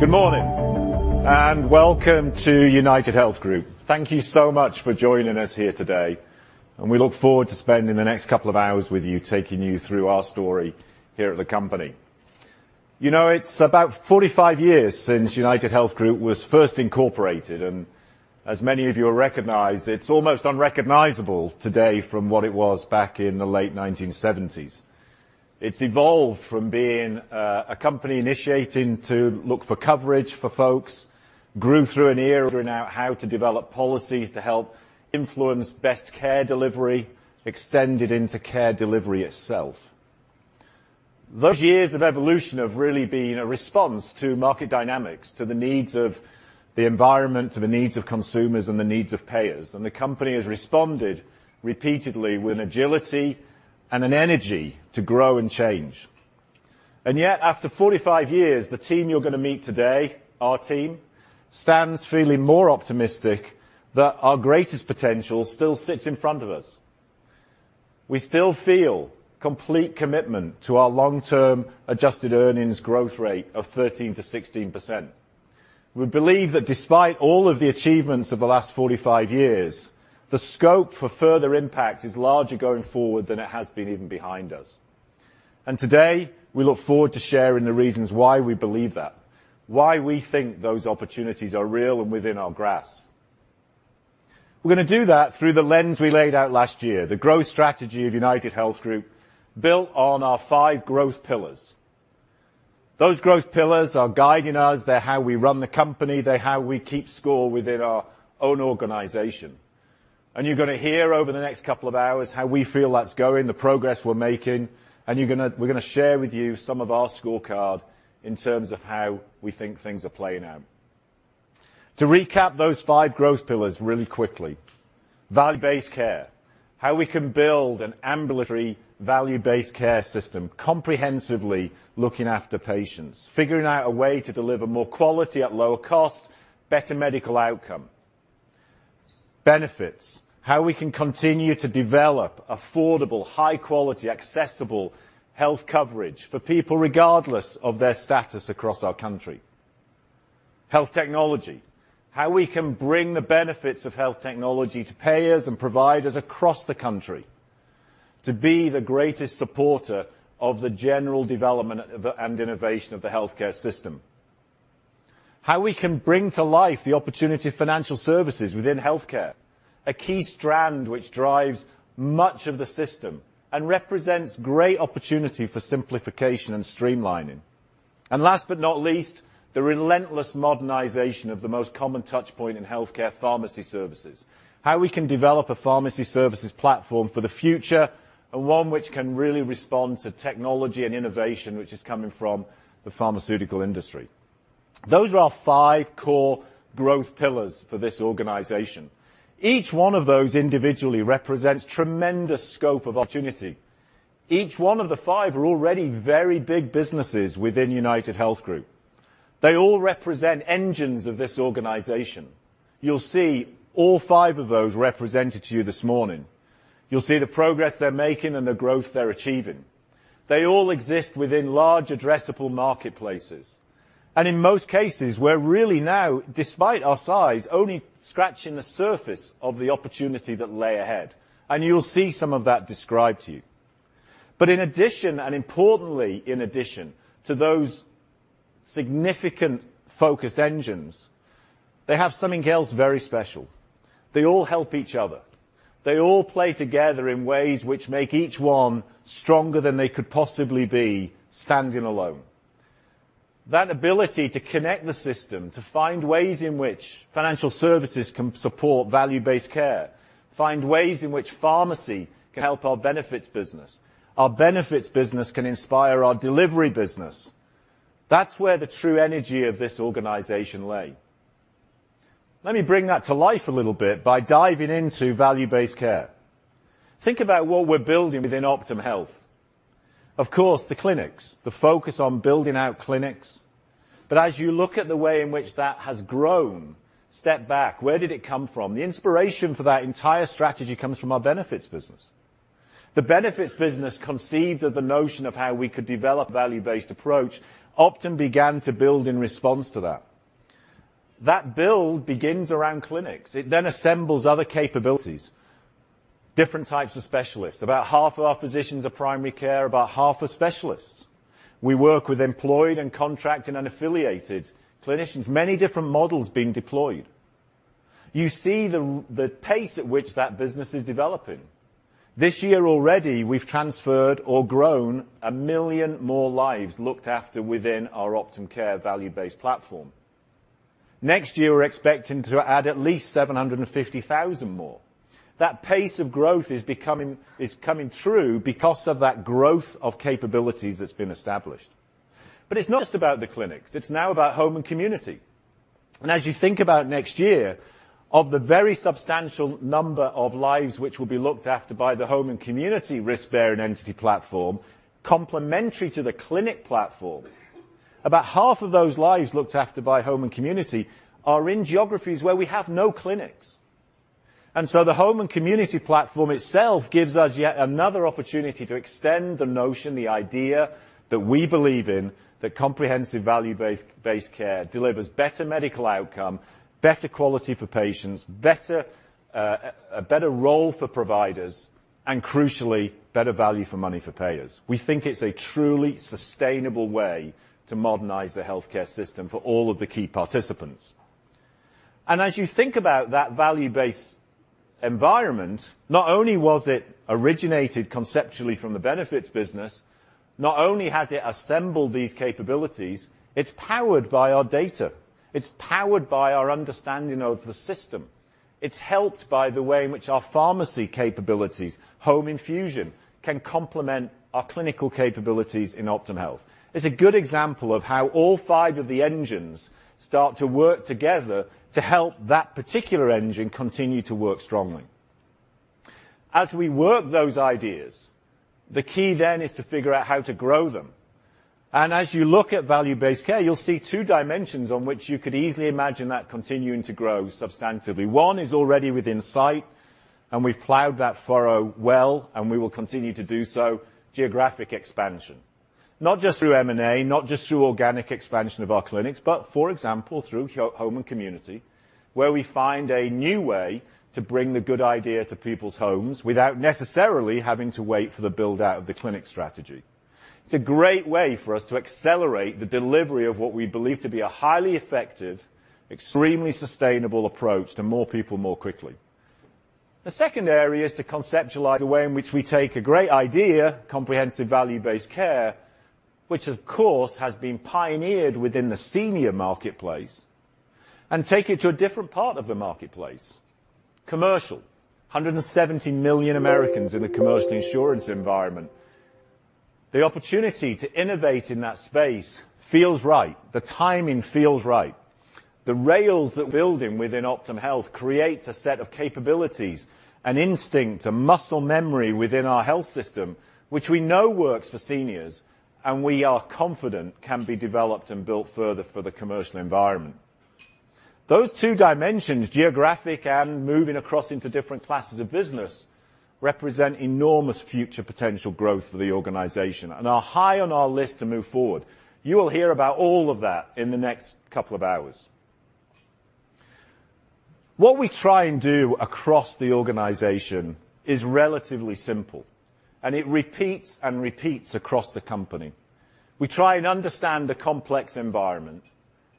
Good morning. Welcome to UnitedHealth Group. Thank you so much for joining us here today, and we look forward to spending the next couple of hours with you, taking you through our story here at the company. You know, it's about 45 years since UnitedHealth Group was first incorporated, and as many of you will recognize, it's almost unrecognizable today from what it was back in the late 1970s. It's evolved from being a company initiating to look for coverage for folks, grew through an era figuring out how to develop policies to help influence best care delivery, extended into care delivery itself. Those years of evolution have really been a response to market dynamics, to the needs of the environment, to the needs of consumers, and the needs of payers. The company has responded repeatedly with an agility and an energy to grow and change. Yet, after 45 years, the team you're gonna meet today, our team, stands feeling more optimistic that our greatest potential still sits in front of us. We still feel complete commitment to our long-term adjusted earnings growth rate of 13%-16%. We believe that despite all of the achievements of the last 45 years, the scope for further impact is larger going forward than it has been even behind us. Today, we look forward to sharing the reasons why we believe that, why we think those opportunities are real and within our grasp. We're gonna do that through the lens we laid out last year, the growth strategy of UnitedHealth Group, built on our 5 growth pillars. Those growth pillars are guiding us. They're how we run the company. They're how we keep score within our own organization. You're gonna hear over the next two hours how we feel that's going, the progress we're making, we're gonna share with you some of our scorecard in terms of how we think things are playing out. To recap those five growth pillars really quickly. Value-based care, how we can build an ambulatory value-based care system, comprehensively looking after patients, figuring out a way to deliver more quality at lower cost, better medical outcome. Benefits, how we can continue to develop affordable, high-quality, accessible health coverage for people regardless of their status across our country. Health technology, how we can bring the benefits of health technology to payers and providers across the country to be the greatest supporter of the general development and innovation of the healthcare system. How we can bring to life the opportunity of financial services within healthcare, a key strand which drives much of the system and represents great opportunity for simplification and streamlining. Last but not least, the relentless modernization of the most common touch point in healthcare pharmacy services. How we can develop a pharmacy services platform for the future, and one which can really respond to technology and innovation, which is coming from the pharmaceutical industry. Those are our five core growth pillars for this organization. Each one of those individually represents tremendous scope of opportunity. Each one of the five are already very big businesses within UnitedHealth Group. They all represent engines of this organization. You'll see all five of those represented to you this morning. You'll see the progress they're making and the growth they're achieving. They all exist within large addressable marketplaces, in most cases, we're really now, despite our size, only scratching the surface of the opportunity that lay ahead, and you'll see some of that described to you. In addition, importantly in addition to those significant focused engines, they have something else very special. They all help each other. They all play together in ways which make each one stronger than they could possibly be standing alone. That ability to connect the system, to find ways in which financial services can support value-based care, find ways in which pharmacy can help our benefits business, our benefits business can inspire our delivery business. That's where the true energy of this organization lay. Let me bring that to life a little bit by diving into value-based care. Think about what we're building within Optum Health. Of course, the clinics, the focus on building out clinics. As you look at the way in which that has grown, step back, where did it come from? The inspiration for that entire strategy comes from our benefits business. The benefits business conceived of the notion of how we could develop value-based approach. Optum began to build in response to that. That build begins around clinics. It assembles other capabilities, different types of specialists. About half of our physicians are primary care, about half are specialists. We work with employed and contracted and affiliated clinicians, many different models being deployed. You see the pace at which that business is developing. This year already, we've transferred or grown 1 million more lives looked after within our Optum Care value-based platform. Next year, we're expecting to add at least 750,000 more. That pace of growth is coming through because of that growth of capabilities that's been established. It's not just about the clinics, it's now about home and community. As you think about next year, of the very substantial number of lives which will be looked after by the home and community risk-bearing entity platform, complementary to the clinic platform, about half of those lives looked after by home and community are in geographies where we have no clinics. The home and community platform itself gives us yet another opportunity to extend the notion, the idea that we believe in, that comprehensive value-based care delivers better medical outcome, better quality for patients, a better role for providers, and crucially, better value for money for payers. We think it's a truly sustainable way to modernize the healthcare system for all of the key participants. As you think about that value-based environment, not only was it originated conceptually from the benefits business, not only has it assembled these capabilities, it's powered by our data. It's powered by our understanding of the system. It's helped by the way in which our pharmacy capabilities, home infusion, can complement our clinical capabilities in Optum Health. It's a good example of how all five of the engines start to work together to help that particular engine continue to work strongly. As we work those ideas, the key then is to figure out how to grow them. As you look at value-based care, you'll see two dimensions on which you could easily imagine that continuing to grow substantively. One is already within sight, and we've plowed that furrow well, and we will continue to do so. Geographic expansion. Not just through M&A, not just through organic expansion of our clinics, but for example, through home and community, where we find a new way to bring the good idea to people's homes without necessarily having to wait for the build-out of the clinic strategy. It's a great way for us to accelerate the delivery of what we believe to be a highly effective, extremely sustainable approach to more people more quickly. The second area is to conceptualize the way in which we take a great idea, comprehensive value-based care, which of course has been pioneered within the senior marketplace, and take it to a different part of the marketplace. Commercial. $170 million Americans in the commercial insurance environment. The opportunity to innovate in that space feels right. The timing feels right. The rails that we're building within Optum Health creates a set of capabilities, an instinct, a muscle memory within our health system, which we know works for seniors, and we are confident can be developed and built further for the commercial environment. Those two dimensions, geographic and moving across into different classes of business, represent enormous future potential growth for the organization and are high on our list to move forward. You will hear about all of that in the next couple of hours. What we try and do across the organization is relatively simple, and it repeats and repeats across the company. We try and understand the complex environment,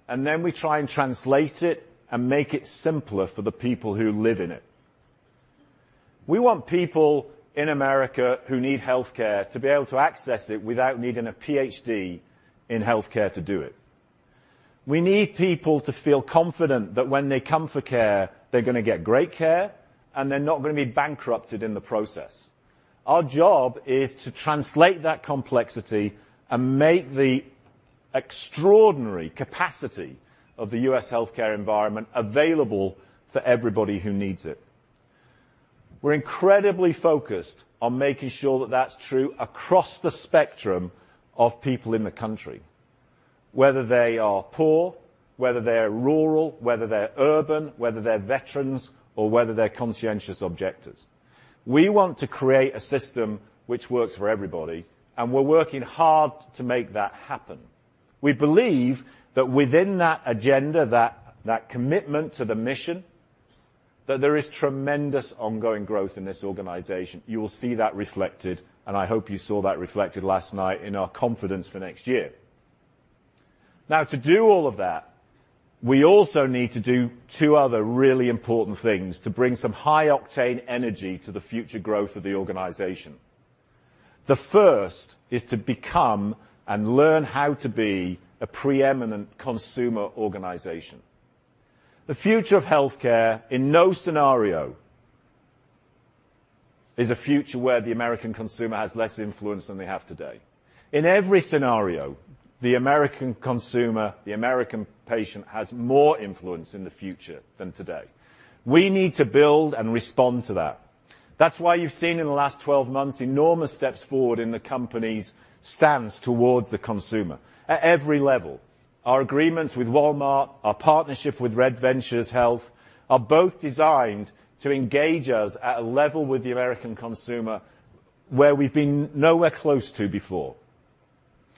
and then we try and translate it and make it simpler for the people who live in it. We want people in America who need healthcare to be able to access it without needing a PhD in healthcare to do it. We need people to feel confident that when they come for care, they're gonna get great care, and they're not gonna be bankrupted in the process. Our job is to translate that complexity and make the extraordinary capacity of the U.S. healthcare environment available for everybody who needs it. We're incredibly focused on making sure that that's true across the spectrum of people in the country. Whether they are poor, whether they're rural, whether they're urban, whether they're veterans, or whether they're conscientious objectors. We want to create a system which works for everybody, and we're working hard to make that happen. We believe that within that agenda, that commitment to the mission, that there is tremendous ongoing growth in this organization. You will see that reflected, and I hope you saw that reflected last night in our confidence for next year. Now, to do all of that, we also need to do two other really important things to bring some high-octane energy to the future growth of the organization. The first is to become and learn how to be a preeminent consumer organization. The future of health care in no scenario is a future where the American consumer has less influence than they have today. In every scenario, the American consumer, the American patient, has more influence in the future than today. We need to build and respond to that. That's why you've seen in the last 12 months enormous steps forward in the company's stance towards the consumer at every level. Our agreements with Walmart, our partnership with Red Ventures Health are both designed to engage us at a level with the American consumer where we've been nowhere close to before.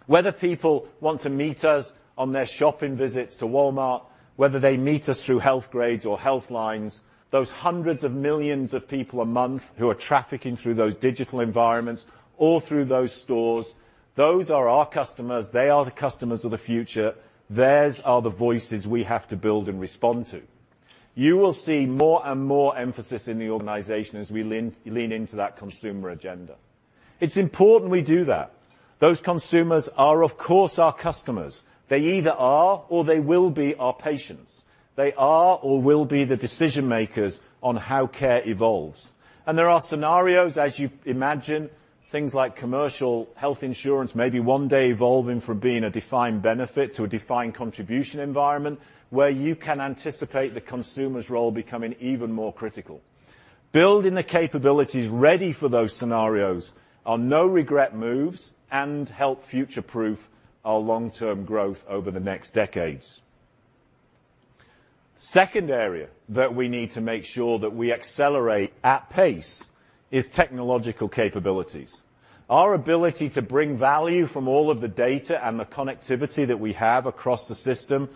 Whether people want to meet us on their shopping visits to Walmart, whether they meet us through Healthgrades or Healthline, those hundreds of millions of people a month who are trafficking through those digital environments or through those stores, those are our customers. They are the customers of the future. Theirs are the voices we have to build and respond to. You will see more and more emphasis in the organization as we lean into that consumer agenda. It's important we do that. Those consumers are, of course, our customers. They either are or they will be our patients. They are or will be the decision-makers on how care evolves. There are scenarios, as you imagine, things like commercial health insurance maybe one day evolving from being a defined benefit to a defined contribution environment where you can anticipate the consumer's role becoming even more critical. Building the capabilities ready for those scenarios are no-regret moves and help future-proof our long-term growth over the next decades. Second area that we need to make sure that we accelerate at pace is technological capabilities. Our ability to bring value from all of the data and the connectivity that we have across the system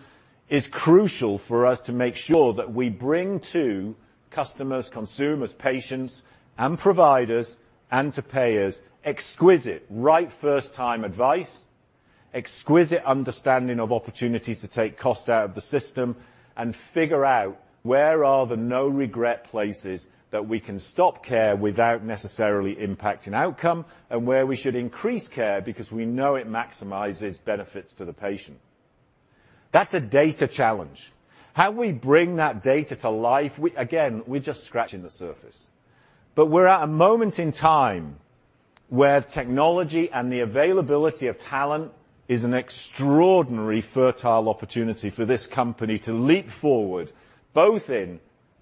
is crucial for us to make sure that we bring to customers, consumers, patients and providers, and to payers, exquisite right-first-time advice, exquisite understanding of opportunities to take cost out of the system, and figure out where are the no-regret places that we can stop care without necessarily impacting outcome, and where we should increase care because we know it maximizes benefits to the patient. That's a data challenge. How we bring that data to life. Again, we're just scratching the surface. We're at a moment in time where technology and the availability of talent is an extraordinary fertile opportunity for this company to leap forward, both in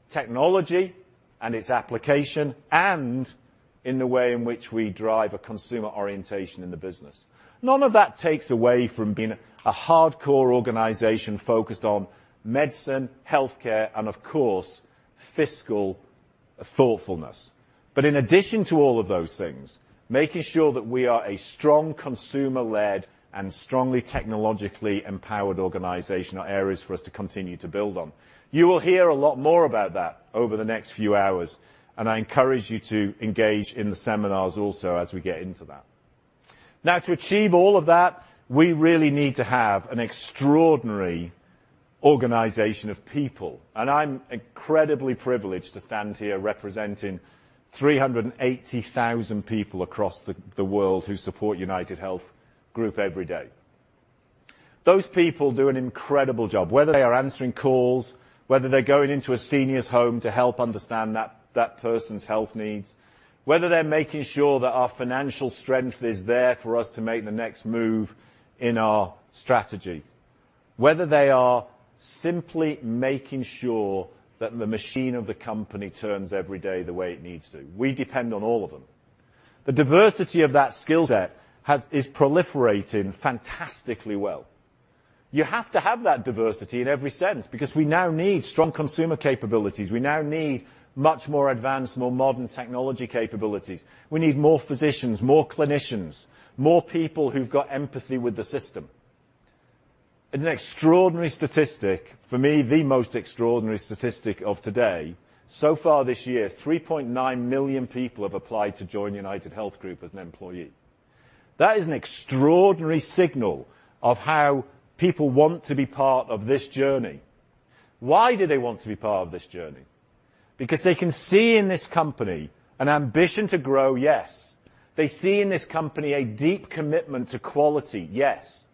technology and its application, and in the way in which we drive a consumer orientation in the business. None of that takes away from being a hardcore organization focused on medicine, healthcare and, of course, fiscal thoughtfulness. In addition to all of those things, making sure that we are a strong consumer-led and strongly technologically empowered organization are areas for us to continue to build on. You will hear a lot more about that over the next few hours, and I encourage you to engage in the seminars also as we get into that. To achieve all of that, we really need to have an extraordinary organization of people, and I'm incredibly privileged to stand here representing 380,000 people across the world who support UnitedHealth Group every day. Those people do an incredible job, whether they are answering calls, whether they're going into a senior's home to help understand that person's health needs, whether they're making sure that our financial strength is there for us to make the next move in our strategy, whether they are simply making sure that the machine of the company turns every day the way it needs to. We depend on all of them. The diversity of that skill set is proliferating fantastically well. You have to have that diversity in every sense, because we now need strong consumer capabilities. We now need much more advanced, more modern technology capabilities. We need more physicians, more clinicians, more people who've got empathy with the system. It's an extraordinary statistic, for me, the most extraordinary statistic of today, so far this year, 3.9 million people have applied to join UnitedHealth Group as an employee. That is an extraordinary signal of how people want to be part of this journey. Why do they want to be part of this journey? They can see in this company an ambition to grow, yes. They see in this company a deep commitment to quality, yes.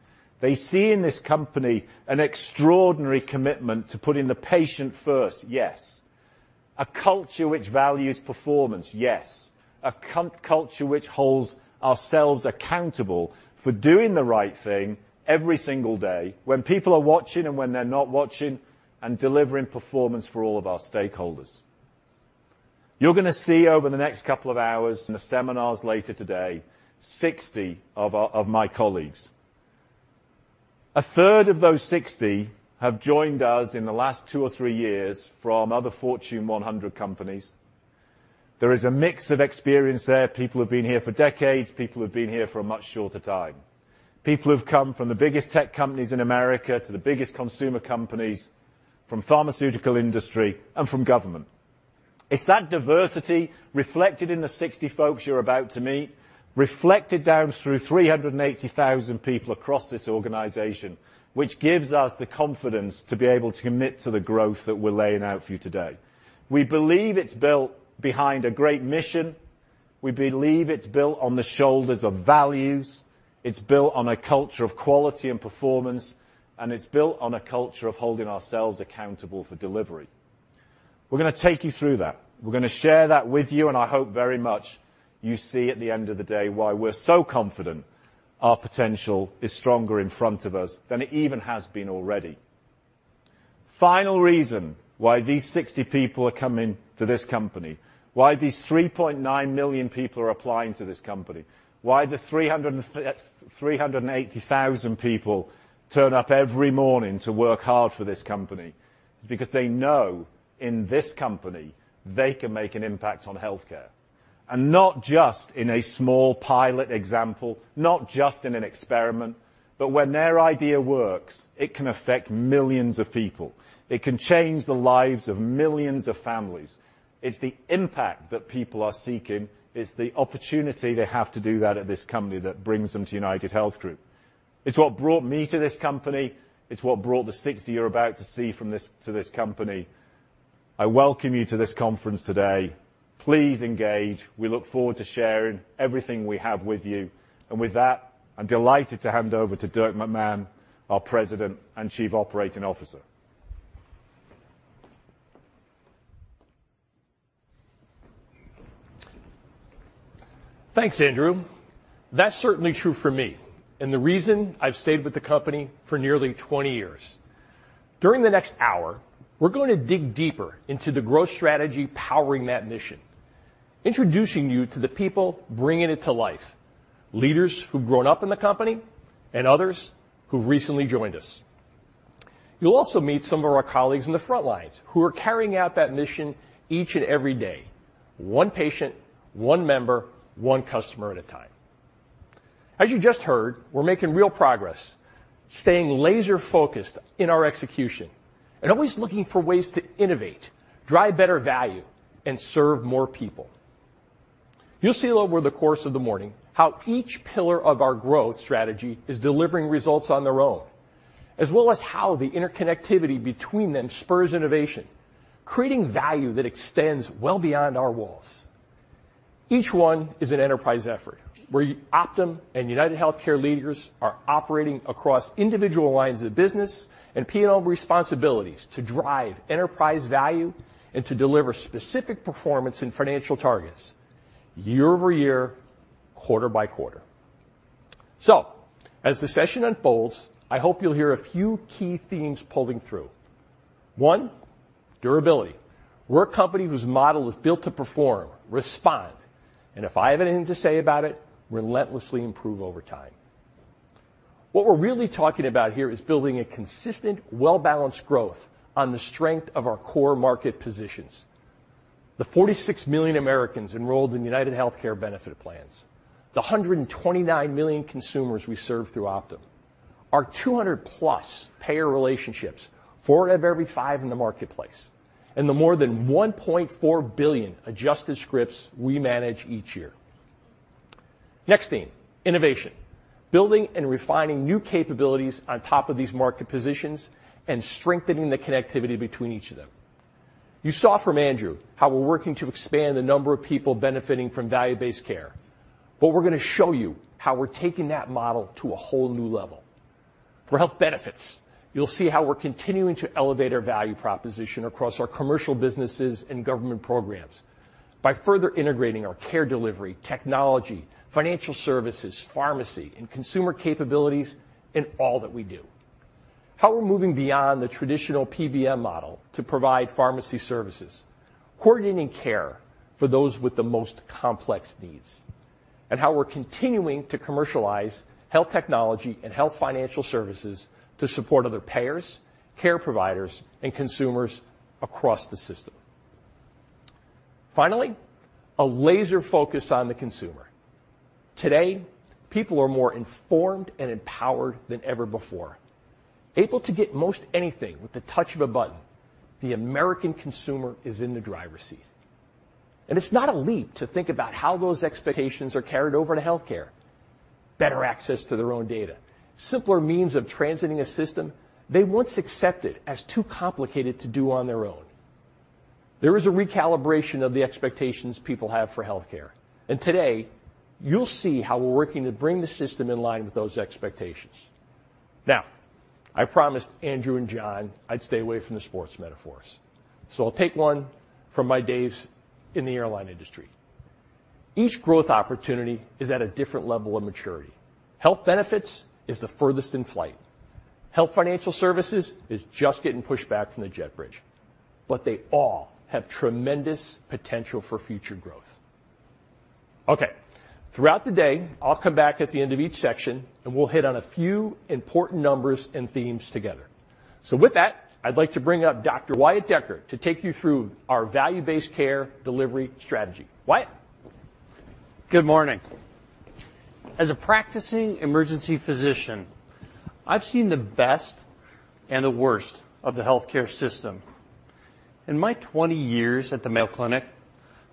They see in this company an extraordinary commitment to putting the patient first, yes. A culture which values performance, yes. A culture which holds ourselves accountable for doing the right thing every single day, when people are watching and when they're not watching, and delivering performance for all of our stakeholders. You're gonna see over the next couple of hours in the seminars later today, 60 of my colleagues. A third of those 60 have joined us in the last 2 or 3 years from other Fortune 100 companies. There is a mix of experience there. People who've been here for decades, people who've been here for a much shorter time. People who've come from the biggest tech companies in America to the biggest consumer companies, from pharmaceutical industry and from government. It's that diversity reflected in the 60 folks you're about to meet, reflected down through 380,000 people across this organization, which gives us the confidence to be able to commit to the growth that we're laying out for you today. We believe it's built behind a great mission. We believe it's built on the shoulders of values. It's built on a culture of quality and performance, and it's built on a culture of holding ourselves accountable for delivery. We're gonna take you through that. We're gonna share that with you, and I hope very much you see at the end of the day why we're so confident our potential is stronger in front of us than it even has been already. Final reason why these 60 people are coming to this company, why these 3.9 million people are applying to this company, why the 380,000 people turn up every morning to work hard for this company, is because they know in this company they can make an impact on healthcare. Not just in a small pilot example, not just in an experiment, but when their idea works, it can affect millions of people. It can change the lives of millions of families. It's the impact that people are seeking. It's the opportunity they have to do that at this company that brings them to UnitedHealth Group. It's what brought me to this company. It's what brought the 60 you're about to see from this, to this company. I welcome you to this conference today. Please engage. We look forward to sharing everything we have with you. With that, I'm delighted to hand over to Dirk McMahon, our President and Chief Operating Officer. Thanks, Andrew. That's certainly true for me and the reason I've stayed with the company for nearly 20 years. During the next hour, we're going to dig deeper into the growth strategy powering that mission, introducing you to the people bringing it to life, leaders who've grown up in the company and others who've recently joined us. You'll also meet some of our colleagues in the front lines who are carrying out that mission each and every day, one patient, one member, one customer at a time. As you just heard, we're making real progress, staying laser-focused in our execution and always looking for ways to innovate, drive better value, and serve more people. You'll see over the course of the morning how each pillar of our growth strategy is delivering results on their own, as well as how the interconnectivity between them spurs innovation, creating value that extends well beyond our walls. Each one is an enterprise effort where Optum and UnitedHealthcare leaders are operating across individual lines of business and P&L responsibilities to drive enterprise value and to deliver specific performance and financial targets year-over-year, quarter-by-quarter. As the session unfolds, I hope you'll hear a few key themes pulling through. One, durability. We're a company whose model is built to perform, respond, and if I have anything to say about it, relentlessly improve over time. What we're really talking about here is building a consistent, well-balanced growth on the strength of our core market positions. The 46 million Americans enrolled in UnitedHealthcare benefit plans, the 129 million consumers we serve through Optum, our 200 plus payer relationships, 4 out of every 5 in the marketplace, and the more than 1.4 billion adjusted scripts we manage each year. Next theme, innovation. Building and refining new capabilities on top of these market positions and strengthening the connectivity between each of them. You saw from Andrew how we're working to expand the number of people benefiting from value-based care, but we're gonna show you how we're taking that model to a whole new level. For health benefits, you'll see how we're continuing to elevate our value proposition across our commercial businesses and government programs by further integrating our care delivery, technology, financial services, pharmacy, and consumer capabilities in all that we do. How we're moving beyond the traditional PBM model to provide pharmacy services, coordinating care for those with the most complex needs, and how we're continuing to commercialize health technology and health financial services to support other payers, care providers, and consumers across the system. Finally, a laser focus on the consumer. Today, people are more informed and empowered than ever before. Able to get most anything with the touch of a button, the American consumer is in the driver's seat. It's not a leap to think about how those expectations are carried over to healthcare. Better access to their own data, simpler means of transiting a system they once accepted as too complicated to do on their own. There is a recalibration of the expectations people have for healthcare, and today, you'll see how we're working to bring the system in line with those expectations. I promised Andrew and John I'd stay away from the sports metaphors, so I'll take one from my days in the airline industry. Each growth opportunity is at a different level of maturity. Health benefits is the furthest in flight. Health financial services is just getting pushed back from the jet bridge. They all have tremendous potential for future growth. Okay. Throughout the day, I'll come back at the end of each section, and we'll hit on a few important numbers and themes together. With that, I'd like to bring up Dr. Wyatt Decker to take you through our value-based care delivery strategy. Wyatt? Good morning. As a practicing emergency physician, I've seen the best and the worst of the healthcare system. In my 20 years at the Mayo Clinic,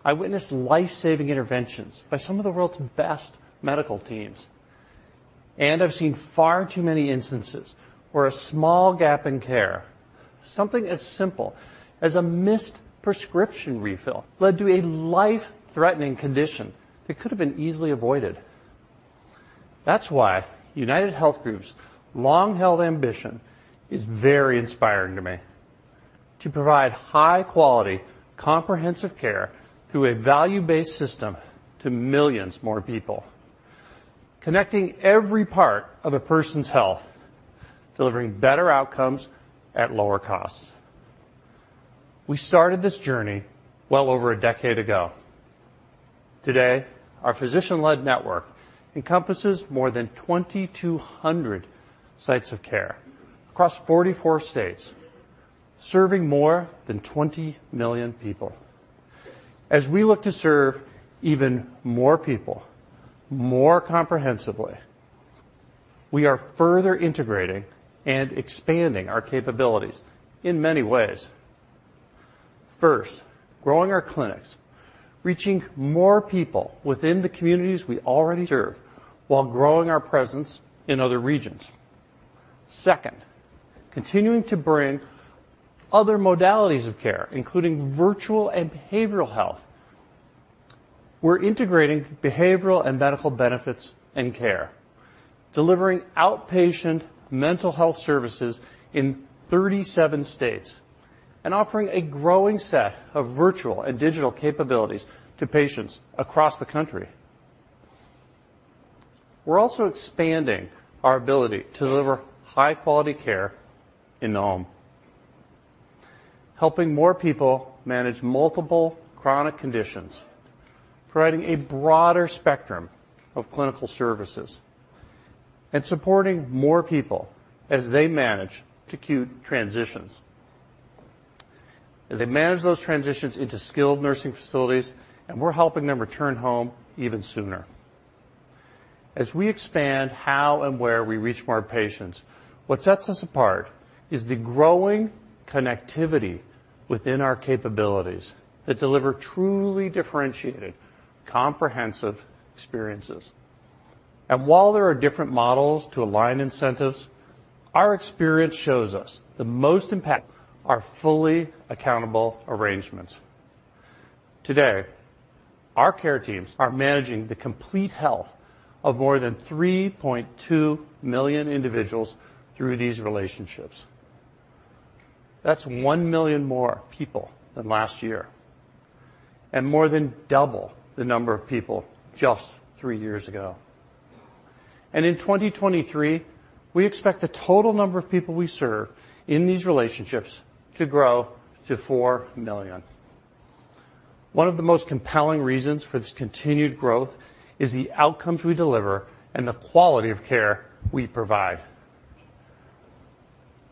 I witnessed life-saving interventions by some of the world's best medical teams, I've seen far too many instances where a small gap in care, something as simple as a missed prescription refill, led to a life-threatening condition that could have been easily avoided. That's why UnitedHealth Group's long-held ambition is very inspiring to me. To provide high-quality, comprehensive care through a value-based system to millions more people, connecting every part of a person's health, delivering better outcomes at lower costs. We started this journey well over a decade ago. Today, our physician-led network encompasses more than 2,200 sites of care across 44 states, serving more than 20 million people. As we look to serve even more people more comprehensively, we are further integrating and expanding our capabilities in many ways. First, growing our clinics, reaching more people within the communities we already serve while growing our presence in other regions. Second, continuing to bring other modalities of care, including virtual and behavioral health. We're integrating behavioral and medical benefits and care. Delivering outpatient mental health services in 37 states and offering a growing set of virtual and digital capabilities to patients across the country. We're also expanding our ability to deliver high-quality care in the home, helping more people manage multiple chronic conditions, providing a broader spectrum of clinical services, and supporting more people as they manage to acute transitions. As they manage those transitions into skilled nursing facilities, and we're helping them return home even sooner. As we expand how and where we reach more patients, what sets us apart is the growing connectivity within our capabilities that deliver truly differentiated comprehensive experiences. While there are different models to align incentives, our experience shows us the most impact are fully accountable arrangements. Today, our care teams are managing the complete health of more than 3.2 million individuals through these relationships. That's 1 million more people than last year, and more than double the number of people just three years ago. In 2023, we expect the total number of people we serve in these relationships to grow to 4 million. One of the most compelling reasons for this continued growth is the outcomes we deliver and the quality of care we provide.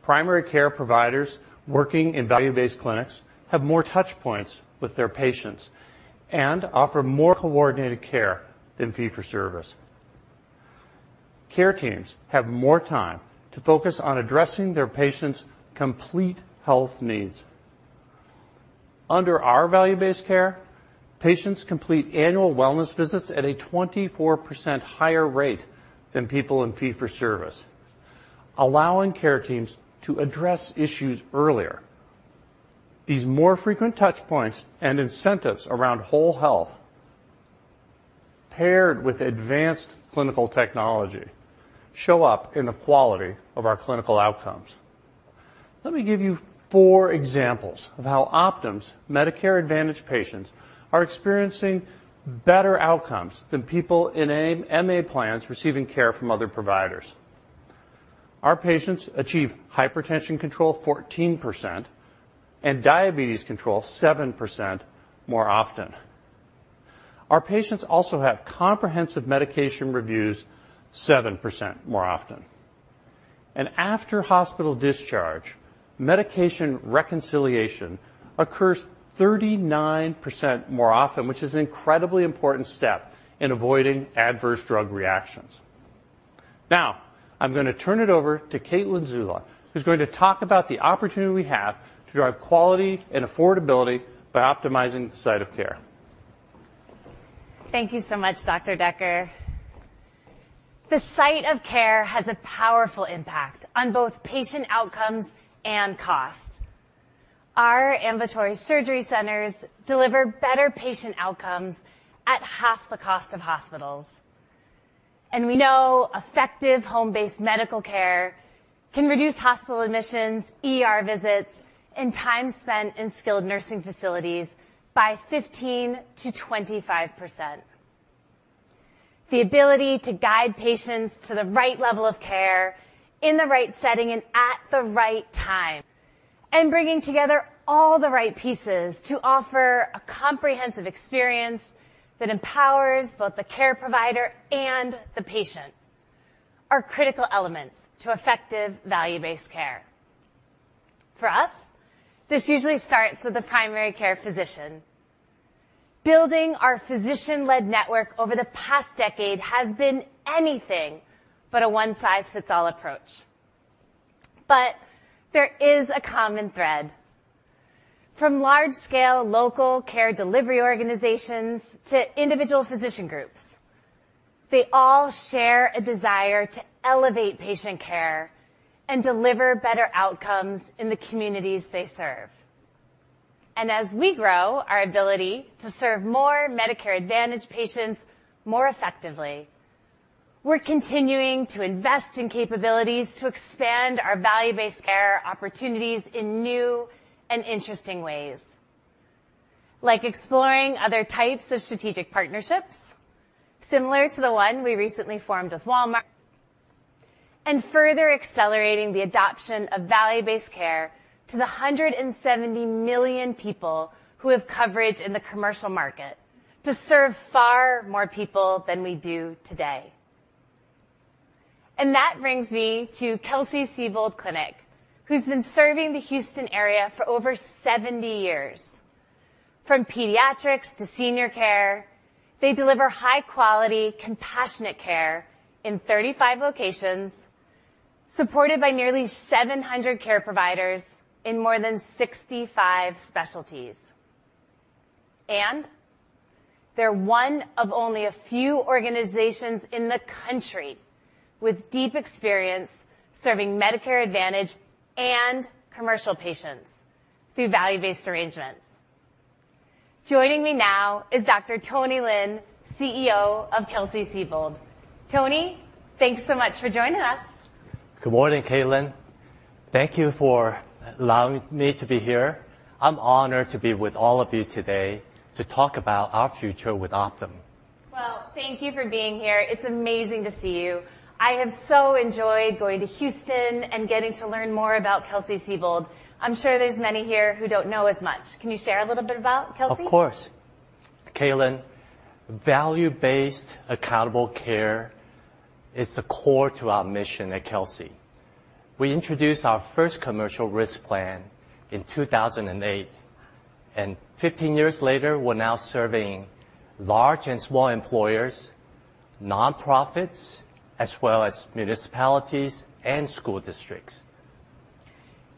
Primary care providers working in value-based clinics have more touch points with their patients and offer more coordinated care than fee-for-service. Care teams have more time to focus on addressing their patients' complete health needs. Under our value-based care, patients complete annual wellness visits at a 24% higher rate than people in fee-for-service, allowing care teams to address issues earlier. These more frequent touch points and incentives around whole health, paired with advanced clinical technology, show up in the quality of our clinical outcomes. Let me give you four examples of how Optum's Medicare Advantage patients are experiencing better outcomes than people in MA plans receiving care from other providers. Our patients achieve hypertension control 14% and diabetes control 7% more often. Our patients also have comprehensive medication reviews 7% more often. After hospital discharge, medication reconciliation occurs 39% more often, which is an incredibly important step in avoiding adverse drug reactions. Now, I'm gonna turn it over to Caitlin Zulla, who's going to talk about the opportunity we have to drive quality and affordability by optimizing the site of care. Thank you so much, Dr. Decker. The site of care has a powerful impact on both patient outcomes and costs. Our ambulatory surgery centers deliver better patient outcomes at half the cost of hospitals. We know effective home-based medical care can reduce hospital admissions, ER visits, and time spent in skilled nursing facilities by 15%-25%. The ability to guide patients to the right level of care in the right setting and at the right time, and bringing together all the right pieces to offer a comprehensive experience that empowers both the care provider and the patient are critical elements to effective value-based care. For us, this usually starts with a primary care physician. Building our physician-led network over the past decade has been anything but a one-size-fits-all approach. There is a common thread. From large-scale local care delivery organizations to individual physician groups, they all share a desire to elevate patient care and deliver better outcomes in the communities they serve. As we grow our ability to serve more Medicare Advantage patients more effectively, we're continuing to invest in capabilities to expand our value-based care opportunities in new and interesting ways, like exploring other types of strategic partnerships similar to the one we recently formed with Walmart, and further accelerating the adoption of value-based care to the 170 million people who have coverage in the commercial market to serve far more people than we do today. That brings me to Kelsey-Seybold Clinic, who's been serving the Houston area for over 70 years. From pediatrics to senior care, they deliver high-quality, compassionate care in 35 locations, supported by nearly 700 care providers in more than 65 specialties. They're one of only a few organizations in the country with deep experience serving Medicare Advantage and commercial patients through value-based arrangements. Joining me now is Dr. Tony Lin, CEO of Kelsey-Seybold. Tony, thanks so much for joining us. Good morning, Caitlin. Thank you for allowing me to be here. I'm honored to be with all of you today to talk about our future with Optum. Well, thank you for being here. It's amazing to see you. I have so enjoyed going to Houston and getting to learn more about Kelsey-Seybold. I'm sure there's many here who don't know as much. Can you share a little bit about Kelsey? Of course. Caitlin, value-based accountable care is the core to our mission at Kelsey. We introduced our first commercial risk plan in 2008, 15 years later, we're now serving large and small employers, nonprofits, as well as municipalities and school districts.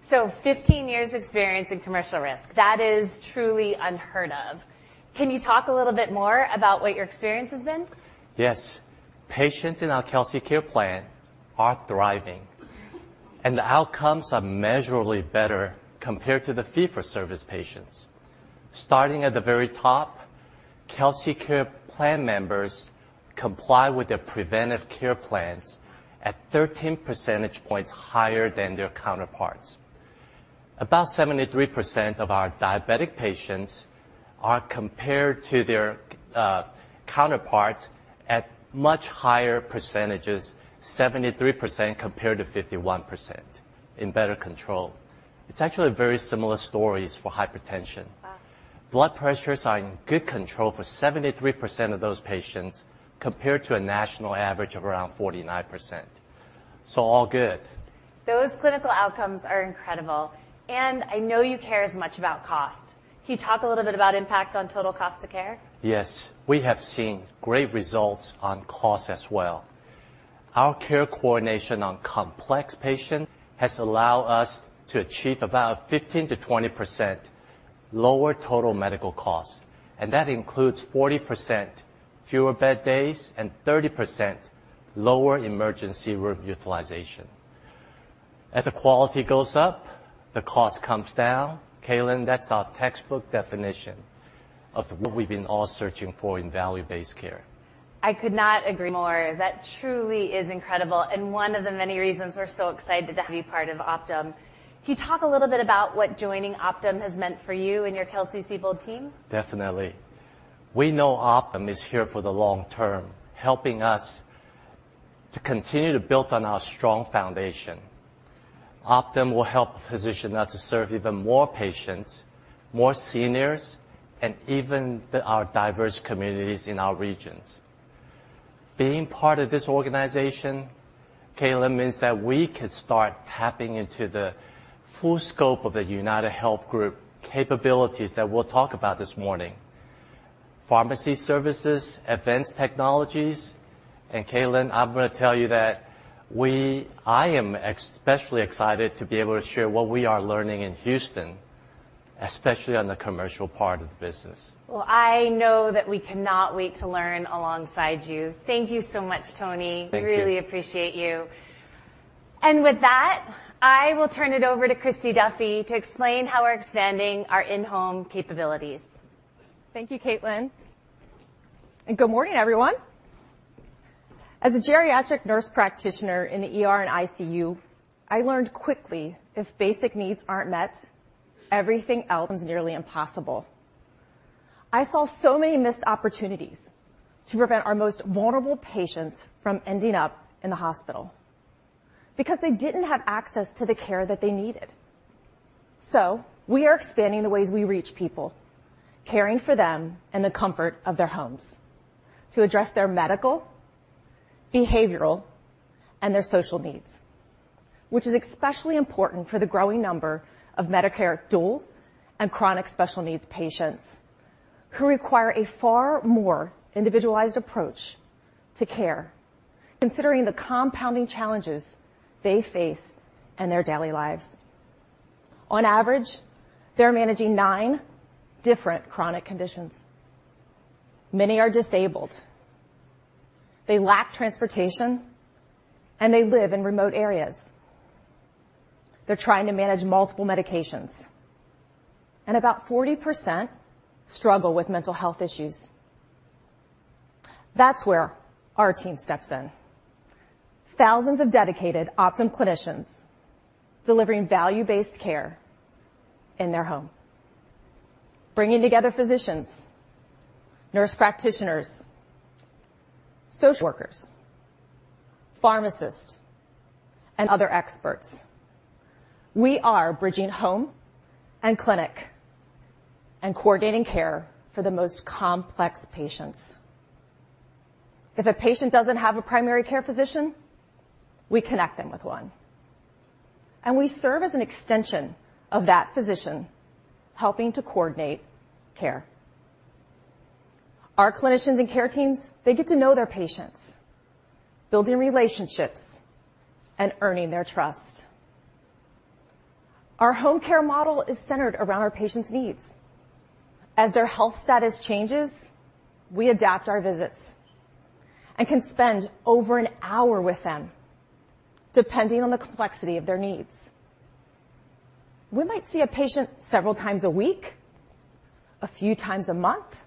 15 years experience in commercial risk, that is truly unheard of. Can you talk a little bit more about what your experience has been? Yes. Patients in our KelseyCare plan are thriving, and the outcomes are measurably better compared to the fee-for-service patients. Starting at the very top, KelseyCare plan members comply with their preventive care plans at 13 percentage points higher than their counterparts. About 73% of our diabetic patients are compared to their counterparts at much higher percentages, 73% compared to 51% in better control. It's actually very similar stories for hypertension. Wow. Blood pressures are in good control for 73% of those patients compared to a national average of around 49%. All good. Those clinical outcomes are incredible, and I know you care as much about cost. Can you talk a little bit about impact on total cost of care? Yes, we have seen great results on cost as well. Our care coordination on complex patient has allow us to achieve about 15% to 20% lower total medical costs, and that includes 40% fewer bed days and 30% lower emergency room utilization. As the quality goes up, the cost comes down. Kaitlyn, that's our textbook definition of what we've been all searching for in value-based care. I could not agree more. That truly is incredible, and one of the many reasons we're so excited to be part of Optum. Can you talk a little bit about what joining Optum has meant for you and your Kelsey-Seybold team? Definitely. We know Optum is here for the long term, helping us to continue to build on our strong foundation. Optum will help position us to serve even more patients, more seniors, and our diverse communities in our regions. Being part of this organization, Kaitlyn, means that we could start tapping into the full scope of the UnitedHealth Group capabilities that we'll talk about this morning, pharmacy services, advanced technologies. Kaitlyn, I am especially excited to be able to share what we are learning in Houston, especially on the commercial part of the business. Well, I know that we cannot wait to learn alongside you. Thank you so much, Tony. Thank you. Really appreciate you. With that, I will turn it over to Kristy Duffey to explain how we're expanding our in-home capabilities. Thank you, Kaitlyn. Good morning, everyone. As a geriatric nurse practitioner in the ER and ICU, I learned quickly if basic needs aren't met, everything else becomes nearly impossible. I saw so many missed opportunities to prevent our most vulnerable patients from ending up in the hospital because they didn't have access to the care that they needed. We are expanding the ways we reach people, caring for them in the comfort of their homes to address their medical, behavioral, and their social needs, which is especially important for the growing number of Medicare Dual and chronic special needs patients who require a far more individualized approach to care, considering the compounding challenges they face in their daily lives. On average, they're managing 9 different chronic conditions. Many are disabled. They lack transportation, and they live in remote areas. They're trying to manage multiple medications. About 40% struggle with mental health issues. That's where our team steps in. Thousands of dedicated Optum clinicians delivering value-based care in their home, bringing together physicians, nurse practitioners, social workers, pharmacists, and other experts. We are bridging home and clinic and coordinating care for the most complex patients. If a patient doesn't have a primary care physician, we connect them with one, and we serve as an extension of that physician, helping to coordinate care. Our clinicians and care teams, they get to know their patients, building relationships and earning their trust. Our home care model is centered around our patients' needs. As their health status changes, we adapt our visits and can spend over an hour with them, depending on the complexity of their needs. We might see a patient several times a week, a few times a month,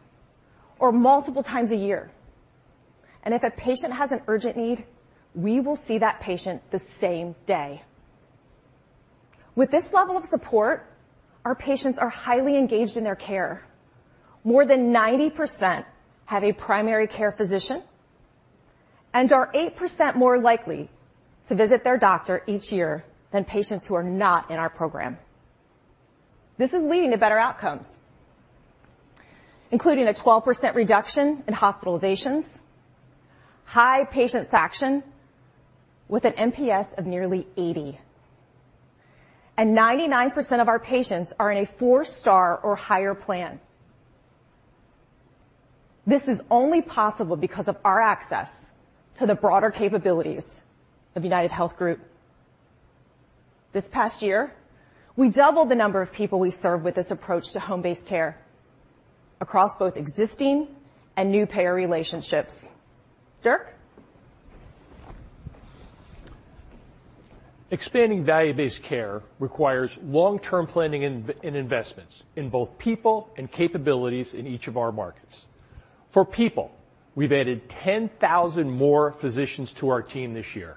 or multiple times a year. If a patient has an urgent need, we will see that patient the same day. With this level of support, our patients are highly engaged in their care. More than 90% have a primary care physician, and are 8% more likely to visit their doctor each year than patients who are not in our program. This is leading to better outcomes, including a 12% reduction in hospitalizations, high patient faction with an MPS of nearly 80, and 99% of our patients are in a four-star or higher plan. This is only possible because of our access to the broader capabilities of UnitedHealth Group. This past year, we doubled the number of people we serve with this approach to home-based care across both existing and new payer relationships. Dirk? Expanding value-based care requires long-term planning and investments in both people and capabilities in each of our markets. For people, we've added 10,000 more physicians to our team this year.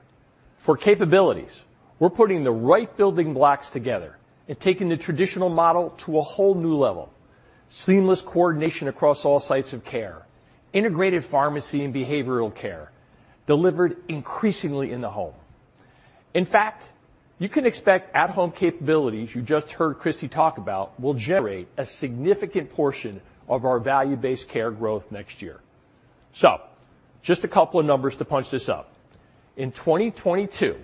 For capabilities, we're putting the right building blocks together and taking the traditional model to a whole new level. Seamless coordination across all sites of care, integrated pharmacy and behavioral care delivered increasingly in the home. In fact, you can expect at-home capabilities you just heard Kristi talk about will generate a significant portion of our value-based care growth next year. Just a couple of numbers to punch this up. In 2022,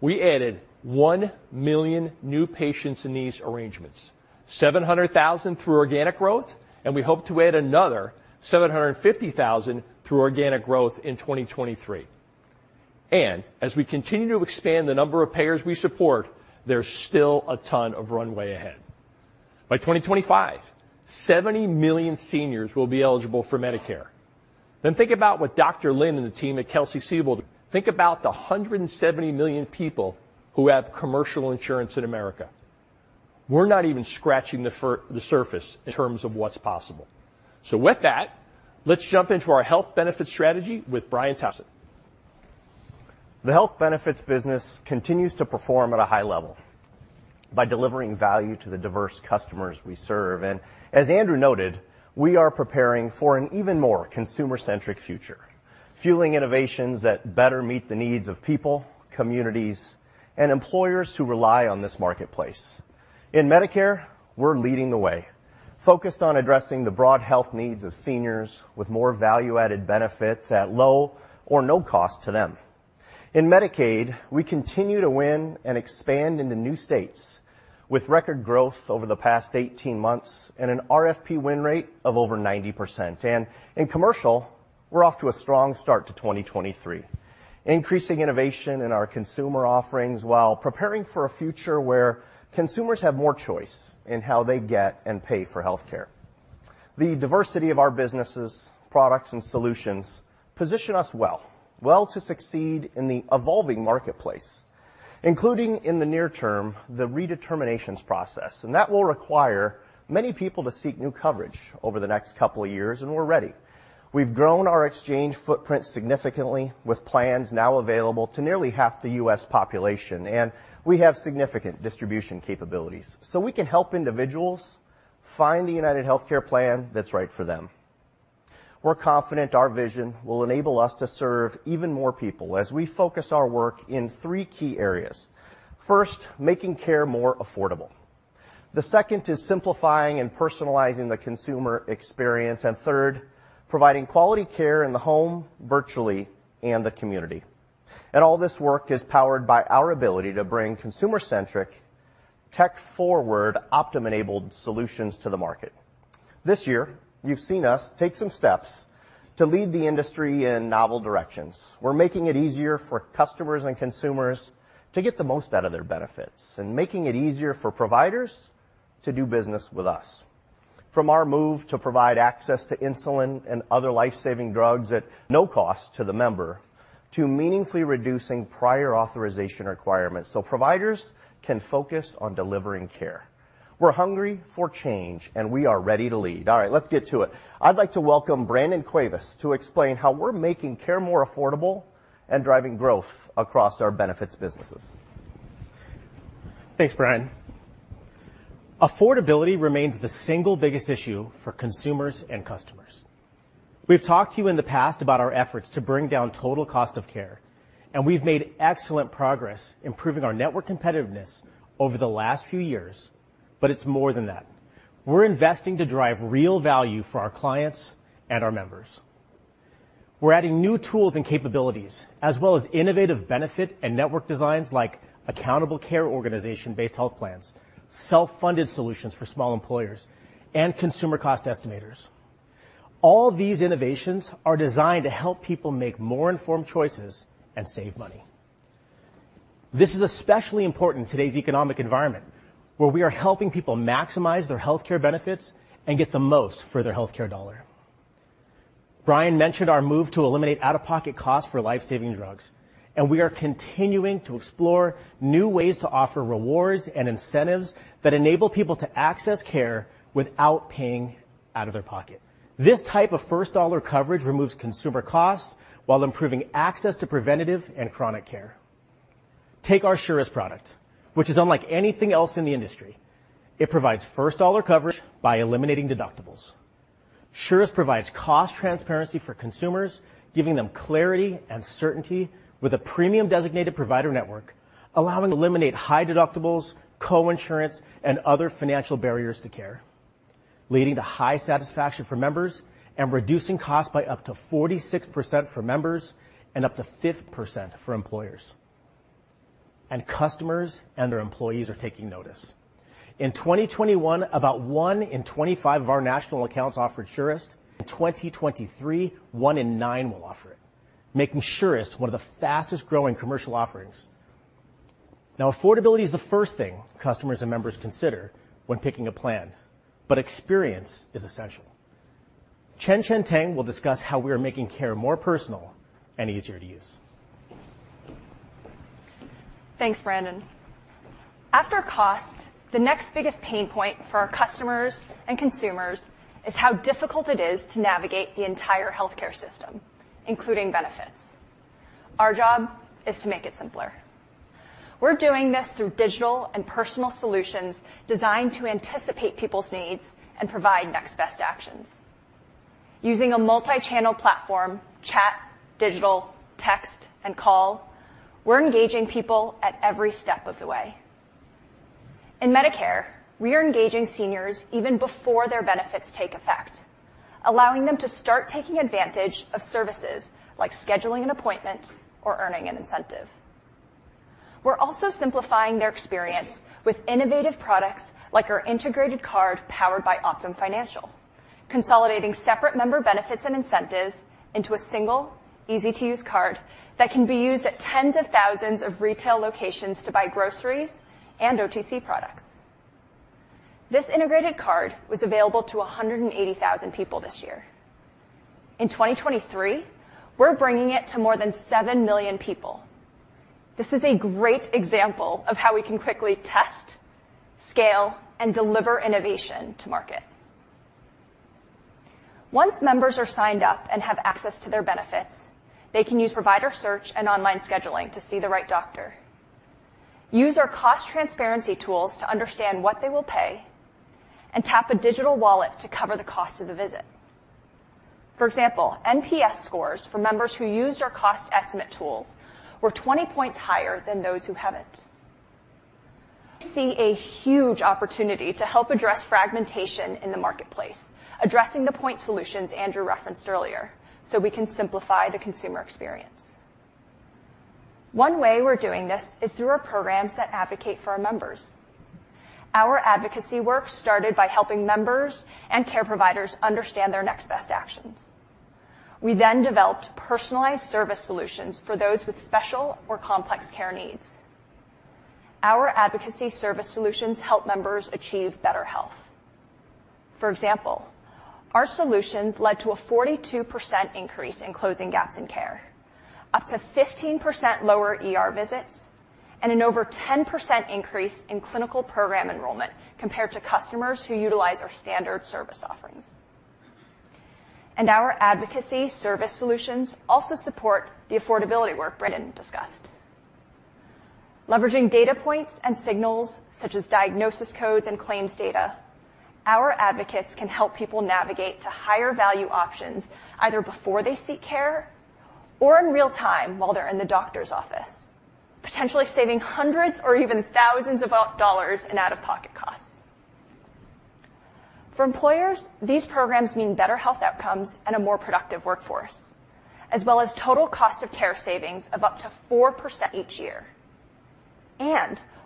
we added 1 million new patients in these arrangements, 700,000 through organic growth, and we hope to add another 750,000 through organic growth in 2023. As we continue to expand the number of payers we support, there's still a ton of runway ahead. By 2025, 70 million seniors will be eligible for Medicare. Think about what Dr. Lin and the team at Kelsey-Seybold think about the 170 million people who have commercial insurance in America. We're not even scratching the surface in terms of what's possible. With that, let's jump into our health benefits strategy with Brian Thompson. The health benefits business continues to perform at a high level by delivering value to the diverse customers we serve. As Andrew noted, we are preparing for an even more consumer-centric future, fueling innovations that better meet the needs of people, communities, and employers who rely on this marketplace. In Medicare, we're leading the way, focused on addressing the broad health needs of seniors with more value-added benefits at low or no cost to them. In Medicaid, we continue to win and expand into new states with record growth over the past 18 months and an RFP win rate of over 90%. In commercial, we're off to a strong start to 2023, increasing innovation in our consumer offerings while preparing for a future where consumers have more choice in how they get and pay for healthcare. The diversity of our businesses, products, and solutions position us well to succeed in the evolving marketplace, including, in the near term, the redeterminations process. That will require many people to seek new coverage over the next couple of years. We're ready. We've grown our exchange footprint significantly with plans now available to nearly half the U.S. population, and we have significant distribution capabilities. We can help individuals find the UnitedHealthcare plan that's right for them. We're confident our vision will enable us to serve even more people as we focus our work in 3 key areas. First, making care more affordable. The second is simplifying and personalizing the consumer experience. Third, providing quality care in the home virtually and the community. All this work is powered by our ability to bring consumer-centric, tech-forward, Optum-enabled solutions to the market. This year, you've seen us take some steps to lead the industry in novel directions. We're making it easier for customers and consumers to get the most out of their benefits and making it easier for providers to do business with us. From our move to provide access to insulin, and other life-saving drugs at no cost to the member to meaningfully reducing prior authorization requirements so providers can focus on delivering care. We're hungry for change, and we are ready to lead. All right, let's get to it. I'd like to welcome Brandon Cuevas to explain how we're making care more affordable and driving growth across our benefits businesses. Thanks, Brian. Affordability remains the single biggest issue for consumers and customers. We've talked to you in the past about our efforts to bring down total cost of care, and we've made excellent progress improving our network competitiveness over the last few years. It's more than that. We're investing to drive real value for our clients and our members. We're adding new tools and capabilities as well as innovative benefit and network designs like accountable care organization-based health plans, self-funded solutions for small employers, and consumer cost estimators. All these innovations are designed to help people make more informed choices and save money. This is especially important in today's economic environment, where we are helping people maximize their healthcare benefits and get the most for their healthcare dollar. Brian mentioned our move to eliminate out-of-pocket costs for life-saving drugs. We are continuing to explore new ways to offer rewards and incentives that enable people to access care without paying out of their pocket. This type of first-dollar coverage removes consumer costs while improving access to preventive and chronic care. Take our Surest product, which is unlike anything else in the industry. It provides first-dollar coverage by eliminating deductibles. Surest provides cost transparency for consumers, giving them clarity and certainty with a premium designated provider network, allowing to eliminate high deductibles, coinsurance, and other financial barriers to care, leading to high satisfaction for members and reducing costs by up to 46% for members and up to 50% for employers. Customers and their employees are taking notice. In 2021, about 1 in 25 of our national accounts offered Surest. In 2023, 1 in 9 will offer it, making Surest one of the fastest-growing commercial offerings. Affordability is the first thing customers and members consider when picking a plan, but experience is essential. Danielle Tang will discuss how we are making care more personal and easier to use. Thanks, Brandon. After cost, the next biggest pain point for our customers and consumers is how difficult it is to navigate the entire healthcare system, including benefits. Our job is to make it simpler. We're doing this through digital and personal solutions designed to anticipate people's needs and provide next best actions. Using a multi-channel platform, chat, digital, text, and call, we're engaging people at every step of the way. In Medicare, we are engaging seniors even before their benefits take effect, allowing them to start taking advantage of services like scheduling an appointment or earning an incentive. We're also simplifying their experience with innovative products like our integrated card powered by Optum Financial, consolidating separate member benefits and incentives into a single easy-to-use card that can be used at tens of thousands of retail locations to buy groceries and OTC products. This integrated card was available to 180,000 people this year. In 2023, we're bringing it to more than 7 million people. This is a great example of how we can quickly test, scale, and deliver innovation to market. Once members are signed up and have access to their benefits, they can use provider search and online scheduling to see the right doctor, use our cost transparency tools to understand what they will pay, and tap a digital wallet to cover the cost of the visit. For example, NPS scores for members who use our cost estimate tools were 20 points higher than those who haven't. See a huge opportunity to help address fragmentation in the marketplace, addressing the point solutions Andrew referenced earlier, so we can simplify the consumer experience. One way we're doing this is through our programs that advocate for our members. Our advocacy work started by helping members and care providers understand their next best actions. We then developed personalized service solutions for those with special or complex care needs. Our advocacy service solutions help members achieve better health. For example, our solutions led to a 42% increase in closing gaps in care, up to 15% lower ER visits, and an over 10% increase in clinical program enrollment compared to customers who utilize our standard service offerings. Our advocacy service solutions also support the affordability work Brandon discussed. Leveraging data points and signals such as diagnosis codes and claims data, our advocates can help people navigate to higher value options either before they seek care or in real time while they're in the doctor's office, potentially saving hundreds or even thousands of dollars in out-of-pocket costs. For employers, these programs mean better health outcomes, and a more productive workforce, as well as total cost of care savings of up to 4% each year.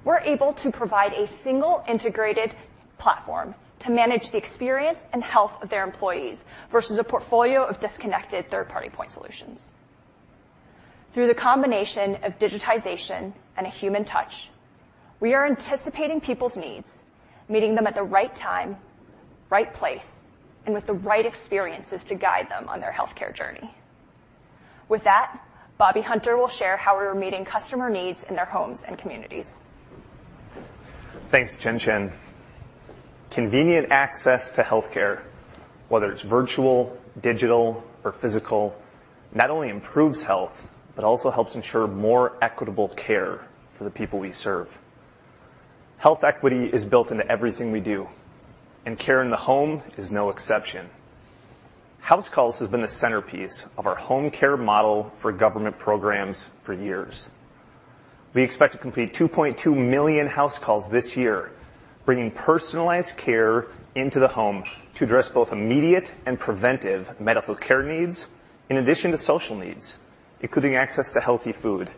We're able to provide a single integrated platform to manage the experience and health of their employees versus a portfolio of disconnected third-party point solutions. Through the combination of digitization and a human touch, we are anticipating people's needs, meeting them at the right time, right place, and with the right experiences to guide them on their healthcare journey. With that, Robert Hunter will share how we are meeting customer needs in their homes and communities. Thanks, ChenChen. Convenient access to healthcare, whether it's virtual, digital, or physical, not only improves health but also helps ensure more equitable care for the people we serve. Health equity is built into everything we do, care in the home is no exception. HouseCalls has been the centerpiece of our home care model for government programs for years. We expect to complete 2.2 million HouseCalls this year, bringing personalized care into the home to address both immediate and preventive medical care needs in addition to social needs, including access to healthy food,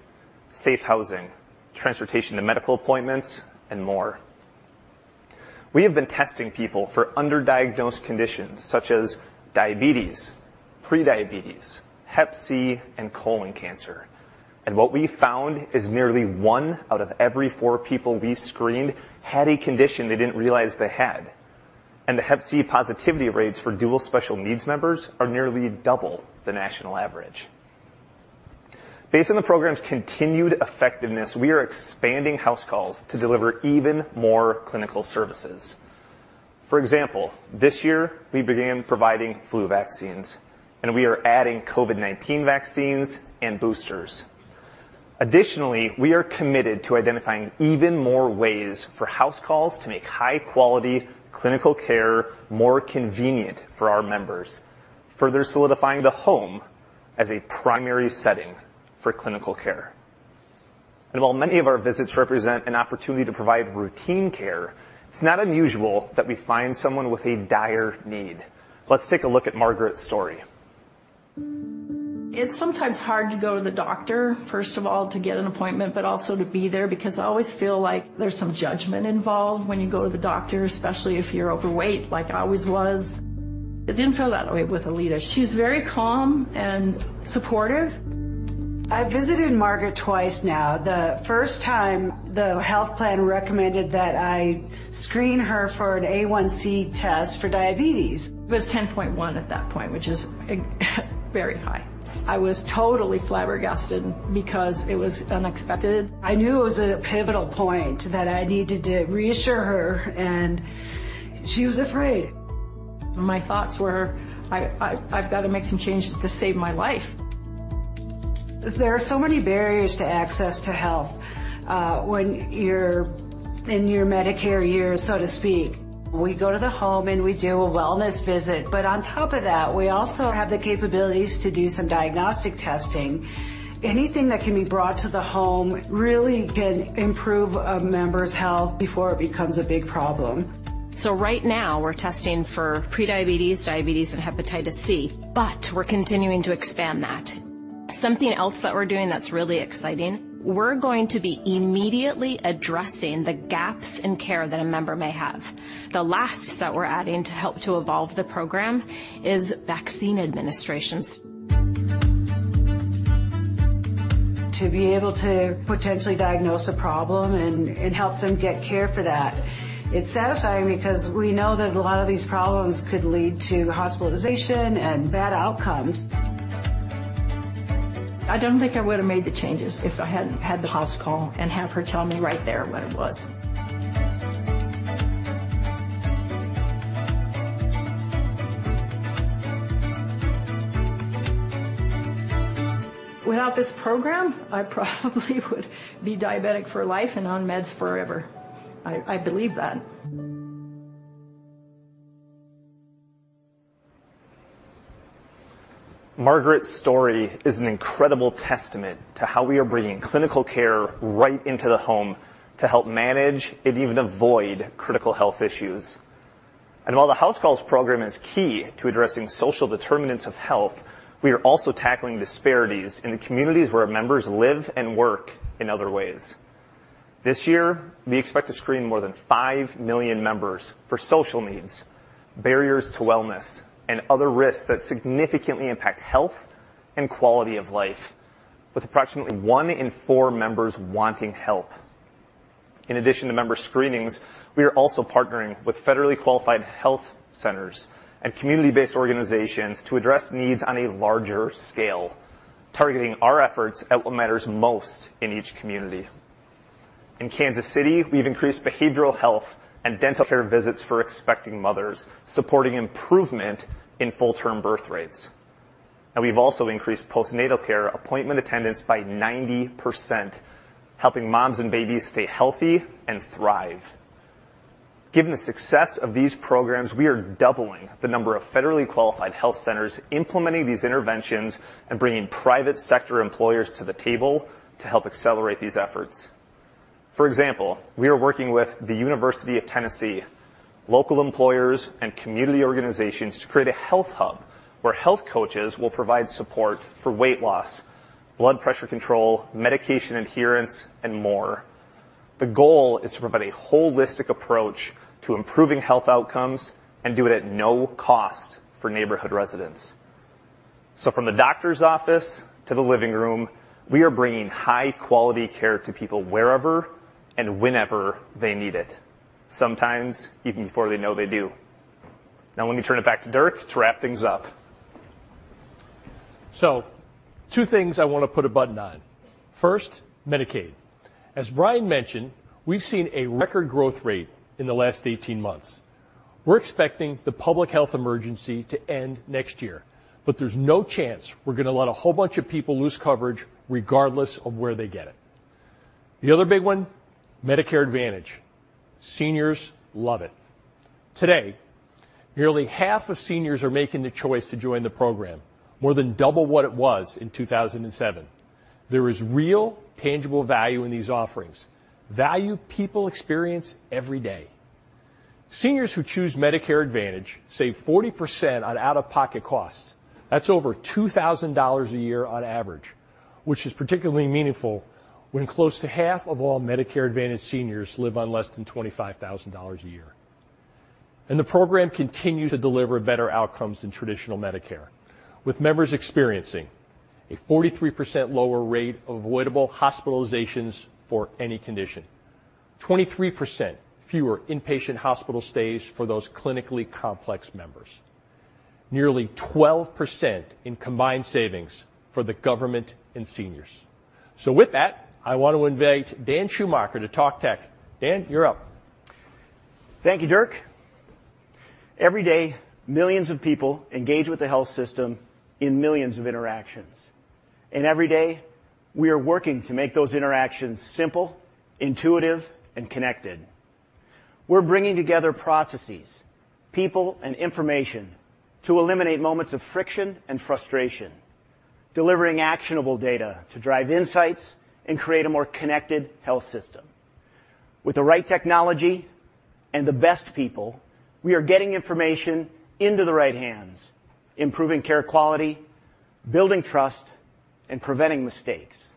safe housing, transportation to medical appointments, and more. We have been testing people for underdiagnosed conditions such as diabetes, prediabetes, hep C, and colon cancer. What we found is nearly one out of every four people we screened had a condition they didn't realize they had. The Hepatitis C positivity rates for Dual Special Needs members are nearly double the national average. Based on the program's continued effectiveness, we are expanding HouseCalls to deliver even more clinical services. For example, this year we began providing flu vaccines, and we are adding COVID-19 vaccines and boosters. Additionally, we are committed to identifying even more ways for HouseCalls to make high-quality clinical care more convenient for our members, further solidifying the home as a primary setting for clinical care. While many of our visits represent an opportunity to provide routine care, it's not unusual that we find someone with a dire need. Let's take a look at Margaret's story. It's sometimes hard to go to the doctor, first of all, to get an appointment, but also to be there because I always feel like there's some judgment involved when you go to the doctor, especially if you're overweight like I always was. It didn't feel that way with Aleta. She's very calm and supportive. I visited Margaret twice now. The first time, the health plan recommended that I screen her for an A1C test for diabetes. It was 10.1 at that point, which is very high. I was totally flabbergasted because it was unexpected. I knew it was a pivotal point that I needed to reassure her, and she was afraid. My thoughts were, I've got to make some changes to save my life. There are so many barriers to access to health when you're in your Medicare years, so to speak. We go to the home, and we do a wellness visit, but on top of that, we also have the capabilities to do some diagnostic testing. Anything that can be brought to the home really can improve a member's health before it becomes a big problem. Right now we're testing for pre-diabetes, diabetes, and Hepatitis C. We're continuing to expand that. Something else that we're doing that's really exciting, we're going to be immediately addressing the gaps in care that a member may have. The last set we're adding to help to evolve the program is vaccine administrations. To be able to potentially diagnose a problem and help them get care for that, it's satisfying because we know that a lot of these problems could lead to hospitalization and bad outcomes. I don't think I would have made the changes if I hadn't had the HouseCalls and have her tell me right there what it was. Without this program, I probably would be diabetic for life and on meds forever. I believe that. Margaret's story is an incredible testament to how we are bringing clinical care right into the home to help manage and even avoid critical health issues. While the HouseCalls program is key to addressing social determinants of health, we are also tackling disparities in the communities where our members live and work in other ways. This year, we expect to screen more than 5 million members for social needs, barriers to wellness, and other risks that significantly impact health and quality of life, with approximately 1 in 4 members wanting help. In addition to member screenings, we are also partnering with Federally Qualified Health Centers and community-based organizations to address needs on a larger scale, targeting our efforts at what matters most in each community. In Kansas City, we've increased behavioral health and dental care visits for expecting mothers, supporting improvement in full-term birth rates. We've also increased postnatal care appointment attendance by 90%, helping moms and babies stay healthy and thrive. Given the success of these programs, we are doubling the number of Federally Qualified Health Centers implementing these interventions and bringing private sector employers to the table to help accelerate these efforts. For example, we are working with the University of Tennessee, local employers, and community organizations to create a health hub where health coaches will provide support for weight loss, blood pressure control, medication adherence, and more. The goal is to provide a holistic approach to improving health outcomes and do it at no cost for neighborhood residents. From the doctor's office to the living room, we are bringing high-quality care to people wherever and whenever they need it, sometimes even before they know they do. Let me turn it back to Dirk to wrap things up. Two things I want to put a button on. First, Medicaid. As Brian mentioned, we've seen a record growth rate in the last 18 months. We're expecting the public health emergency to end next year, but there's no chance we're going to let a whole bunch of people lose coverage regardless of where they get it. The other big one, Medicare Advantage. Seniors love it. Today, nearly half of seniors are making the choice to join the program, more than double what it was in 2007. There is real, tangible value in these offerings, value people experience every day. Seniors who choose Medicare Advantage save 40% on out-of-pocket costs. That's over $2,000 a year on average, which is particularly meaningful when close to half of all Medicare Advantage seniors live on less than $25,000 a year. The program continues to deliver better outcomes than traditional Medicare, with members experiencing a 43% lower rate of avoidable hospitalizations for any condition, 23% fewer inpatient hospital stays for those clinically complex members, nearly 12% in combined savings for the government and seniors. With that, I want to invite Dan Schumacher to talk tech. Dan, you're up. Thank you, Dirk. Every day, millions of people engage with the health system in millions of interactions. Every day, we are working to make those interactions simple, intuitive, and connected. We're bringing together processes, people, and information to eliminate moments of friction and frustration, delivering actionable data to drive insights and create a more connected health system. With the right technology and the best people, we are getting information into the right hands, improving care quality, building trust, and preventing mistakes.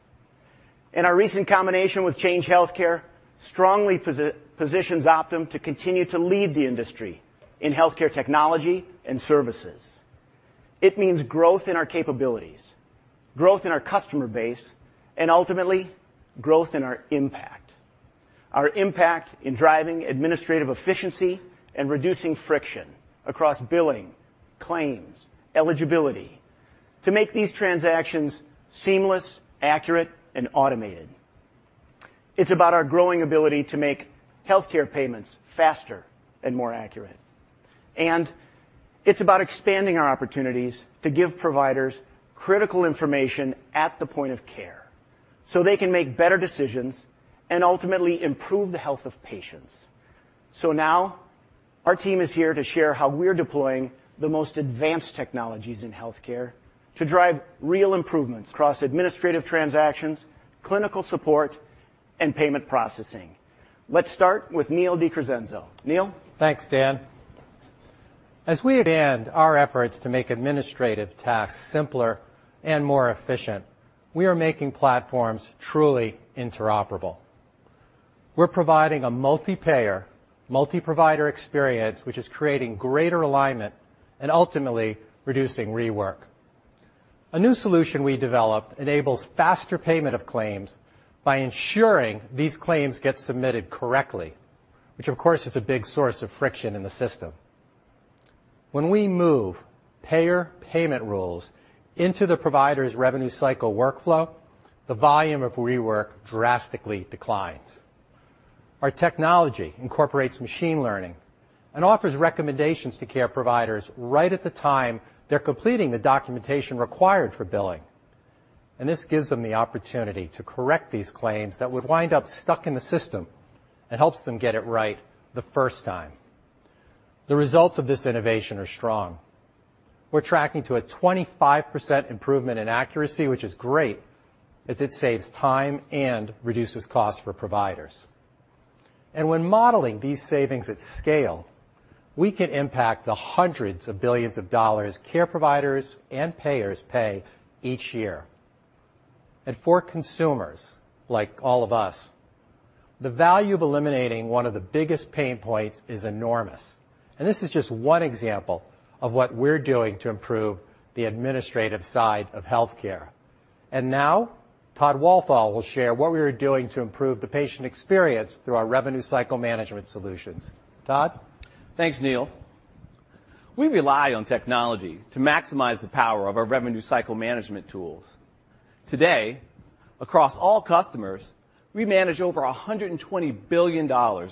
Our recent combination with Change Healthcare strongly positions Optum to continue to lead the industry in healthcare technology and services. It means growth in our capabilities, growth in our customer base, and ultimately, growth in our impact in driving administrative efficiency and reducing friction across billing, claims, eligibility to make these transactions seamless, accurate, and automated. It's about our growing ability to make healthcare payments faster and more accurate. It's about expanding our opportunities to give providers critical information at the point of care so they can make better decisions and ultimately improve the health of patients. Now our team is here to share how we're deploying the most advanced technologies in healthcare to drive real improvements across administrative transactions, clinical support, and payment processing. Let's start with Neil deCrescenzo. Neil? Thanks, Dan. As we expand our efforts to make administrative tasks simpler and more efficient, we are making platforms truly interoperable. We're providing a multi-payer, multi-provider experience, which is creating greater alignment and ultimately reducing rework. A new solution we developed enables faster payment of claims by ensuring these claims get submitted correctly, which, of course, is a big source of friction in the system. When we move payer payment rules into the provider's revenue cycle workflow, the volume of rework drastically declines. Our technology incorporates machine learning and offers recommendations to care providers right at the time they're completing the documentation required for billing, and this gives them the opportunity to correct these claims that would wind up stuck in the system and helps them get it right the first time. The results of this innovation are strong. We're tracking to a 25% improvement in accuracy, which is great as it saves time and reduces costs for providers. When modeling these savings at scale, we can impact the hundreds of billions of dollars care providers and payers pay each year. For consumers like all of us, the value of eliminating one of the biggest pain points is enormous, and this is just one example of what we're doing to improve the administrative side of healthcare. Now Todd Walthall will share what we are doing to improve the patient experience through our revenue cycle management solutions. Todd? Thanks, Neil. We rely on technology to maximize the power of our revenue cycle management tools. Today, across all customers, we manage over $120 billion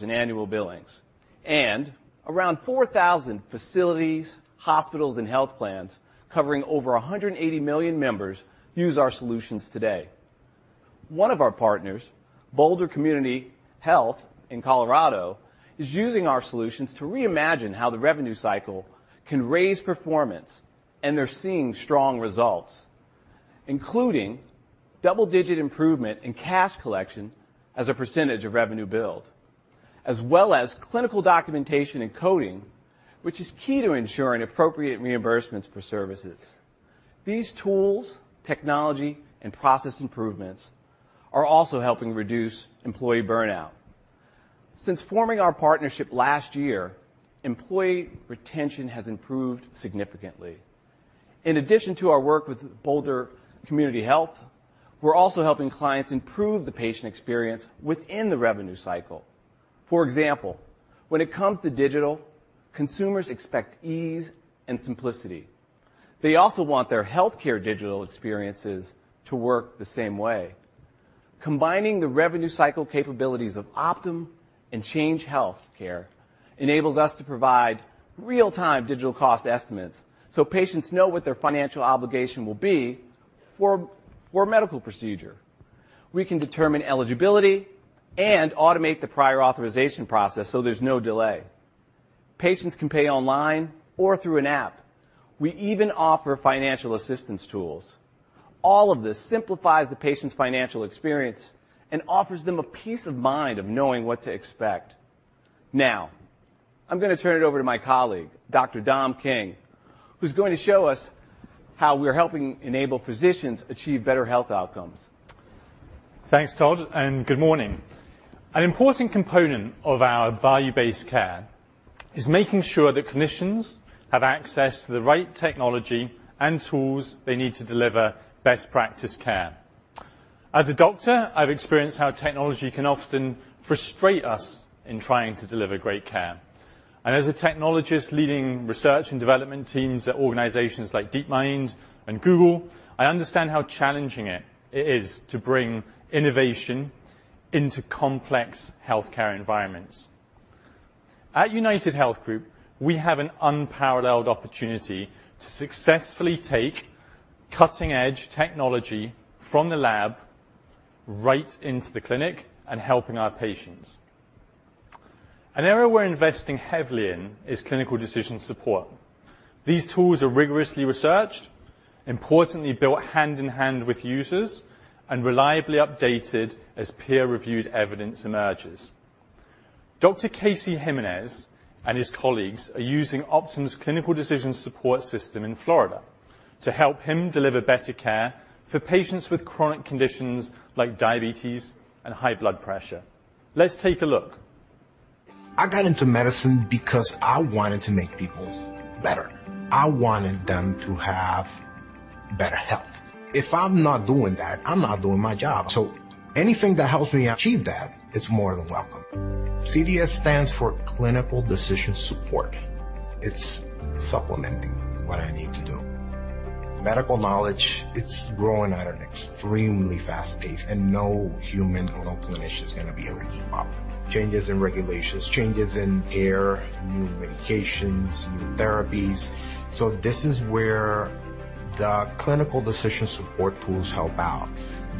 in annual billings and around 4,000 facilities, hospitals, and health plans covering over 180 million members use our solutions today. One of our partners, Boulder Community Health in Colorado, is using our solutions to reimagine how the revenue cycle can raise performance, and they're seeing strong results, including double-digit improvement in cash collection as a % of revenue billed, as well as clinical documentation and coding, which is key to ensuring appropriate reimbursements for services. These tools, technology, and process improvements are also helping reduce employee burnout. Since forming our partnership last year, employee retention has improved significantly. In addition to our work with Boulder Community Health, we're also helping clients improve the patient experience within the revenue cycle. For example, when it comes to digital, consumers expect ease and simplicity. They also want their healthcare digital experiences to work the same way. Combining the revenue cycle capabilities of Optum and Change Healthcare enables us to provide real-time digital cost estimates so patients know what their financial obligation will be for a medical procedure. We can determine eligibility and automate the prior authorization process so there's no delay. Patients can pay online or through an app. We even offer financial assistance tools. All of this simplifies the patient's financial experience and offers them a peace of mind of knowing what to expect. I'm going to turn it over to my colleague, Dr. Dominic King, who's going to show us how we're helping enable physicians achieve better health outcomes. Thanks, Todd, good morning. An important component of our value-based care is making sure that clinicians have access to the right technology and tools they need to deliver best practice care. As a doctor, I've experienced how technology can often frustrate us in trying to deliver great care, and as a technologist leading research and development teams at organizations like DeepMind and Google, I understand how challenging it is to bring innovation into complex healthcare environments. At UnitedHealth Group, we have an unparalleled opportunity to successfully take cutting-edge technology from the lab right into the clinic and helping our patients. An area we're investing heavily in is clinical decision support. These tools are rigorously researched, importantly built hand-in-hand with users, and reliably updated as peer-reviewed evidence emerges. Dr. Casey Jimenez and his colleagues are using Optum's Clinical Decision Support system in Florida to help him deliver better care for patients with chronic conditions like diabetes and high blood pressure. Let's take a look. I got into medicine because I wanted to make people better. I wanted them to have better health. If I'm not doing that, I'm not doing my job. Anything that helps me achieve that is more than welcome. CDS stands for Clinical Decision Support. It's supplementing what I need to do. Medical knowledge, it's growing at an extremely fast pace. No human or no clinician is going to be able to keep up. Changes in regulations, changes in care, new medications, new therapies. This is where the Clinical Decision Support tools help out.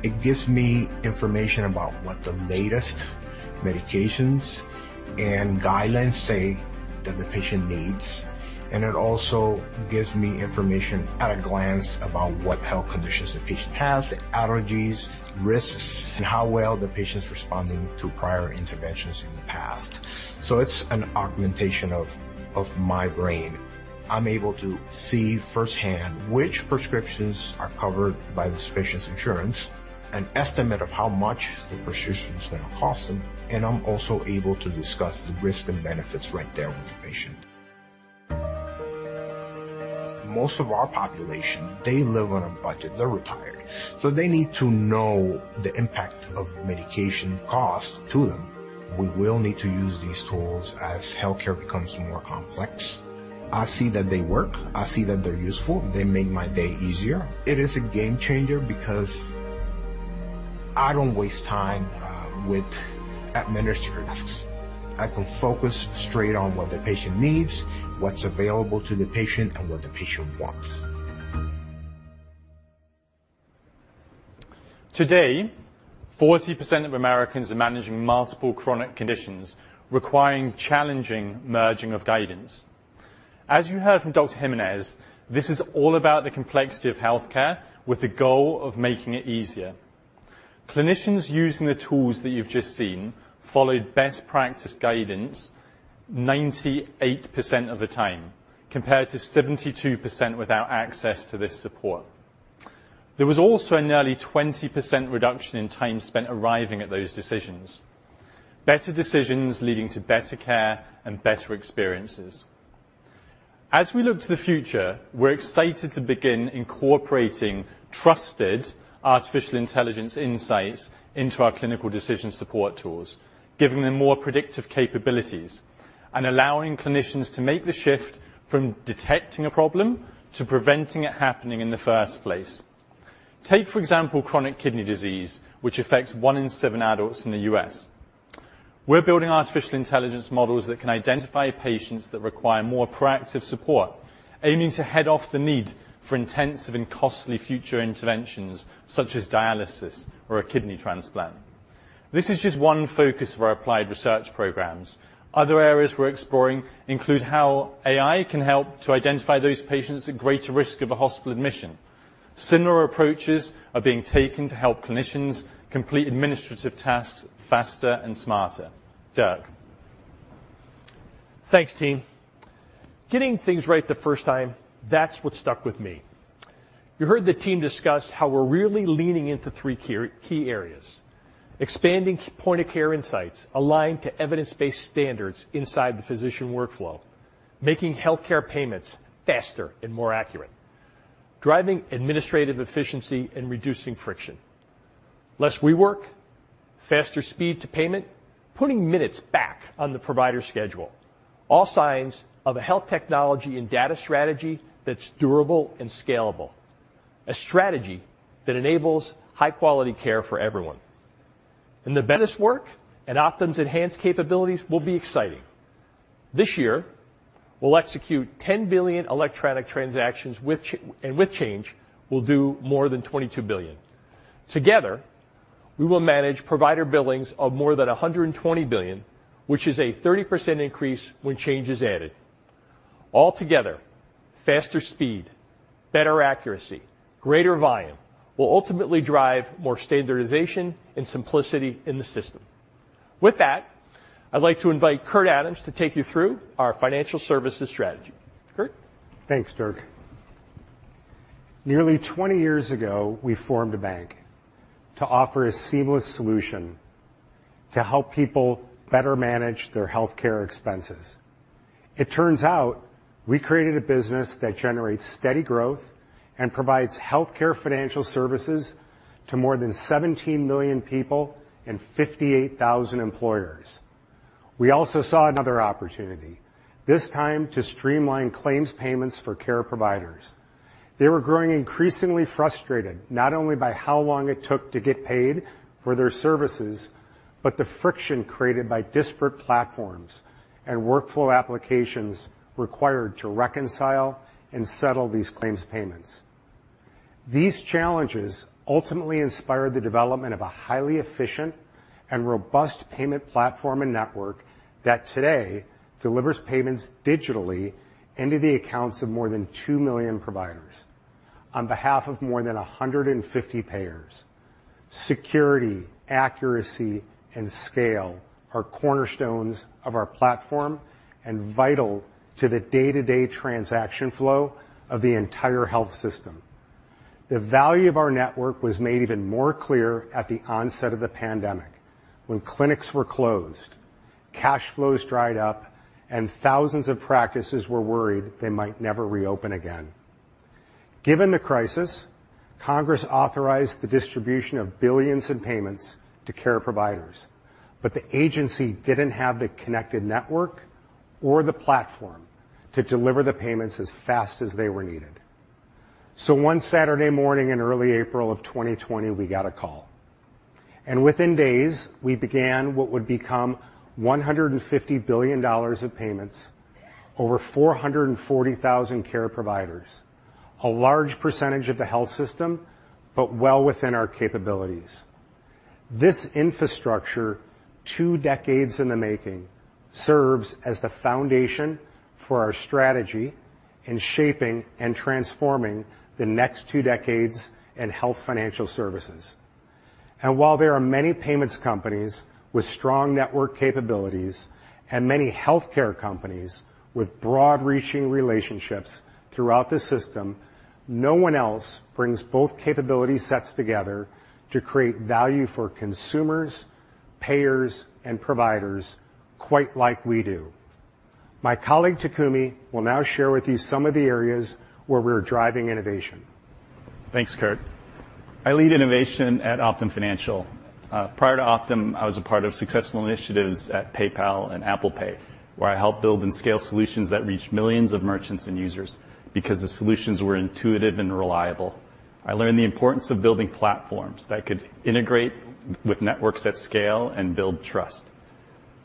It gives me information about what the latest medications and guidelines say that the patient needs. It also gives me information at a glance about what health conditions the patient has, the allergies, risks, and how well the patient's responding to prior interventions in the past. It's an augmentation of my brain. I'm able to see firsthand which prescriptions are covered by this patient's insurance, an estimate of how much the prescription is gonna cost them, and I'm also able to discuss the risk and benefits right there with the patient. Most of our population, they live on a budget. They're retired. They need to know the impact of medication cost to them. We will need to use these tools as healthcare becomes more complex. I see that they work. I see that they're useful. They make my day easier. It is a game changer because I don't waste time with administrative tasks. I can focus straight on what the patient needs, what's available to the patient, and what the patient wants. Today, 40% of Americans are ma aging multiple chronic conditions requiring challenging merging of guidance. As you heard from Dr. Jimenez, this is all about the complexity of healthcare with the goal of making it easier. Clinicians using the tools that you've just seen followed best practice guidance 98% of the time, compared to 72% without access to this support. There was also a nearly 20% reduction in time spent arriving at those decisions. Better decisions leading to better care and better experiences. As we look to the future, we're excited to begin incorporating trusted artificial intelligence insights into our Clinical Decision Support tools, giving the more predictive capabilities and allowing clinicians to make the shift from detecting a problem to preventing it happening in the first place. Take, for example, chronic kidney disease, which affects 1 in 7 adults in the U.S. We're building artificial intelligence models that can identify patients that require more proactive support, aiming to head off the need for intensive and costly future interventions such as dialysis or a kidney transplant. This is just one focus of our applied research programs. Other areas we're exploring include how AI can help to identify those patients at greater risk of a hospital admission. Similar approaches are being taken to help clinicians complete administrative tasks faster and smarter. Dirk. Thanks, team. Getting things right the first time, that's what stuck with me. You heard the team discuss how we're really leaning into three key areas: expanding point-of-care insights aligned to evidence-based standards inside the physician workflow, making healthcare payments faster and more accurate, driving administrative efficiency, and reducing friction. Less rework, faster speed to payment, putting minutes back on the provider's schedule. All signs of a health technology and data strategy that's durable and scalable. A strategy that enables high-quality care for everyone. The best work at Optum's enhanced capabilities will be exciting. This year, we'll execute $10 billion electronic transactions and with Change, we'll do more than $22 billion. Together, we will manage provider billings of more than $120 billion, which is a 30% increase when Change is added. Altogether, faster speed, better accuracy, greater volume will ultimately drive more standardization and simplicity in the system. With that, I'd like to invite Kurt Adams to take you through our financial services strategy. Kurt? Thanks, Dirk.Nearly 20 years ago, we formed a bank to offer a seamless solution to help people better manage their healthcare expenses. It turns out we created a business that generates steady growth and provides healthcare financial services to more than 17 million people and 58,000 employers. We also saw another opportunity, this time to streamline claims payments for care providers. They were growing increasingly frustrated, not only by how long it took to get paid for their services, but the friction created by disparate platforms, and workflow applications required to reconcile and settle these claims payments. These challenges ultimately inspired the development of a highly efficient and robust payment platform and network that today delivers payments digitally into the accounts of more than 2 million providers on behalf of more than 150 payers. Security, accuracy, and scale are cornerstones of our platform and vital to the day-to-day transaction flow of the entire health system. The value of our network was made even more clear at the onset of the pandemic when clinics were closed, cash flows dried up, and thousands of practices were worried they might never reopen again. Given the crisis, Congress authorized the distribution of billions in payments to care providers, but the agency didn't have the connected network or the platform to deliver the payments as fast as they were needed. One Saturday morning in early April of 2020, we got a call, and within days, we began what would become $150 billion of payments, over 440,000 care providers, a large percentage of the health system, but well within our capabilities. This infrastructure, 2 decades in the making, serves as the foundation for our strategy in shaping and transforming the next 2 decades in health financial services. While there are many payments companies with strong network capabilities and many healthcare companies with broad-reaching relationships throughout the system, no one else brings both capability sets together to create value for consumers, payers, and providers quite like we do. My colleague, Takumi, will now share with you some of the areas where we're driving innovation. Thanks, Kurt. I lead innovation at Optum Financial. Prior to Optum, I was a part of successful initiatives at PayPal and Apple Pay, where I helped build and scale solutions that reached millions of merchants and users because the solutions were intuitive and reliable. I learned the importance of building platforms that could integrate with network at scale and build trust.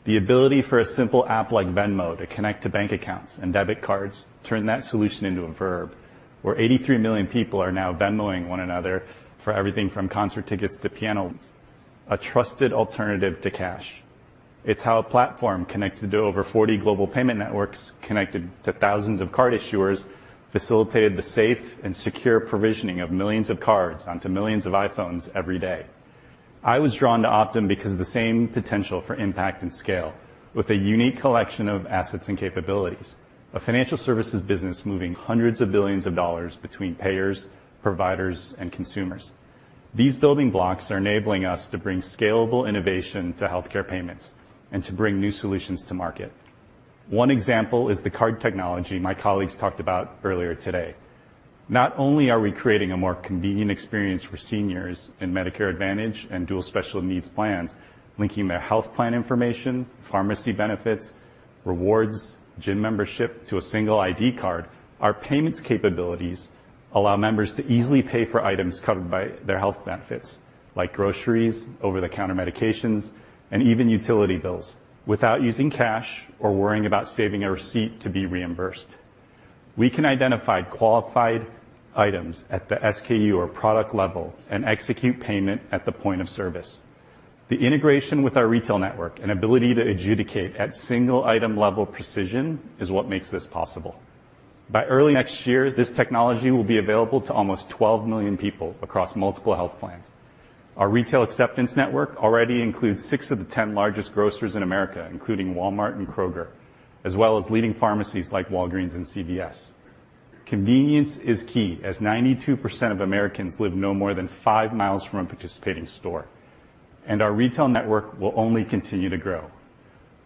The ability for a simple app like Venmo to connect to bank accounts and debit cards turned that solution into a verb where 83 million people are now Venmo-ing one another for everything from concert tickets to pianos. A trusted alternative to cash. It's how a platform connected to over 40 global payment networks, connected to thousands of card issuers, facilitated the safe and secure provisioning of millions of cards onto millions of iPhones every day. I was drawn to Optum because of the same potential for impact and scale with a unique collection of assets and capabilities. A financial services business moving hundreds of billions of dollars between payers, providers, and consumers. These building blocks are enabling us to bring scalable innovation to healthcare payments and to bring new solutions to market. One example is the card technology my colleagues talked about earlier today. Not only are we creating a more convenient experience for seniors in Medicare Advantage, and Dual Special Needs plans, linking their health plan information, pharmacy benefits, rewards, gym membership to a single ID card. Our payments capabilities allow members to easily pay for items covered by their health benefits, like groceries, over-the-counter medications, and even utility bills without using cash or worrying about saving a receipt to be reimbursed. We can identify qualified items at the SKU or product level and execute payment at the point of service. The integration with our retail network and ability to adjudicate at single item level precision is what makes this possible. By early next year, this technology will be available to almost 12 million people across multiple health plans. Our retail acceptance network already includes 6 of the 10 largest grocers in America, including Walmart and Kroger, as well as leading pharmacies like Walgreens and CVS. Convenience is key, as 92% of Americans live no more than 5 miles from a participating store, and our retail network will only continue to grow.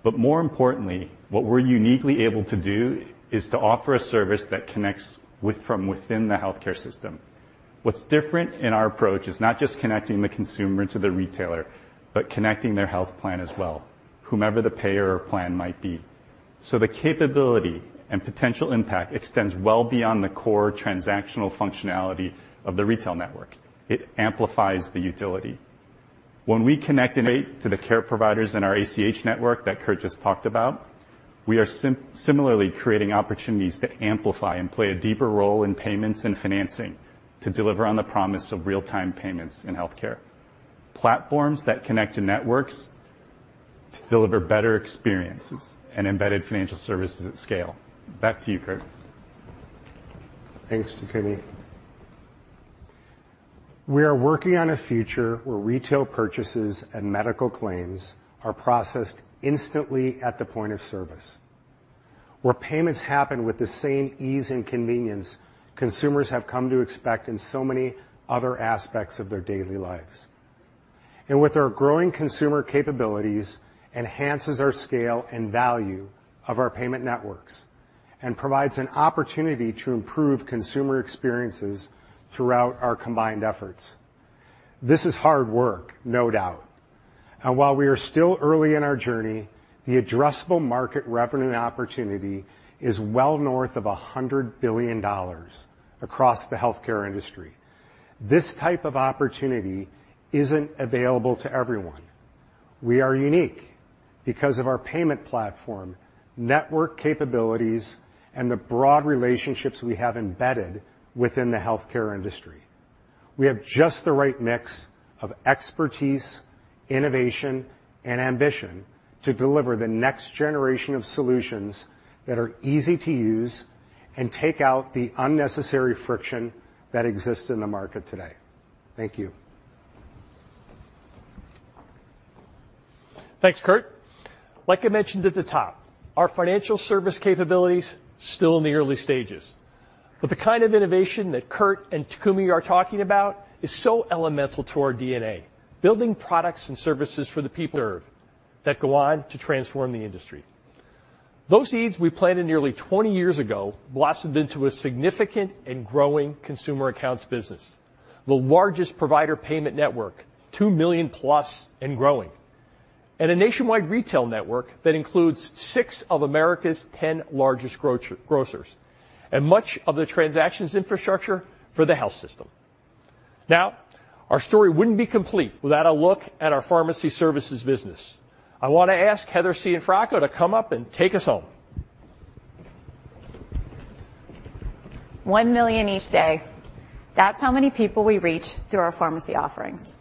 More importantly, what we're uniquely able to do is to offer a service that connects from within the healthcare system. What's different in our approach is not just connecting the consumer to the retailer, but connecting their health plan as well, whomever the payer or plan might be. The capability and potential impact extends well beyond the core transactional functionality of the retail network. It amplifies the utility. When we connect to the care providers in our ACH network that Kurt just talked about, we are similarly creating opportunities to amplify and play a deeper role in payments and financing to deliver on the promise of real-time payments in healthcare. Platforms that connect to networks to deliver better experiences and embedded financial services at scale. Back to you, Kurt. Thanks, Takumi. We are working on a future where retail purchases and medical claims are processed instantly at the point of service, where payments happen with the same ease and convenience consumers have come to expect in so many other aspects of their daily lives. With our growing consumer capabilities enhances our scale and value of our payment networks and provides an opportunity to improve consumer experiences throughout our combined efforts. This is hard work, no doubt. While we are still early in our journey, the addressable market revenue opportunity is well north of $100 billion across the healthcare industry. This type of opportunity isn't available to everyone. We are unique because of our payment platform, network capabilities, and the broad relationships we have embedded within the healthcare industry. We have just the right mix of expertise, innovation, and ambition to deliver the next generation of solutions that are easy to use and take out the unnecessary friction that exists in the market today. Thank you. Thanks, Kurt. Like I mentioned at the top, our financial service capabilities still in the early stages, but the kind of innovation that Kurt and Takumi are talking about is so elemental to our DNA, building products and services for the people that go on to transform the industry. Those seeds we planted nearly 20 years ago blossomed into a significant and growing consumer accounts business. The largest provider payment network, 2 million plus and growing. A nationwide retail network that includes 6 of America's 10 largest grocers, and much of the transactions infrastructure for the health system. Our story wouldn't be complete without a look at our pharmacy services business. I wanna ask Heather Cianfrocco to come up and take us home. 1 million each day. That's how many people we reach through our pharmacy offerings.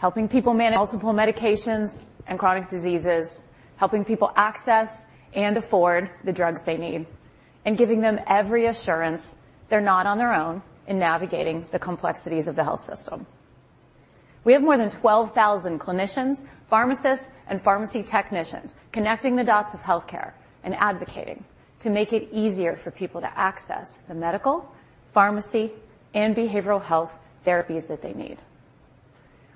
Helping people manage multiple medications and chronic diseases, helping people access and afford the drugs they need, giving them every assurance they're not on their own in navigating the complexities of the health system. We have more than 12,000 clinicians, pharmacists, and pharmacy technicians connecting the dots of healthcare, and advocating to make it easier for people to access the medical, pharmacy, and behavioral health therapies that they need.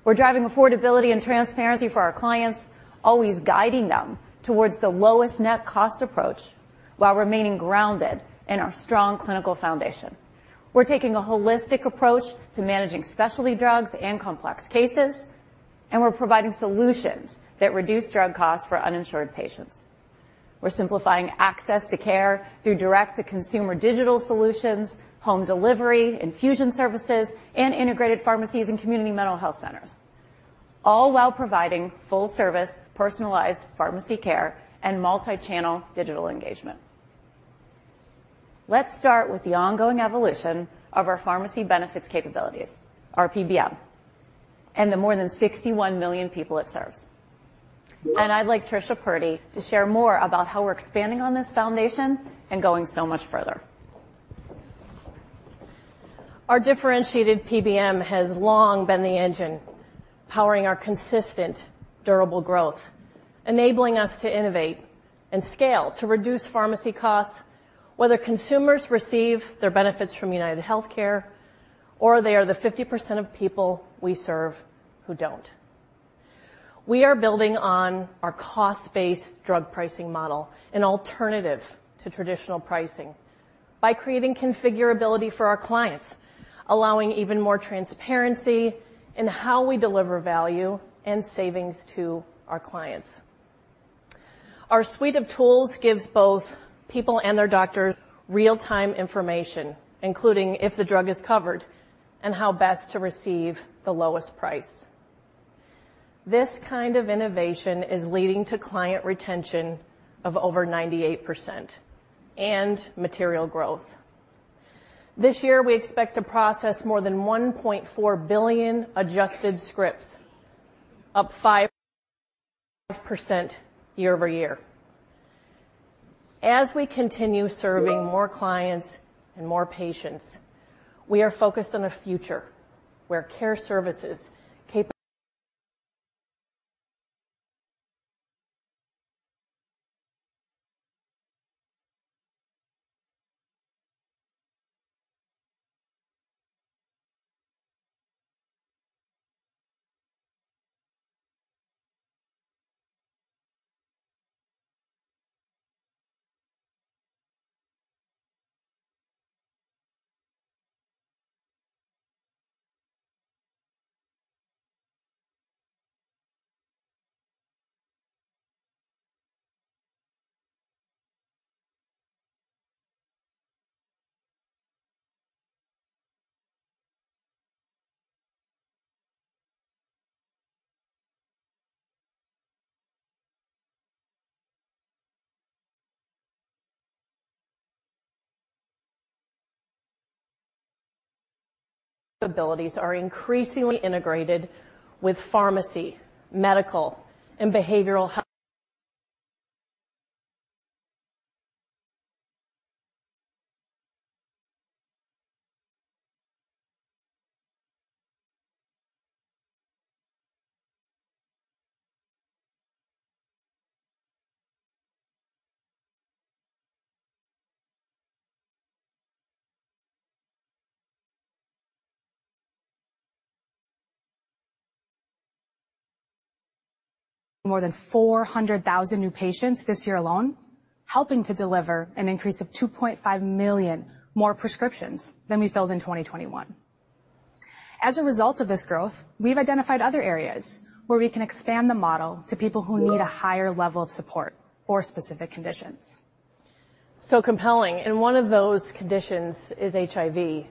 We're driving affordability and transparency for our clients, always guiding them towards the lowest net cost approach while remaining grounded in our strong clinical foundation. We're taking a holistic approach to managing specialty drugs and complex cases, we're providing solutions that reduce drug costs for uninsured patients. We're simplifying access to care through direct-to-consumer digital solutions, home delivery, infusion services, and integrated pharmacies and community mental health centers, all while providing full-service, personalized pharmacy care and multi-channel digital engagement. Let's start with the ongoing evolution of our pharmacy benefits capabilities, our PBM, and the more than 61 million people it serves. I'd like Trisha Purdy to share more about how we're expanding on this foundation and going so much further. Our differentiated PBM has long been the engine powering our consistent durable growth, enabling us to innovate and scale to reduce pharmacy costs, whether consumers receive their benefits from UnitedHealthcare or they are the 50% of people we serve who don't. We are building on our cost-based drug pricing model, an alternative to traditional pricing by creating configurability for our clients, allowing even more transparency in how we deliver value and savings to our clients. Our suite of tools gives both people and their doctors real-time information, including if the drug is covered and how best to receive the lowest price. This kind of innovation is leading to client retention of over 98% and material growth. This year, we expect to process more than $1.4 billion adjusted scripts, up 5% year-over-year. As we continue serving more clients and more patients, we are focused on a future where care services capabilities are increasingly integrated with pharmacy, medical, and behavioral health. More than 400,000 new patients this year alone, helping to deliver an increase of 2.5 million more prescriptions than we filled in 2021. As a result of this growth, we've identified other areas where we can expand the model to people who need a higher level of support for specific conditions. Compelling. One of those conditions is HIV.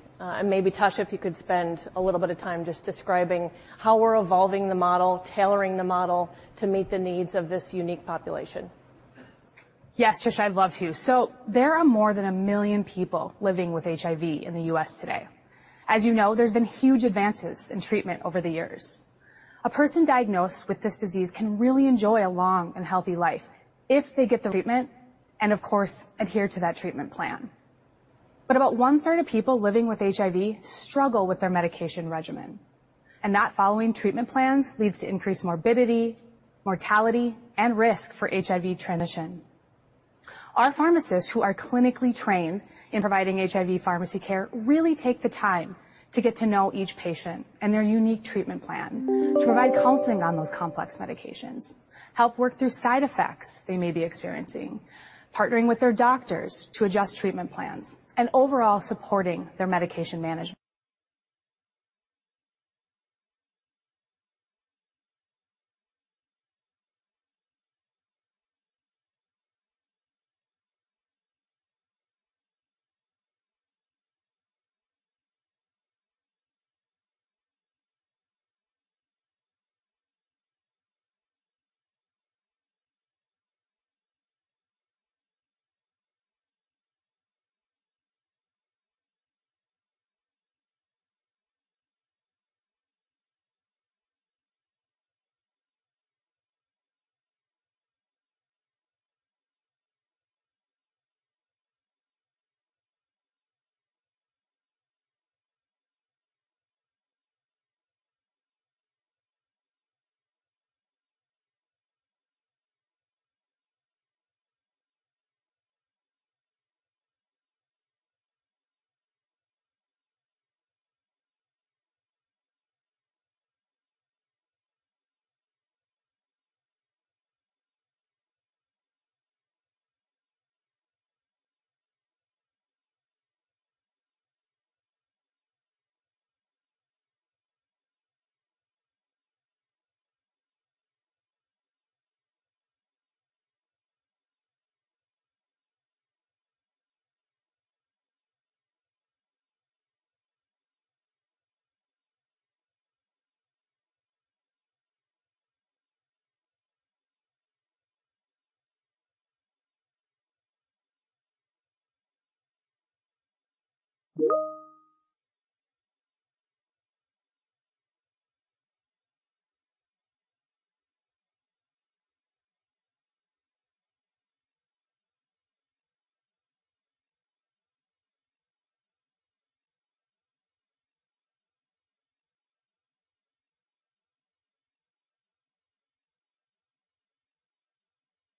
Maybe Tasha, if you could spend a little bit of time just describing how we're evolving the model, tailoring the model to meet the needs of this unique population. Yes, Tricia, I'd love to. There are more than 1 million people living with HIV in the U.S. today. As you know, there's been huge advances in treatment over the years. A person diagnosed with this disease can really enjoy a long and healthy life if they get the treatment and of course, adhere to that treatment plan. About one-third of people living with HIV struggle with their medication regimen, and not following treatment plans leads to increased morbidity, mortality, and risk for HIV transition. Our pharmacists who are clinically trained in providing HIV pharmacy care really take the time to get to know each patient and their unique treatment plan to provide counseling on those complex medications, help work through side effects they may be experiencing, partnering with their doctors to adjust treatment plans, and overall supporting their medication management.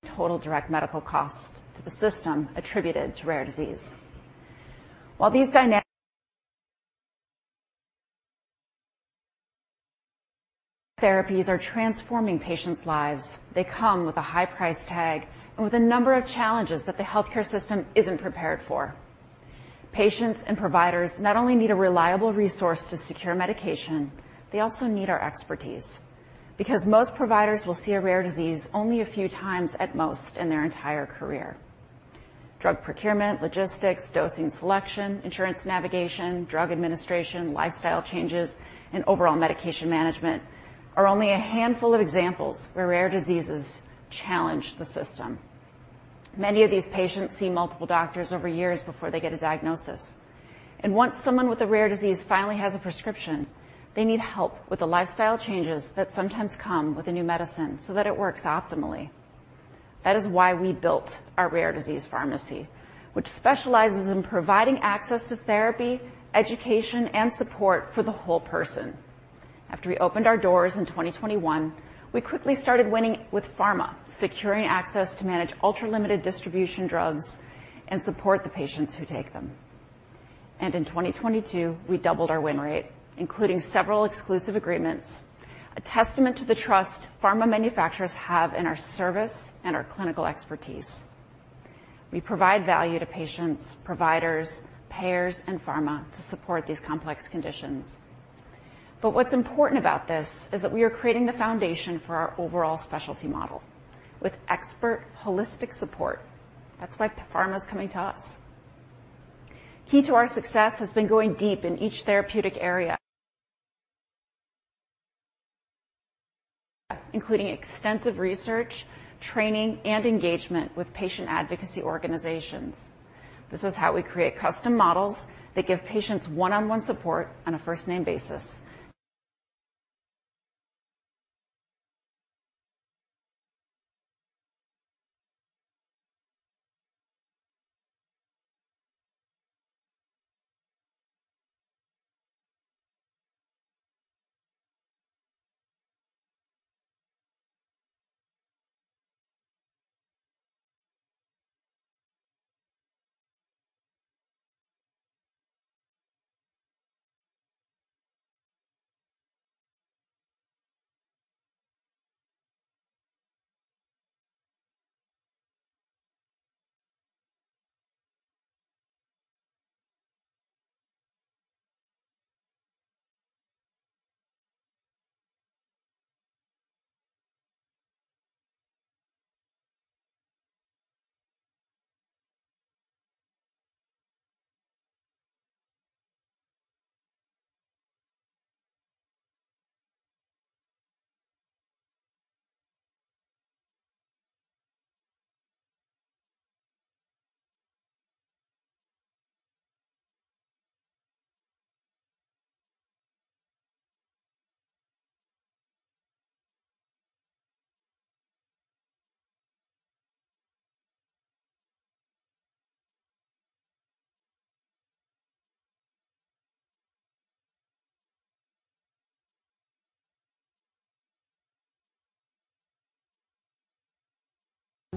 Total direct medical cost to the system attributed to rare disease. While these dynamic therapies are transforming patients' lives, they come with a high price tag and with a number of challenges that the healthcare system isn't prepared for. Patients and providers not only need a reliable resource to secure medication, they also need our expertise because most providers will see a rare disease only a few times at most in their entire career. Drug procurement, logistics, dosing selection, insurance navigation, drug administration, lifestyle changes, and overall medication management are only a handful of examples where rare diseases challenge the system. Many of these patients see multiple doctors over years before they get a diagnosis. Once someone with a rare disease finally has a prescription, they need help with the lifestyle changes that sometimes come with a new medicine so that it works optimally. That is why we built our rare disease pharmacy, which specializes in providing access to therapy, education, and support for the whole person. After we opened our doors in 2021, we quickly started winning with pharma, securing access to manage ultra-limited distribution drugs and support the patients who take them. In 2022, we doubled our win rate, including several exclusive agreements, a testament to the trust pharma manufacturers have in our service and our clinical expertise. We provide value to patients, providers, payers, and pharma to support these complex conditions. What's important about this is that we are creating the foundation for our overall specialty model with expert holistic support. That's why pharma is coming to us. Key to our success has been going deep in each therapeutic area, including extensive research, training, and engagement with patient advocacy organizations. This is how we create custom models that give patients one-on-one support on a first-name basis.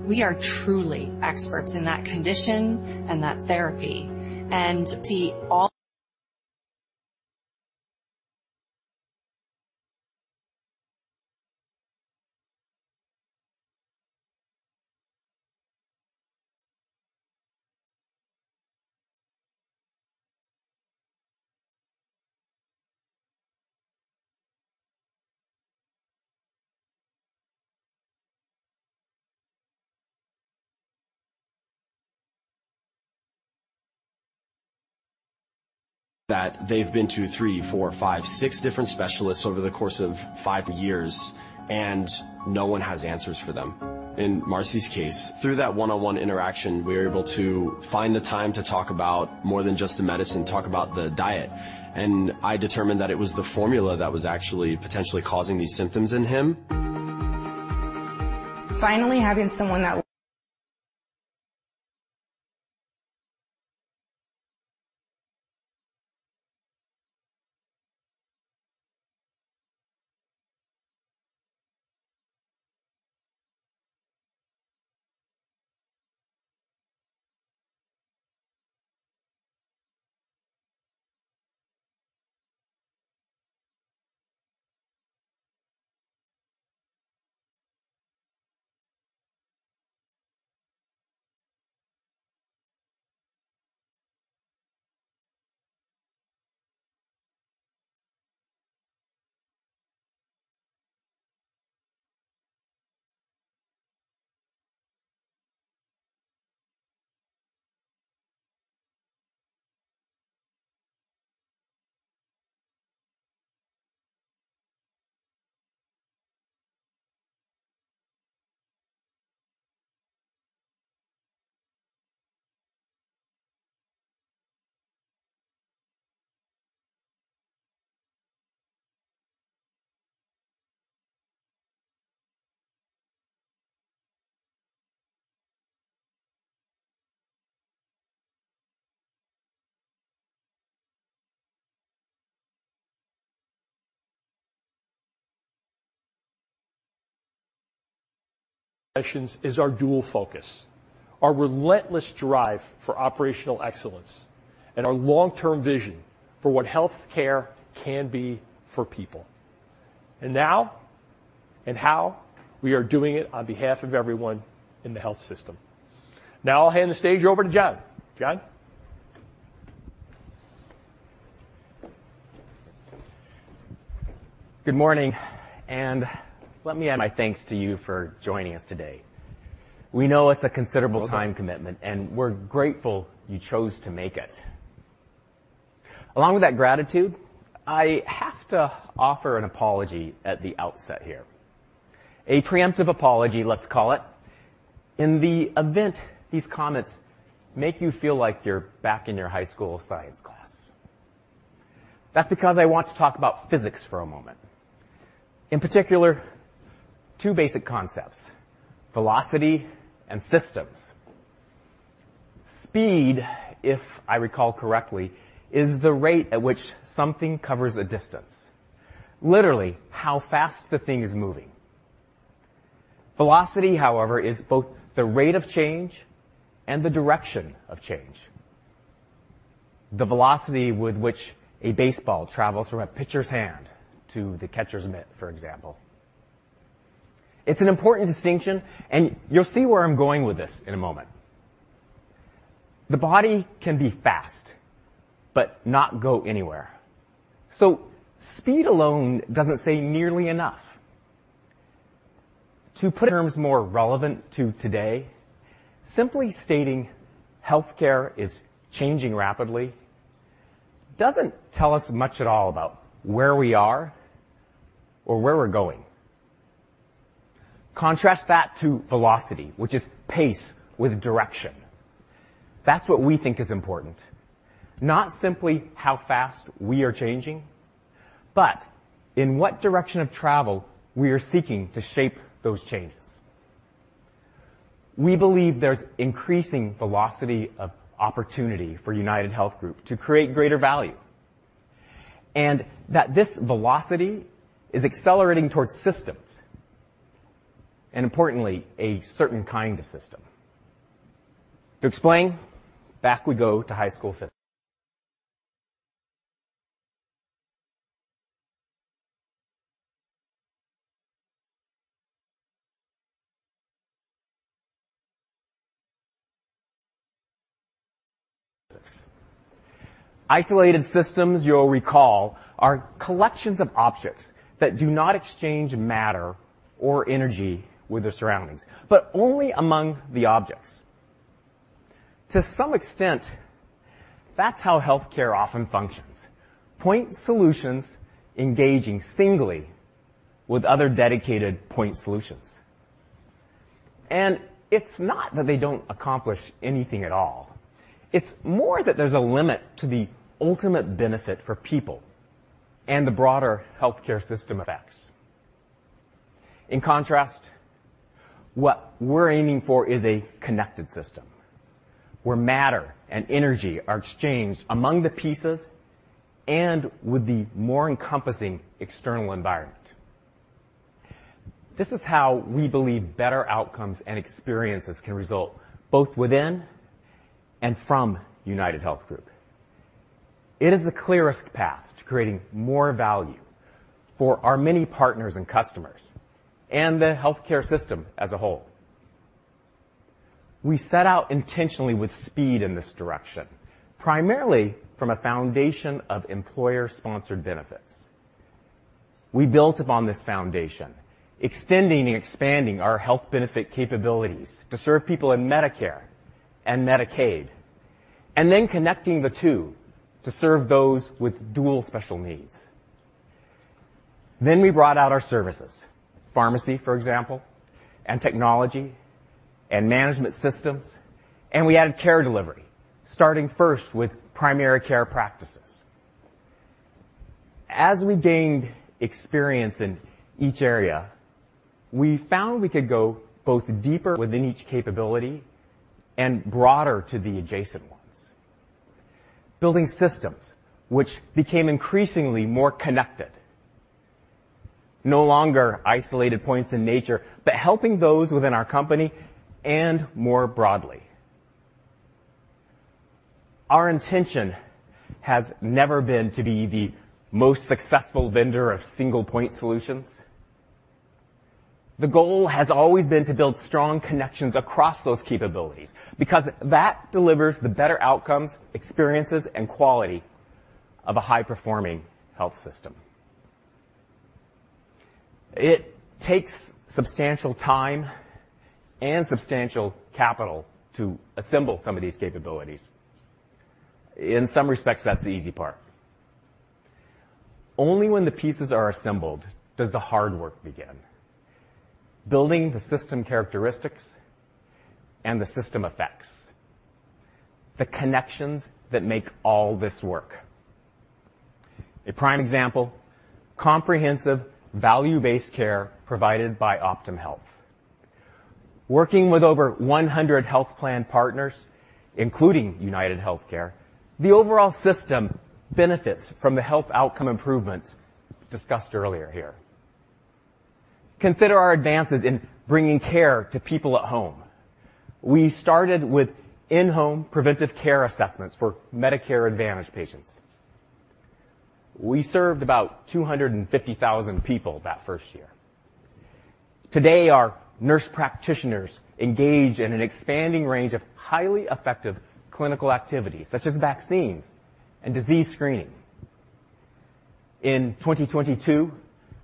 We are truly experts in that condition and that therapy and see all That they've been to three, four, five, six different specialists over the course of five years, and no one has answers for them. In Marcy's case, through that one-on-one interaction, we were able to find the time to talk about more than just the medicine, talk about the diet. I determined that it was the formula that was actually potentially causing these symptoms in him. Finally, having someone that sessions is our dual focus, our relentless drive for operational excellence, and our long-term vision for what healthcare can be for people. Now and how we are doing it on behalf of everyone in the health system. Now I'll hand the stage over to John. John? Good morning, let me add my thanks to you for joining us today. We know it's a considerable time commitment, and we're grateful you chose to make it. Along with that gratitude, I have to offer an apology at the outset here. A preemptive apology, let's call it, in the event these comments make you feel like you're back in your high school science class. That's because I want to talk about physics for a moment. In particular, two basic concepts: velocity and systems. Speed, if I recall correctly, is the rate at which something covers a distance. Literally, how fast the thing is moving. Velocity, however, is both the rate of change and the direction of change. The velocity with which a baseball travels from a pitcher's hand to the catcher's mitt, for example. It's an important distinction, and you'll see where I'm going with this in a moment. The body can be fast but not go anywhere. Speed alone doesn't say nearly enough. To put it in terms more relevant to today, simply stating health care is changing rapidly doesn't tell us much at all about where we are or where we're going. Contrast that to velocity, which is pace with direction. That's what we think is important. Not simply how fast we are changing, but in what direction of travel we are seeking to shape those changes. We believe there's increasing velocity of opportunity for UnitedHealth Group to create greater value, and that this velocity is accelerating towards systems, and importantly, a certain kind of system. To explain, back we go to high school physics. Isolated systems, you'll recall, are collections of objects that do not exchange matter or energy with their surroundings, but only among the objects. To some extent, that's how healthcare often functions. Point solutions engaging singly with other dedicated point solutions. It's not that they don't accomplish anything at all. It's more that there's a limit to the ultimate benefit for people and the broader healthcare system effects. In contrast, what we're aiming for is a connected system, where matter and energy are exchanged among the pieces and with the more encompassing external environment. This is how we believe better outcomes and experiences can result both within and from UnitedHealth Group. It is the clearest path to creating more value for our many partners and customers and the healthcare system as a whole. We set out intentionally with speed in this direction, primarily from a foundation of employer-sponsored benefits. We built upon this foundation, extending and expanding our health benefit capabilities to serve people in Medicare and Medicaid, and then connecting the two to serve those with Dual Special Needs. We brought out our services, pharmacy, for example, and technology and management systems, and we added care delivery, starting first with primary care practices. As we gained experience in each area, we found we could go both deeper within each capability and broader to the adjacent ones. Building systems which became increasingly more connected. No longer isolated points in nature, but helping those within our company and more broadly. Our intention has never been to be the most successful vendor of single-point solutions. The goal has always been to build strong connections across those capabilities because that delivers the better outcomes, experiences, and quality of a high-performing health system. It takes substantial time and substantial capital to assemble some of these capabilities. In some respects, that's the easy part. Only when the pieces are assembled does the hard work begin. Building the system characteristics and the system effects. The connections that make all this work. A prime example, comprehensive value-based care provided by Optum Health. Working with over 100 health plan partners, including UnitedHealthcare, the overall system benefits from the health outcome improvements discussed earlier here. Consider our advances in bringing care to people at home. We started with in-home preventive care assessments for Medicare Advantage patients. We served about 250,000 people that first year. Today, our nurse practitioners engage in an expanding range of highly effective clinical activities such as vaccines and disease screening. In 2022,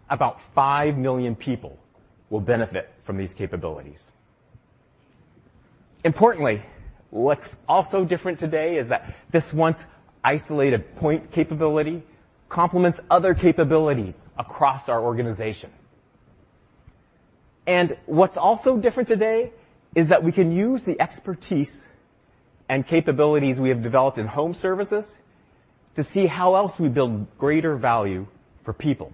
about 5 million people will benefit from these capabilities. Importantly, what's also different today is that this once isolated point capability complements other capabilities across our organization. What's also different today is that we can use the expertise and capabilities we have developed in home services to see how else we build greater value for people.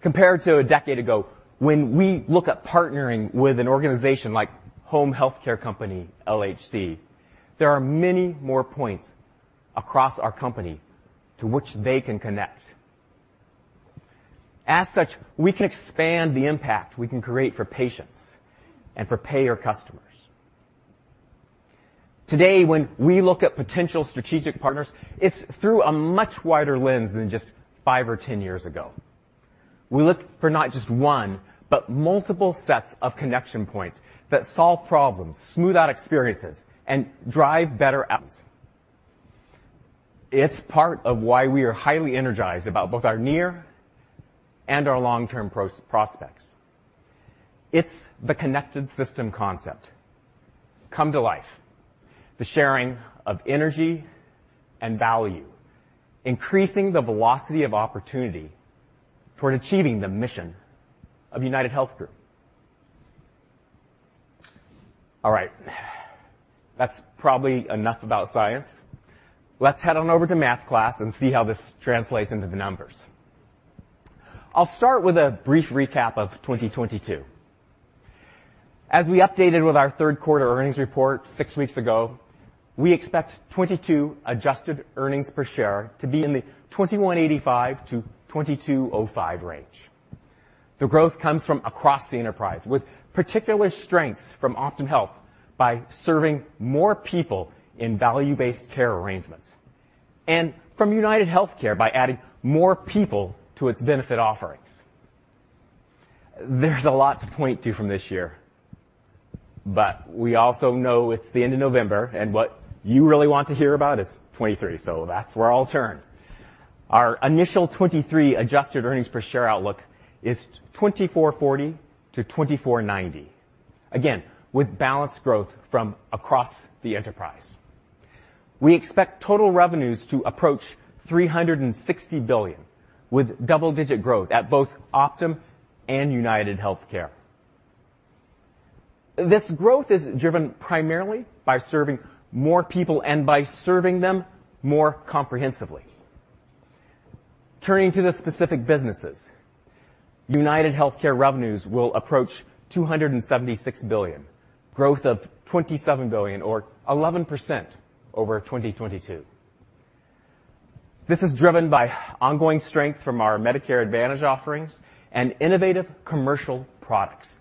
Compared to a decade ago, when we look at partnering with an organization like home healthcare company LHC, there are many more points across our company to which they can connect. As such, we can expand the impact we can create for patients and for payer customers. Today, when we look at potential strategic partners, it's through a much wider lens than just five or 10 years ago. We look for not just one, but multiple sets of connection points that solve problems, smooth out experiences, and drive better outcomes. It's part of why we are highly energized about both our near and our long-term prospects. It's the connected system concept come to life, the sharing of energy and value, increasing the velocity of opportunity toward achieving the mission of UnitedHealth Group. All right. That's probably enough about science. Let's head on over to math class and see how this translates into the numbers. I'll start with a brief recap of 2022. As we updated with our third quarter earnings report six weeks ago, we expect 2022 adjusted earnings per share to be in the $21.85-$22.05 range. The growth comes from across the enterprise, with particular strengths from Optum Health by serving more people in value-based care arrangements and from UnitedHealthcare by adding more people to its benefit offerings. There's a lot to point to from this year, but we also know it's the end of November, and what you really want to hear about is 2023, so that's where I'll turn. Our initial 2023 adjusted earnings per share outlook is $24.40-$24.90. Again, with balanced growth from across the enterprise. We expect total revenues to approach $360 billion, with double-digit growth at both Optum and UnitedHealthcare. This growth is driven primarily by serving more people and by serving them more comprehensively. Turning to the specific businesses, UnitedHealthcare revenues will approach $276 billion, growth of $27 billion or 11% over 2022. This is driven by ongoing strength from our Medicare Advantage offerings and innovative commercial products,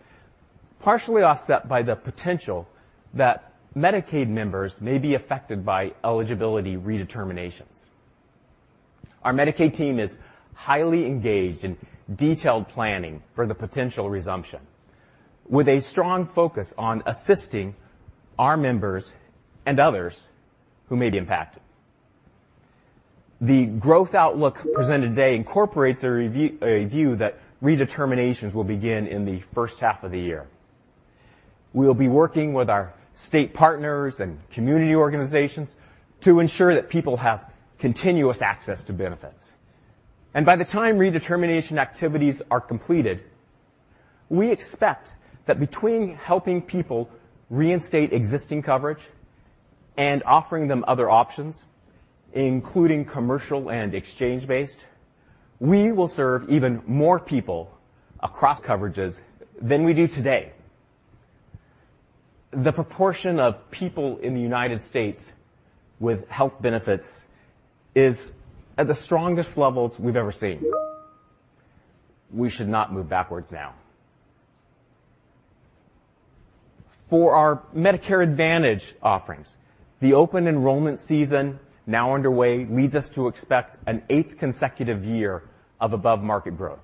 partially offset by the potential that Medicaid members may be affected by eligibility redeterminations. Our Medicaid team is highly engaged in detailed planning for the potential resumption, with a strong focus on assisting our members and others who may be impacted. The growth outlook presented today incorporates a view that redeterminations will begin in the first half of the year. We will be working with our state partners and community organizations to ensure that people have continuous access to benefits. By the time redetermination activities are completed, we expect that between helping people reinstate existing coverage and offering them other options, including commercial and exchange-based, we will serve even more people across coverages than we do today. The proportion of people in the U.S. with health benefits is at the strongest levels we've ever seen. We should not move backwards now. For our Medicare Advantage offerings, the open enrollment season now underway leads us to expect an eighth consecutive year of above-market growth.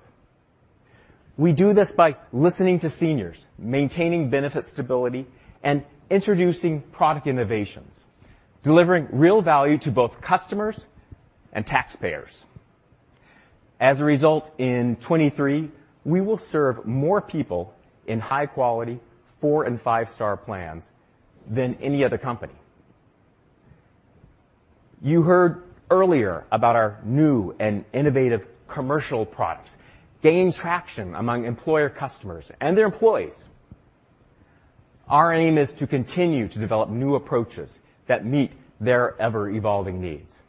We do this by listening to seniors, maintaining benefit stability, and introducing product innovations, delivering real value to both customers and taxpayers. As a result, in 2023, we will serve more people in high-quality four and five-star plans than any other company. You heard earlier about our new and innovative commercial products gaining traction among employer customers and their employees. Our aim is to continue to develop new approaches that meet their ever-evolving needs.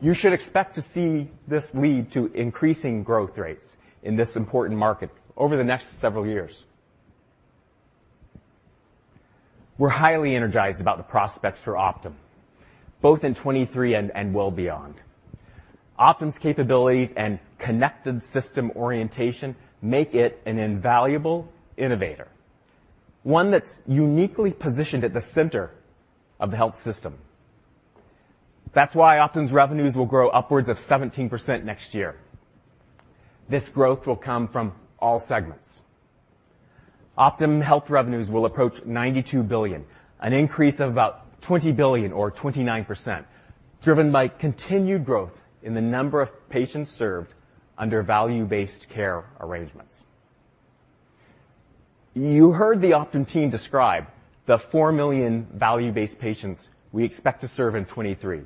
You should expect to see this lead to increasing growth rates in this important market over the next several years. We're highly energized about the prospects for Optum, both in 2023 and well beyond. Optum's capabilities and connected system orientation make it an invaluable innovator, one that's uniquely positioned at the center of the health system. That's why Optum's revenues will grow upwards of 17% next year. This growth will come from all segments. Optum Health revenues will approach $92 billion, an increase of about $20 billion or 29%, driven by continued growth in the number of patients served under value-based care arrangements. You heard the Optum team describe the 4 million value-based patients we expect to serve in 2023,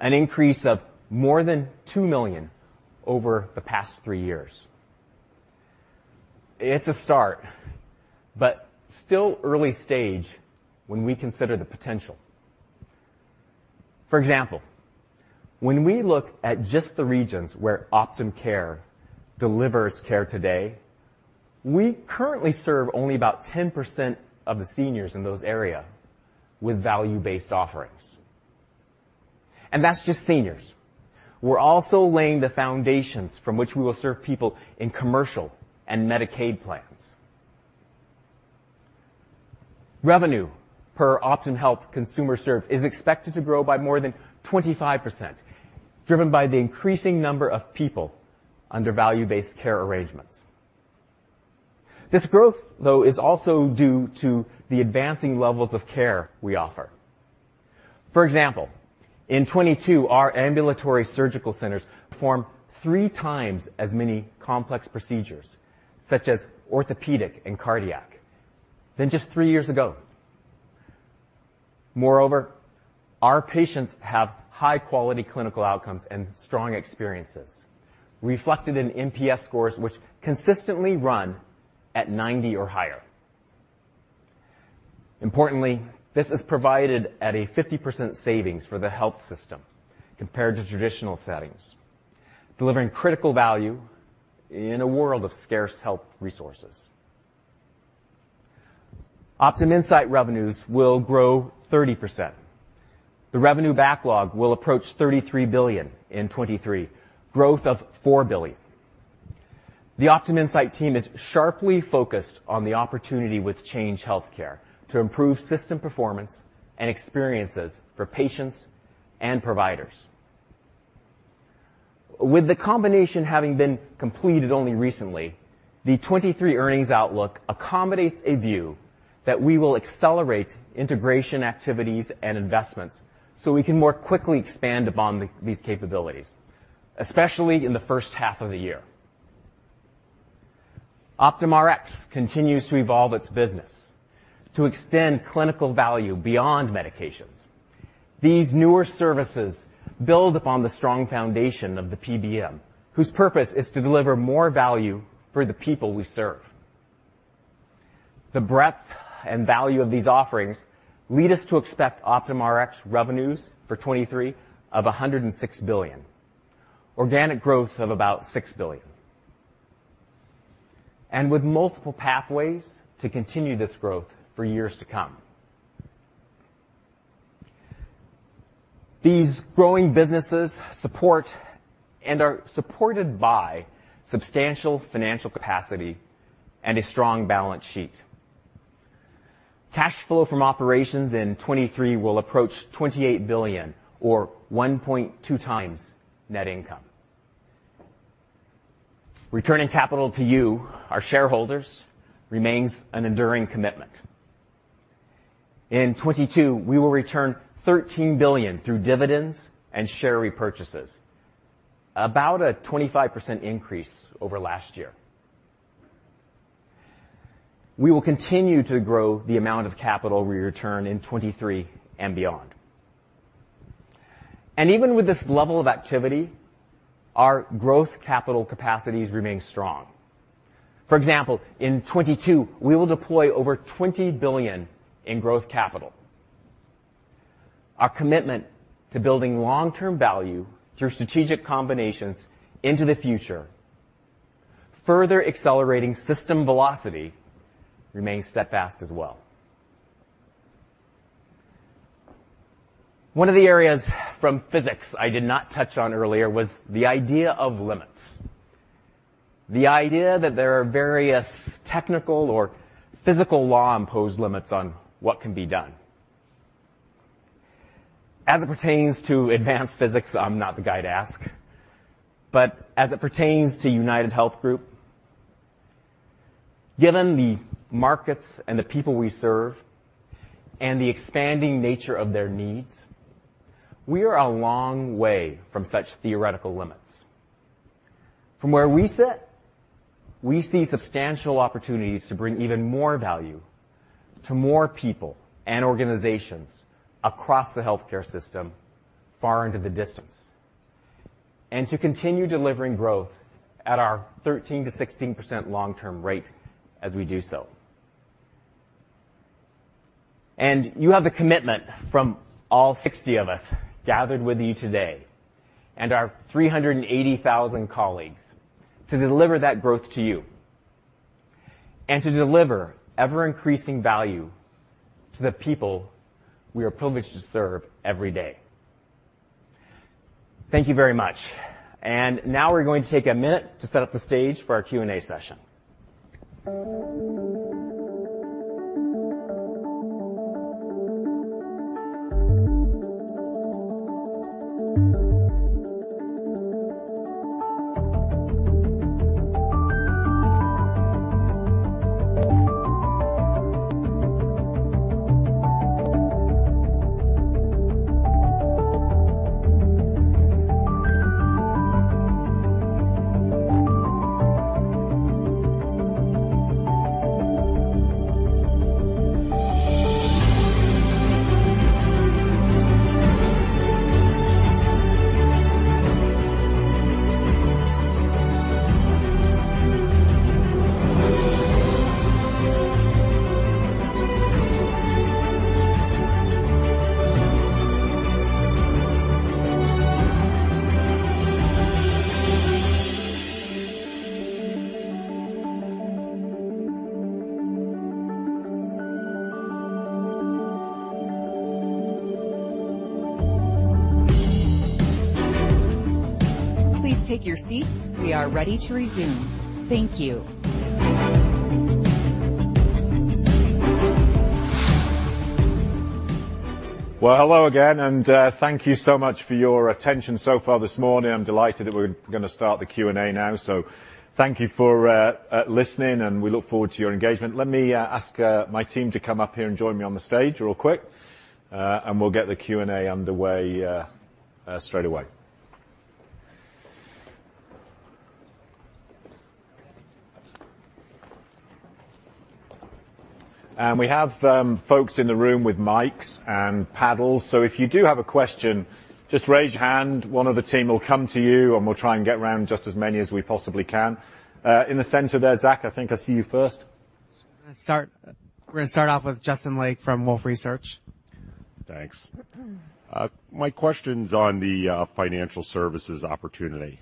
an increase of more than 2 million over the past 3 years. It's a start, but still early stage when we consider the potential. For example, when we look at just the regions where Optum Care delivers care today, we currently serve only about 10% of the seniors in those area with value-based offerings. That's just seniors. We're also laying the foundations from which we will serve people in commercial and Medicaid plans. Revenue per Optum Health consumer served is expected to grow by more than 25%, driven by the increasing number of people under value-based care arrangements. This growth, though, is also due to the advancing levels of care we offer. For example, in 2022, our ambulatory surgical centers performed 3 times as many complex procedures, such as orthopedic and cardiac, than just three years ago. Moreover, our patients have high-quality clinical outcomes and strong experiences reflected in NPS scores, which consistently run at 90 or higher. Importantly, this is provided at a 50% savings for the health system compared to traditional settings, delivering critical value in a world of scarce health resources. Optum Insight revenues will grow 30%. The revenue backlog will approach $33 billion in 2023, growth of $4 billion. The Optum Insight team is sharply focused on the opportunity with Change Healthcare to improve system performance and experiences for patients and providers. With the combination having been completed only recently, the 23 earnings outlook accommodates a view that we will accelerate integration activities and investments, so we can more quickly expand upon these capabilities, especially in the first half of the year. Optum Rx continues to evolve its business to extend clinical value beyond medications. These newer services build upon the strong foundation of the PBM, whose purpose is to deliver more value for the people we serve. The breadth and value of these offerings lead us to expect Optum Rx revenues for 23 of $106 billion, organic growth of about $6 billion, and with multiple pathways to continue this growth for years to come. These growing businesses support and are supported by substantial financial capacity and a strong balance sheet. Cash flow from operations in 2023 will approach $28 billion or 1.2x net income. Returning capital to you, our shareholders, remains an enduring commitment. In 2022, we will return $13 billion through dividends and share repurchases, about a 25% increase over last year. We will continue to grow the amount of capital we return in 2023 and beyond. Even with this level of activity, our growth capital capacities remain strong. For example, in 2022, we will deploy over $20 billion in growth capital. Our commitment to building long-term value through strategic combinations into the future, further accelerating system velocity remains steadfast as well. One of the areas from physics I did not touch on earlier was the idea of limits. The idea that there are various technical or physical law-imposed limits on what can be done. As it pertains to advanced physics, I'm not the guy to ask. But as it pertains to UnitedHealth Group, given the markets and the people we serve and the expanding nature of their needs, we are a long way from such theoretical limits. From where we sit, we see substantial opportunities to bring even more value to more people and organizations across the healthcare system far into the distance, and to continue delivering growth at our 13%-16% long-term rate as we do so. You have the commitment from all 60 of us gathered with you today and our 380,000 colleagues to deliver that growth to you and to deliver ever-increasing value to the people we are privileged to serve every day. Thank you very much. Now we're going to take a minute to set up the stage for our Q&A session. Please take your seats. We are ready to resume. Thank you. Well, hello again, thank you so much for your attention so far this morning. I'm delighted that we're gonna start the Q&A now. Thank you for listening, and we look forward to your engagement. Let me ask my team to come up here and join me on the stage real quick. We'll get the Q&A underway straight away. We have folks in the room with mics and paddles, so if you do have a question, just raise your hand, one of the team will come to you, and we'll try and get around just as many as we possibly can. In the center there, Zack, I think I see you first. We're gonna start off with Justin Lake from Wolfe Research. Thanks. My question's on the financial services opportunity.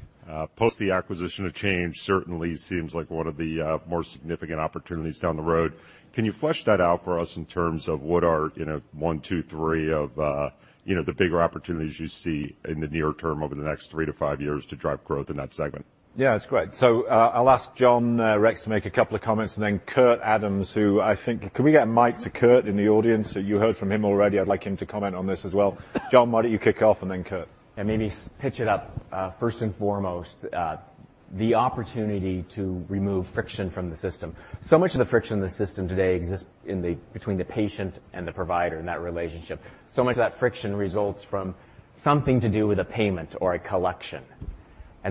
Post the acquisition of Change certainly seems like one of the more significant opportunities down the road. Can you flesh that out for us in terms of what are, you know, one, two, three of, you know, the bigger opportunities you see in the near term over the next three to five years to drive growth in that segment? Yeah, it's great. I'll ask John Rex to make a couple of comments, and then Kurt Adams. Can we get mic to Kurt in the audience? You heard from him already. I'd like him to comment on this as well. John, why don't you kick off and then Kurt. Maybe pitch it up, first and foremost, the opportunity to remove friction from the system. Much of the friction in the system today exists between the patient and the provider in that relationship. Much of that friction results from something to do with a payment or a collection.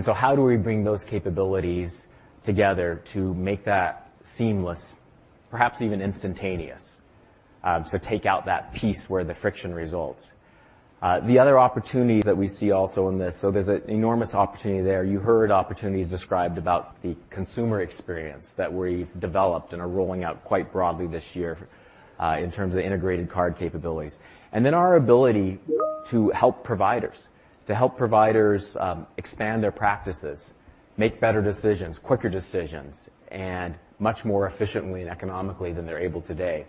How do we bring those capabilities together to make that seamless, perhaps even instantaneous, to take out that piece where the friction results. The other opportunities that we see also in this, there's an enormous opportunity there. You heard opportunities described about the consumer experience that we've developed and are rolling out quite broadly this year, in terms of integrated card capabilities. Our ability to help providers, expand their practices, make better decisions, quicker decisions, and much more efficiently and economically than they're able today.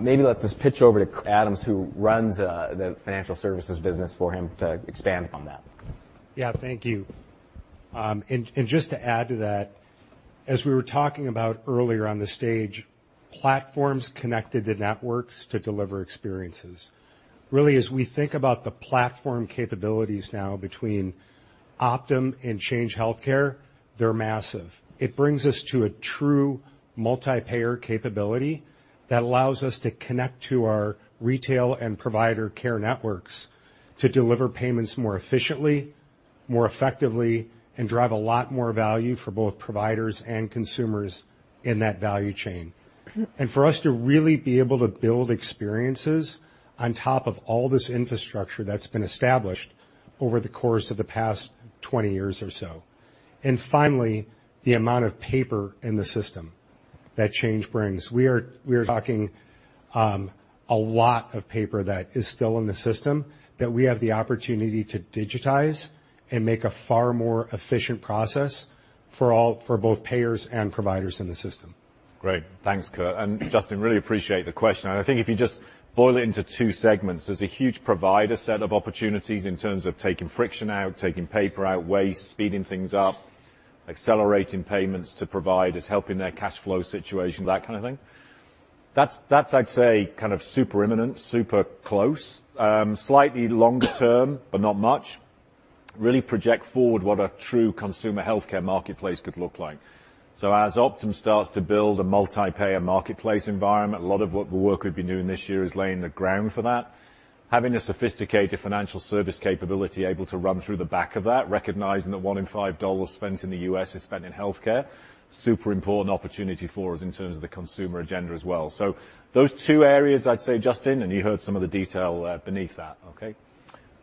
Maybe let's just pitch over to Kurt Adams, who runs the financial services business for him to expand on that. Yeah. Thank you. And just to add to that, as we were talking about earlier on the stage, platforms connected to networks to deliver experiences. As we think about the platform capabilities now between Optum, and Change Healthcare, they're massive. It brings us to a true multi-payer capability that allows us to connect to our retail and provider care networks to deliver payments more efficiently, more effectively, and drive a lot more value for both providers and consumers in that value chain. For us to really be able to build experiences on top of all this infrastructure that's been established over the course of the past 20 years or so. Finally, the amount of paper in the system that Change brings. We are talking a lot of paper that is still in the system that we have the opportunity to digitize and make a far more efficient process for both payers and providers in the system. Great. Thanks, Kurt. Justin, really appreciate the question. I think if you just boil it into two segments, there's a huge provider set of opportunities in terms of taking friction out, taking paper out, waste, speeding things up, accelerating payments to providers, helping their cash flow situation, that kind of thing. That's, I'd say, kind of super imminent, super close. Slightly longer term, but not much, really project forward what a true consumer healthcare marketplace could look like. As Optum starts to build a multi-payer marketplace environment, a lot of what the work we've been doing this year is laying the ground for that. Having a sophisticated financial service capability able to run through the back of that, recognizing that one in five dollars spent in the U.S. is spent in healthcare, super important opportunity for us in terms of the consumer agenda as well. Those two areas, I'd say, Justin, and you heard some of the detail beneath that. Okay?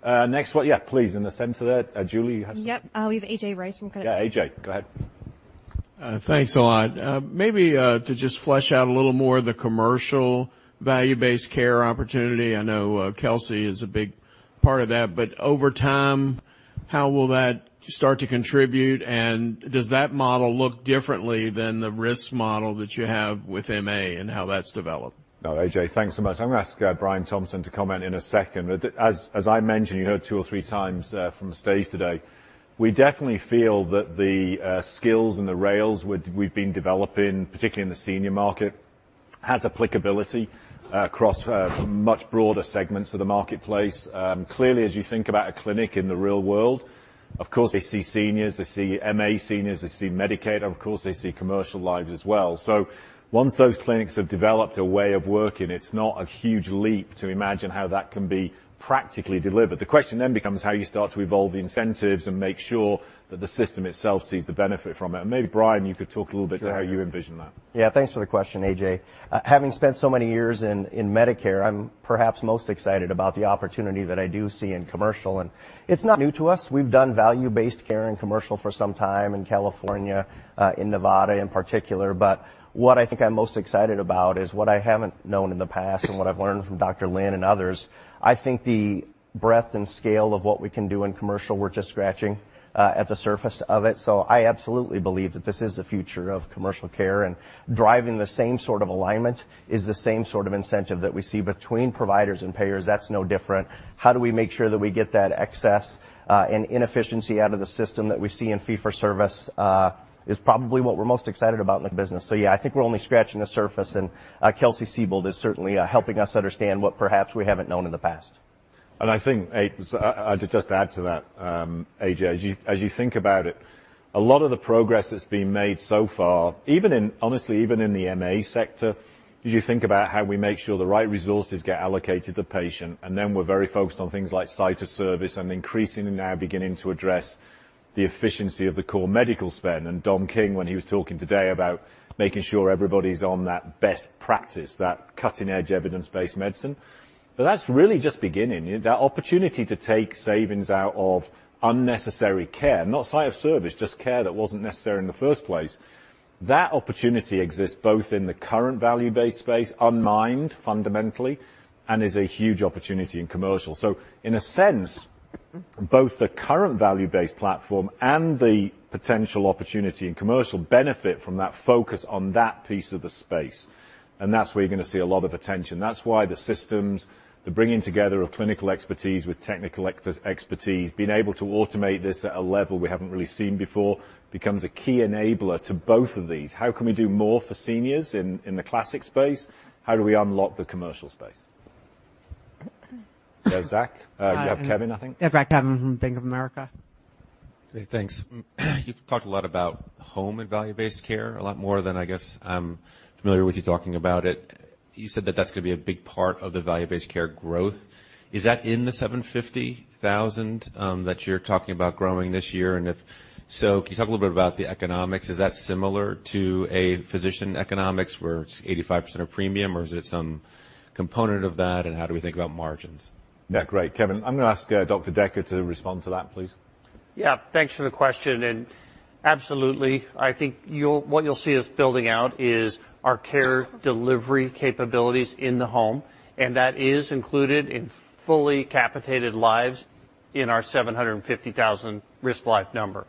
Next one. Yeah, please. In the center there, Julie. Yep. We have A.J. Rice from- Yeah, AJ, go ahead. Thanks a lot. Maybe to just flesh out a little more the commercial value-based care opportunity. I know Kelsey is a big part of that, but over time, how will that start to contribute, and does that model look differently than the risk model that you have with MA and how that's developed? A.J., thanks so much. I'm gonna ask Brian Thompson to comment in a second. As I mentioned, you heard two or three times from the stage today, we definitely feel that the skills and the rails we've been developing, particularly in the senior market, has applicability across much broader segments of the marketplace. Clearly, as you think about a clinic in the real world, of course, they see seniors, they see MA seniors, they see Medicaid. Of course, they see commercial lives as well. Once those clinics have developed a way of working, it's not a huge leap to imagine how that can be practically delivered. The question becomes how you start to evolve the incentives and make sure that the system itself sees the benefit from it. Maybe, Brian, you could talk a little bit to how you envision that. Yeah. Thanks for the question, A.J. Having spent so many years in Medicare, I'm perhaps most excited about the opportunity that I do see in commercial. It's not new to us. We've done value-based care in commercial for some time in California, in Nevada in particular. What I think I'm most excited about is what I haven't known in the past and what I've learned from Dr. Lin and others. I think the breadth and scale of what we can do in commercial, we're just scratching at the surface of it. I absolutely believe that this is the future of commercial care, driving the same sort of alignment is the same sort of incentive that we see between providers and payers. That's no different. How do we make sure that we get that excess and inefficiency out of the system that we see in fee for service is probably what we're most excited about in the business. Yeah, I think we're only scratching the surface, and Kelsey-Seybold is certainly helping us understand what perhaps we haven't known in the past. I think, I'd just add to that, A.J., as you think about it, a lot of the progress that's been made so far, honestly, even in the MA sector, as you think about how we make sure the right resources get allocated to the patient, and then we're very focused on things like site of service and increasingly now beginning to address the efficiency of the core medical spend. Dominic King, when he was talking today about making sure everybody's on that best practice, that cutting-edge evidence-based medicine, but that's really just beginning. That opportunity to take savings out of unnecessary care, not site of service, just care that wasn't necessary in the first place, that opportunity exists both in the current value-based space, unmined fundamentally, and is a huge opportunity in commercial. In a sense, both the current value-based platform and the potential opportunity in commercial benefit from that focus on that piece of the space. That's where you're gonna see a lot of attention. That's why the systems, the bringing together of clinical expertise with technical expertise, being able to automate this at a level we haven't really seen before, becomes a key enabler to both of these. How can we do more for seniors in the classic space? How do we unlock the commercial space? Zack, you have Kevin, I think. Yeah. Zack Sopcak from Bank of America. Hey, thanks. You've talked a lot about home and value-based care, a lot more than I guess I'm familiar with you talking about it. You said that that's gonna be a big part of the value-based care growth. Is that in the 750,000 that you're talking about growing this year? If so, can you talk a little bit about the economics? Is that similar to a physician economics where it's 85% are premium, or is it some component of that, and how do we think about margins? Yeah. Great, Kevin. I'm gonna ask Dr. Decker to respond to that, please. Yeah. Thanks for the question. Absolutely. I think what you'll see us building out is our care delivery capabilities in the home, and that is included in fully capitated lives in our 750,000 risk life number.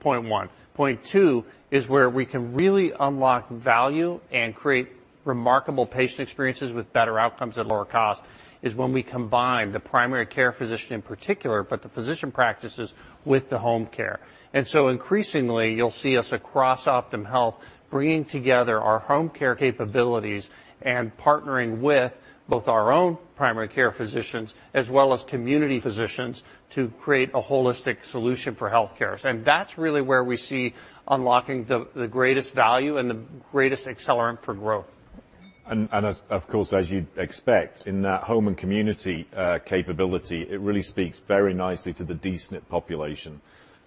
Point 1. Point 2 is where we can really unlock value and create remarkable patient experiences with better outcomes at lower cost, is when we combine the primary care physician in particular, but the physician practices with the home care. Increasingly, you'll see us across Optum Health bringing together our home care capabilities and partnering with both our own primary care physicians as well as community physicians to create a holistic solution for healthcare. That's really where we see unlocking the greatest value and the greatest accelerant for growth. Of course, as you'd expect in that home and community capability, it really speaks very nicely to the D-SNP population.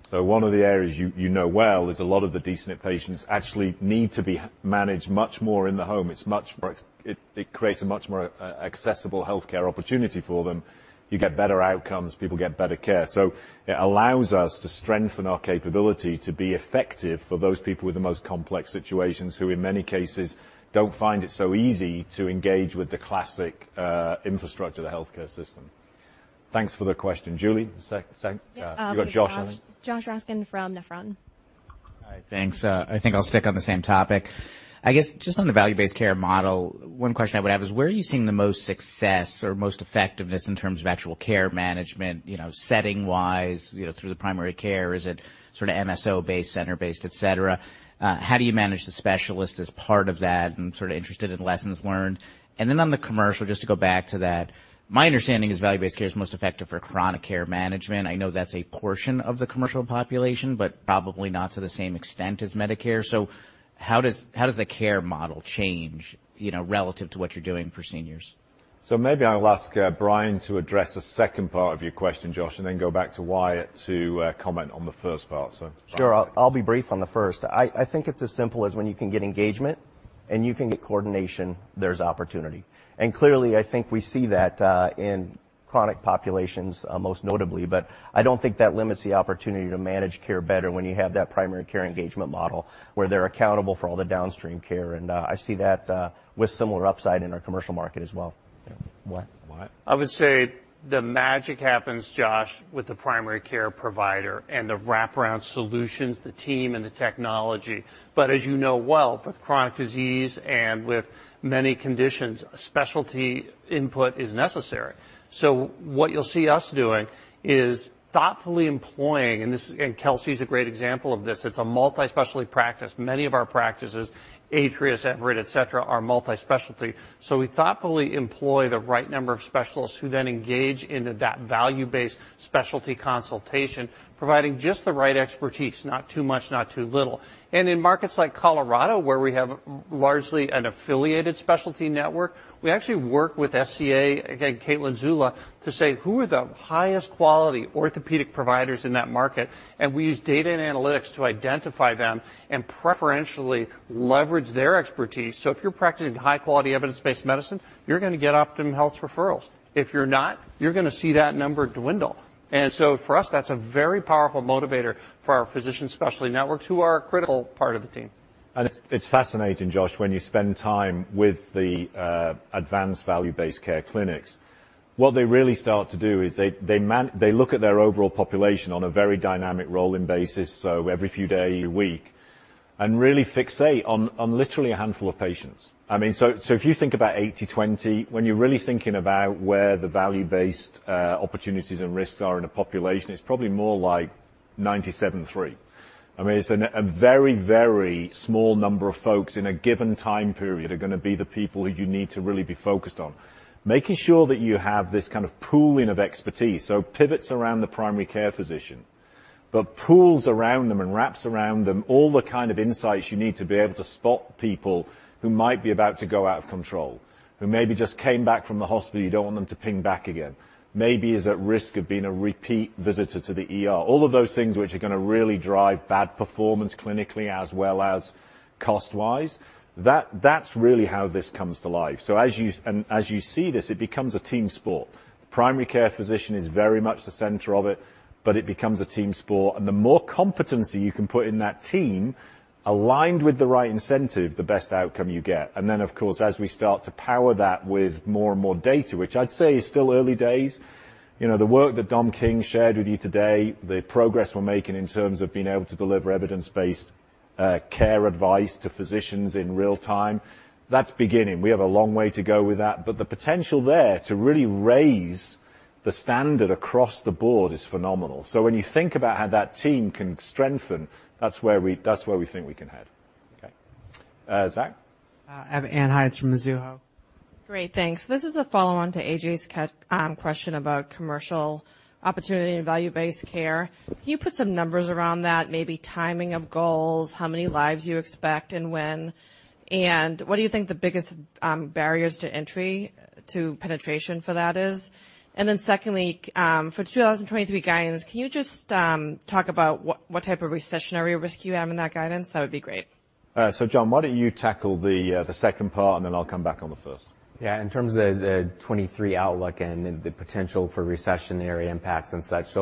One of the areas you know well is a lot of the D-SNP patients actually need to be managed much more in the home. It's much more. It creates a much more accessible healthcare opportunity for them. You get better outcomes, people get better care. It allows us to strengthen our capability to be effective for those people with the most complex situations who in many cases don't find it so easy to engage with the classic infrastructure of the healthcare system. Thanks for the question. Julie, you got Josh, I think. Yeah. Josh Raskin from Nephron. Hi. Thanks. I think I'll stick on the same topic. I guess just on the value-based care model, one question I would have is, where are you seeing the most success or most effectiveness in terms of actual care management, you know, setting-wise, you know, through the primary care? Is it sort of MSO-based, center-based, et cetera? How do you manage the specialist as part of that? I'm sort of interested in lessons learned. On the commercial, just to go back to that, my understanding is value-based care is most effective for chronic care management. I know that's a portion of the commercial population, but probably not to the same extent as Medicare. How does the care model change, you know, relative to what you're doing for seniors? Maybe I'll ask Brian to address the second part of your question, Josh, and then go back to Wyatt to comment on the first part. Brian. Sure. I'll be brief on the first. I think it's as simple as when you can get engagement and you can get coordination, there's opportunity. Clearly, I think we see that in chronic populations, most notably, but I don't think that limits the opportunity to manage care better when you have that primary care engagement model, where they're accountable for all the downstream care. I see that with similar upside in our commercial market as well. Wyatt. I would say the magic happens, Josh, with the primary care provider and the wraparound solutions, the team and the technology. As you know well, with chronic disease and with many conditions, specialty input is necessary. What you'll see us doing is thoughtfully employing, and Kelsey is a great example of this. It's a multi-specialty practice. Many of our practices, Atrius, Everett, et cetera, are multi-specialty. We thoughtfully employ the right number of specialists who then engage into that value-based specialty consultation, providing just the right expertise, not too much, not too little. In markets like Colorado, where we have largely an affiliated specialty network, we actually work with SCA, again, Caitlin Zulla, to say, "Who are the highest quality orthopedic providers in that market?" We use data and analytics to identify them and preferentially leverage their expertise. If you're practicing high-quality evidence-based medicine, you're gonna get Optum Health's referrals. If you're not, you're gonna see that number dwindle. For us, that's a very powerful motivator for our physician specialty networks who are a critical part of the team. It's, it's fascinating, Josh, when you spend time with the advanced value-based care clinics, what they really start to do is they look at their overall population on a very dynamic rolling basis, so every few days, every week. Really fixate on literally a handful of patients. I mean, so, if you think about 80/20, when you're really thinking about where the value-based opportunities and risks are in a population, it's probably more like 97/3. I mean, it's a very, very small number of folks in a given time period are gonna be the people who you need to really be focused on. Making sure that you have this kind of pooling of expertise, so pivots around the primary care physician, but pools around them and wraps around them all the kind of insights you need to be able to spot people who might be about to go out of control, who maybe just came back from the hospital, you don't want them to ping back again. Maybe is at risk of being a repeat visitor to the ER. All of those things which are gonna really drive bad performance clinically as well as cost-wise. That's really how this comes to life. As you see this, it becomes a team sport. Primary care physician is very much the center of it, but it becomes a team sport, and the more competency you can put in that team, aligned with the right incentive, the best outcome you get. Of course, as we start to power that with more and more data, which I'd say is still early days. You know, the work that Dominic King shared with you today, the progress we're making in terms of being able to deliver evidence-based care advice to physicians in real time, that's beginning. We have a long way to go with that, but the potential there to really raise the standard across the board is phenomenal. When you think about how that team can strengthen, that's where we, that's where we think we can head. Okay. Zach? I have Ann Hynes from the Mizuho. Great, thanks. This is a follow-on to A.J.'s question about commercial opportunity and value-based care. Can you put some numbers around that, maybe timing of goals, how many lives you expect and when? What do you think the biggest barriers to entry to penetration for that is? Secondly, for 2023 guidance, can you just talk about what type of recessionary risk you have in that guidance? That would be great. John, why don't you tackle the second part, and then I'll come back on the first. In terms of the 2023 outlook and the potential for recessionary impacts and such.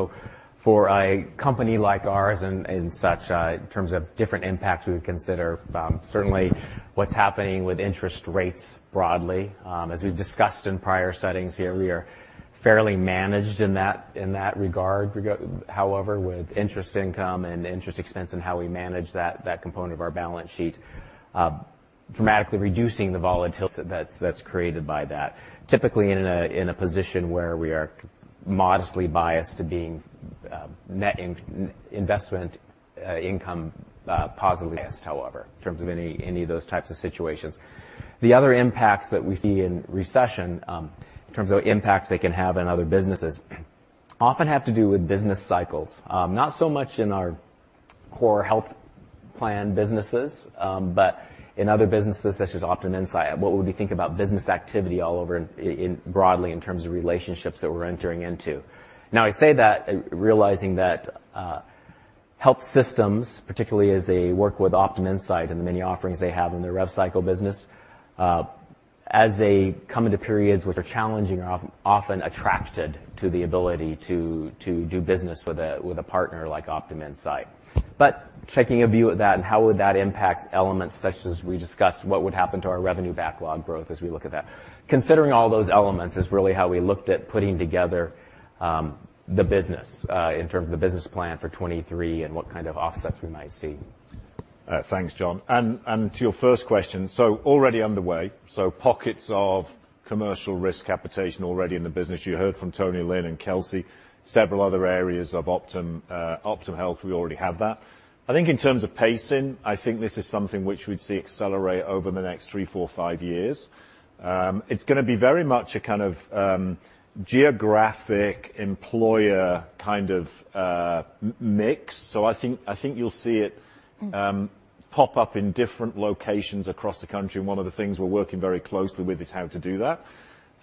For a company like ours and such, in terms of different impacts we would consider, certainly what's happening with interest rates broadly. As we've discussed in prior settings here, we are fairly managed in that regard. However, with interest income and interest expense and how we manage that component of our balance sheet, dramatically reducing the volatility that's created by that. Typically in a position where we are modestly biased to being net investment income positively biased, however, in terms of any of those types of situations. The other impacts that we see in recession, in terms of impacts they can have on other businesses, often have to do with business cycles. Not so much in our core health plan businesses, but in other businesses such as Optum Insight, what would we think about business activity all over in broadly in terms of relationships that we're entering into. Now I say that realizing that health systems, particularly as they work with Optum Insight and the many offerings they have in their rev cycle business, as they come into periods which are challenging are often attracted to the ability to do business with a partner like Optum Insight. Taking a view of that and how would that impact elements such as we discussed, what would happen to our revenue backlog growth as we look at that. Considering all those elements is really how we looked at putting together, the business, in terms of the business plan for 2023 and what kind of offsets we might see. Thanks, John. To your first question, so already underway, so pockets of commercial risk capitation already in the business. You heard from Tony Lin and Kelsey, several other areas of Optum Health, we already have that. I think in terms of pacing, I think this is something which we'd see accelerate over the next three, four, five years. It's gonna be very much a kind of geographic employer kind of mix. I think you'll see it pop up in different locations across the country, and one of the things we're working very closely with is how to do that.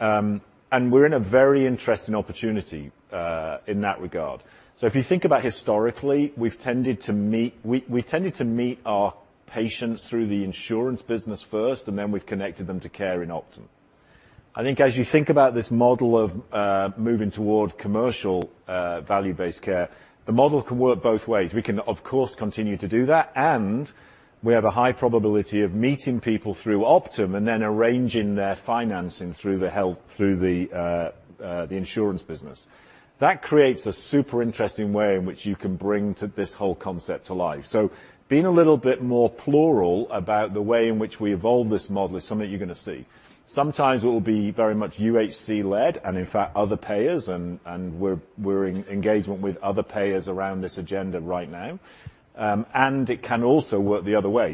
We're in a very interesting opportunity in that regard. If you think about historically, we tended to meet our patients through the insurance business first, and then we've connected them to care in Optum. I think as you think about this model of moving toward commercial value-based care, the model can work both ways. We can, of course, continue to do that, and we have a high probability of meeting people through Optum and then arranging their financing through the health, through the the insurance business. That creates a super interesting way in which you can bring to this whole concept to life. Being a little bit more plural about the way in which we evolve this model is something you're gonna see. Sometimes it will be very much UHC-led, and in fact, other payers and we're in engagement with other payers around this agenda right now. It can also work the other way.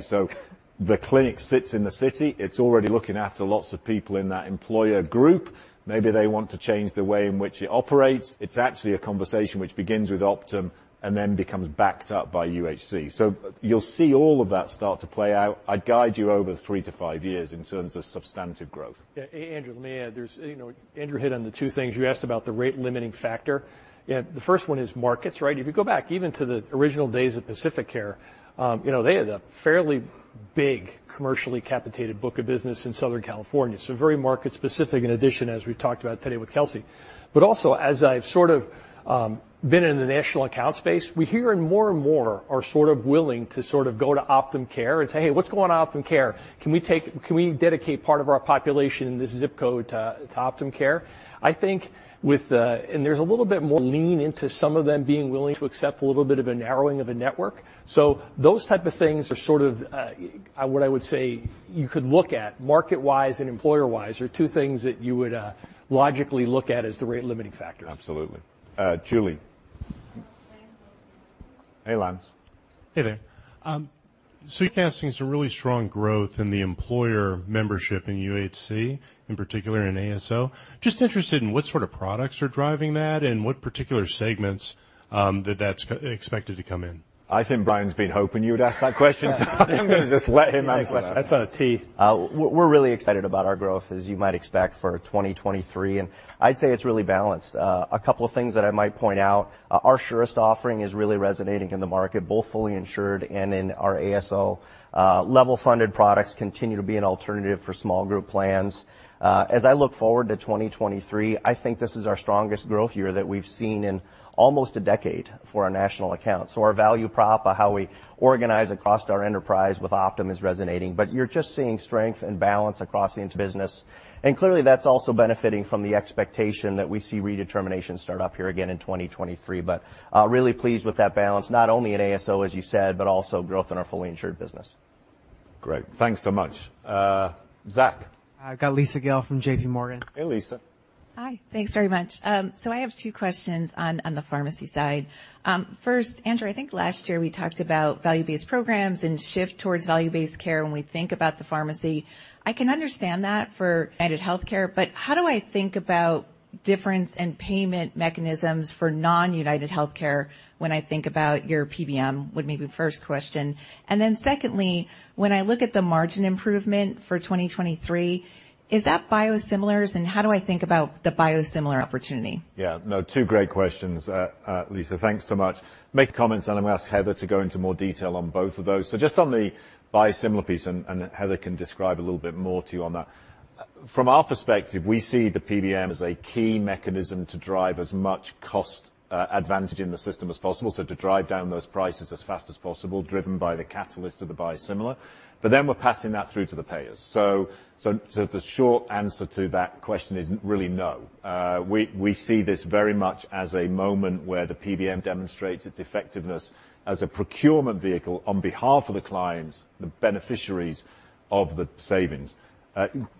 The clinic sits in the city, it's already looking after lots of people in that employer group. Maybe they want to change the way in which it operates. It's actually a conversation which begins with Optum and then becomes backed up by UHC. You'll see all of that start to play out. I'd guide you over 3-5 years in terms of substantive growth. Yeah, Andrew, let me add, there's, you know, Andrew hit on the two things. You asked about the rate limiting factor. Yeah, the first one is markets, right? If you go back even to the original days of PacifiCare, you know, they had a fairly big commercially capitated book of business in Southern California. Also, as I've sort of been in the national account space, we're hearing more and more are sort of willing to sort of go to Optum Care and say, "Hey, what's going on Optum Care? Can we dedicate part of our population in this zip code to Optum Care?" I think with the... There's a little bit more lean into some of them being willing to accept a little bit of a narrowing of a network. Those type of things are sort of, what I would say you could look at market-wise and employer-wise are two things that you would logically look at as the rate limiting factor. Absolutely. Julie. Hey, Lance. Hey there. You're casting some really strong growth in the employer membership in UHC, in particular in ASO. Just interested in what sort of products are driving that and what particular segments that that's expected to come in? I think Brian's been hoping you would ask that question, so I think I'm gonna just let him answer that. That's on a T. We're really excited about our growth, as you might expect, for 2023, and I'd say it's really balanced. A couple of things that I might point out, our Surest offering is really resonating in the market, both fully insured and in our ASO. Level-funded products continue to be an alternative for small group plans. As I look forward to 2023, I think this is our strongest growth year that we've seen in almost a decade for our national accounts. Our value prop of how we organize across our enterprise with Optum is resonating. You're just seeing strength and balance across the inter-business. Clearly that's also benefiting from the expectation that we see redeterminations start up here again in 2023. Really pleased with that balance, not only at ASO, as you said, but also growth in our fully insured business. Great. Thanks so much. Zack? I've got Lisa Gill from J.P. Morgan. Hey, Lisa. Hi. Thanks very much. I have two questions on the pharmacy side. First, Andrew, I think last year we talked about value-based programs and shift towards value-based care when we think about the pharmacy. I can understand that for UnitedHealthcare, but how do I think about difference in payment mechanisms for non-UnitedHealthcare when I think about your PBM? Would maybe first question. Secondly, when I look at the margin improvement for 2023, is that biosimilars, and how do I think about the biosimilar opportunity? Yeah, no, two great questions, Lisa. Thanks so much. Make comments and I'm gonna ask Heather to go into more detail on both of those. Just on the biosimilar piece, and Heather can describe a little bit more to you on that. From our perspective, we see the PBM as a key mechanism to drive as much cost advantage in the system as possible, so to drive down those prices as fast as possible, driven by the catalyst of the biosimilar. We're passing that through to the payers. The short answer to that question is really no. We, we see this very much as a moment where the PBM demonstrates its effectiveness as a procurement vehicle on behalf of the clients, the beneficiaries of the savings.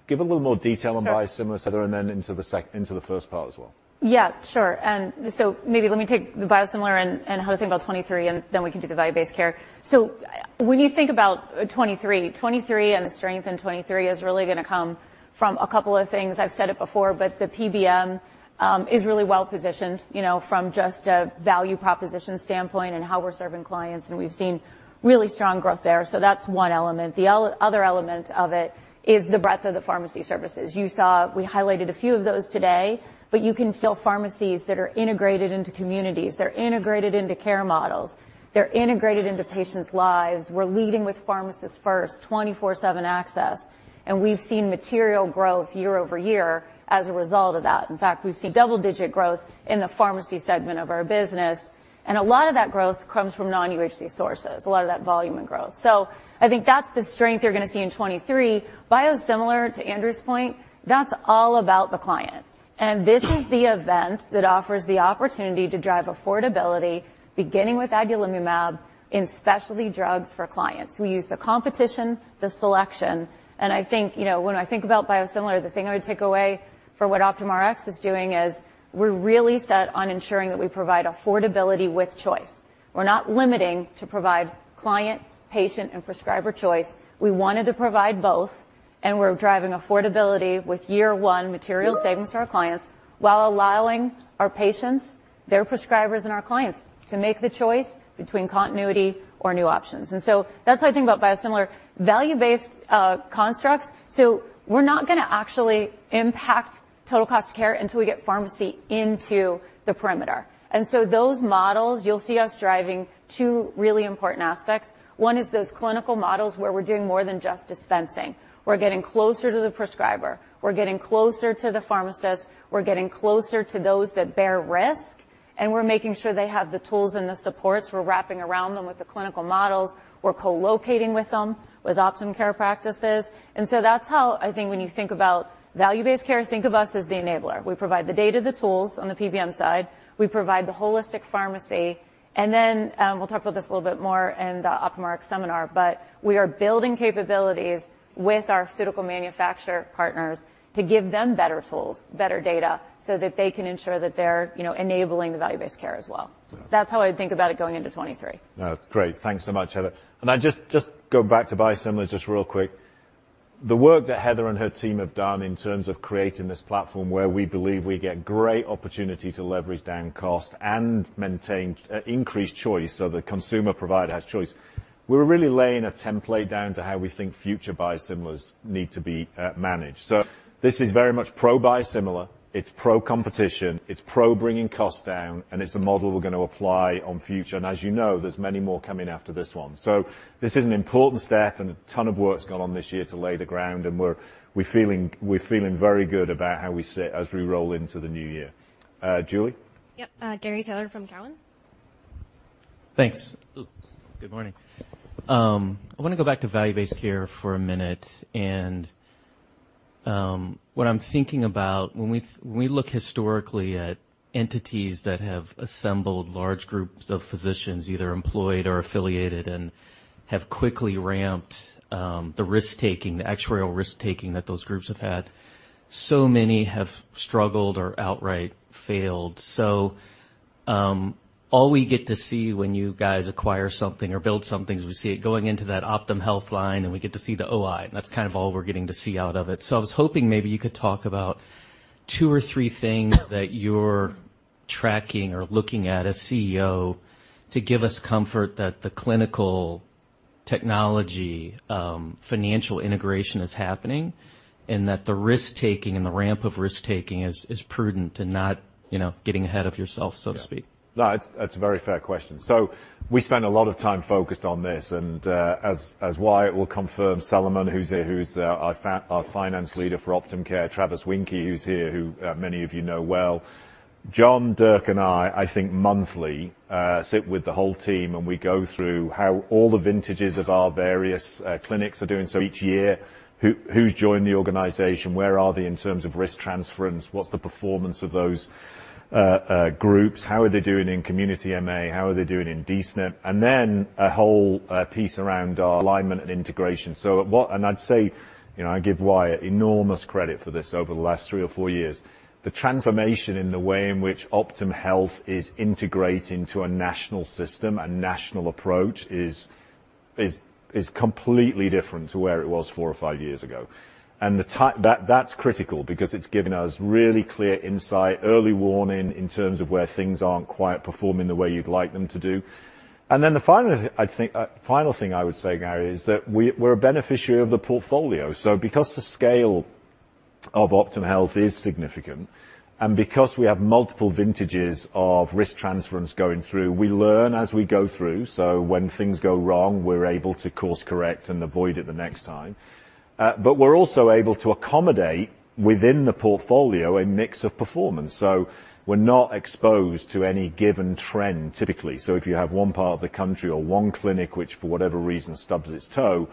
Give a little more detail on biosimilars, Heather, and then into the first part as well. Yeah, sure. Maybe let me take the biosimilar and how to think about 2023, and then we can do the value-based care. When you think about 2023 and the strength in 2023 is really gonna come from a couple of things. I've said it before, but the PBM is really well positioned, you know, from just a value proposition standpoint and how we're serving clients, and we've seen really strong growth there. That's one element. The other element of it is the breadth of the pharmacy services. You saw we highlighted a few of those today, but you can feel pharmacies that are integrated into communities. They're integrated into care models. They're integrated into patients' lives. We're leading with Pharmacist First 24/7 access, and we've seen material growth year-over-year as a result of that. In fact, we've seen double-digit growth in the pharmacy segment of our business, and a lot of that growth comes from non-UHC sources, a lot of that volume and growth. I think that's the strength you're gonna see in 2023. Biosimilar, to Andrew's point, that's all about the client. This is the event that offers the opportunity to drive affordability, beginning with Adalimumab in specialty drugs for clients. We use the competition, the selection, and I think, you know, when I think about biosimilar, the thing I would take away for what Optum Rx is doing is we're really set on ensuring that we provide affordability with choice. We're not limiting to provide client, patient, and prescriber choice. We wanted to provide both. We're driving affordability with year 1 material savings to our clients while allowing our patients, their prescribers, and our clients to make the choice between continuity or new options. That's how I think about biosimilar. Value-based constructs, so we're not gonna actually impact total cost of care until we get pharmacy into the perimeter. Those models, you'll see us driving 2 really important aspects. 1 is those clinical models, where we're doing more than just dispensing. We're getting closer to the prescriber. We're getting closer to the pharmacist. We're getting closer to those that bear risk, and we're making sure they have the tools and the supports. We're wrapping around them with the clinical models. We're co-locating with them with Optum Care practices. That's how I think when you think about value-based care, think of us as the enabler. We provide the data, the tools on the PBM side. We provide the holistic pharmacy. Then, we'll talk about this a little bit more in the Optum Rx seminar, but we are building capabilities with our pharmaceutical manufacturer partners to give them better tools, better data, so that they can ensure that they're, you know, enabling the value-based care as well. That's how I would think about it going into 2023. No, great. Thanks so much, Heather. I'd just go back to biosimilars just real quick. The work that Heather and her team have done in terms of creating this platform where we believe we get great opportunity to leverage down cost and maintain increased choice so the consumer provider has choice, we're really laying a template down to how we think future biosimilars need to be managed. This is very much pro biosimilar, it's pro competition, it's pro bringing costs down, and it's a model we're gonna apply on future. As you know, there's many more coming after this one. This is an important step and a ton of work's gone on this year to lay the ground, and we're feeling very good about how we sit as we roll into the new year. Julie? Yep. Gary Taylor from Cowen. Thanks. Good morning. I wanna go back to value-based care for a minute, and what I'm thinking about when we look historically at entities that have assembled large groups of physicians, either employed or affiliated, and have quickly ramped the risk-taking, the actuarial risk-taking that those groups have had, so many have struggled or outright failed. All we get to see when you guys acquire something or build something is we see it going into that Optum Health line, and we get to see the O.I. That's kind of all we're getting to see out of it. I was hoping maybe you could talk about two or three things that you're tracking or looking at as CEO to give us comfort that the clinical technology, financial integration is happening, and that the risk-taking and the ramp of risk-taking is prudent and not, you know, getting ahead of yourself, so to speak. No, it's a very fair question. We spend a lot of time focused on this, and as Wyatt Decker will confirm, Solomon, who's here, who's our finance leader for Optum Care, Travis Winky, who's here, who many of you know well. John Rex, Dirk McMahon, and I think monthly sit with the whole team, and we go through how all the vintages of our various clinics are doing. Each year who's joined the organization? Where are they in terms of risk transference? What's the performance of those groups? How are they doing in community MA? How are they doing in D-SNP? Then a whole piece around our alignment and integration. I'd say, you know, I give Wyatt Decker enormous credit for this over the last 3 or 4 years. The transformation in the way in which Optum Health is integrating to a national system, a national approach is completely different to where it was four or five years ago. That's critical because it's given us really clear insight, early warning in terms of where things aren't quite performing the way you'd like them to do. The final, I think, final thing I would say, Gary, is that we're a beneficiary of the portfolio. Because the scale of Optum Health is significant, and because we have multiple vintages of risk transference going through, we learn as we go through, so when things go wrong, we're able to course-correct and avoid it the next time. We're also able to accommodate within the portfolio a mix of performance. We're not exposed to any given trend, typically. If you have one part of the country or one clinic which for whatever reason stubs its toe,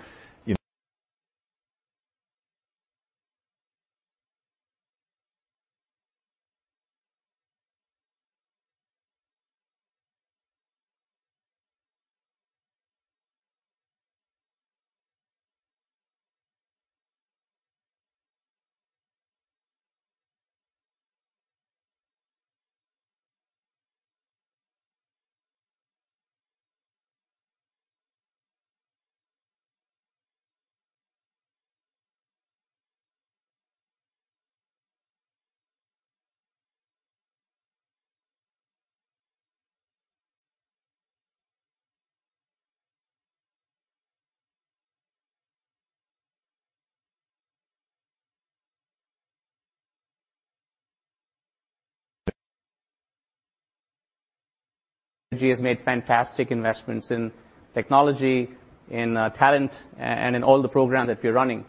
you know. has made fantastic investments in technology, in talent, and in all the programs that we're running.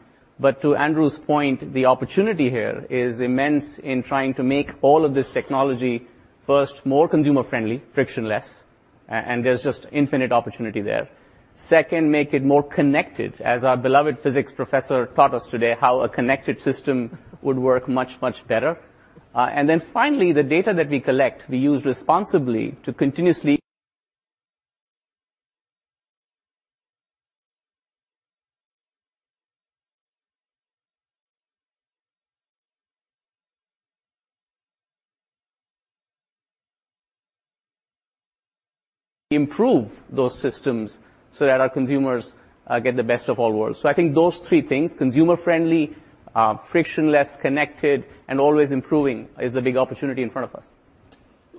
To Andrew's point, the opportunity here is immense in trying to make all of this technology, first, more consumer-friendly, frictionless, and there's just infinite opportunity there. Second, make it more connected, as our beloved physics professor taught us today, how a connected system would work much better. Then finally, the data that we collect, we use responsibly to continuously improve those systems so that our consumers get the best of all worlds. I think those three things, consumer-friendly, frictionless, connected and always improving is the big opportunity in front of us.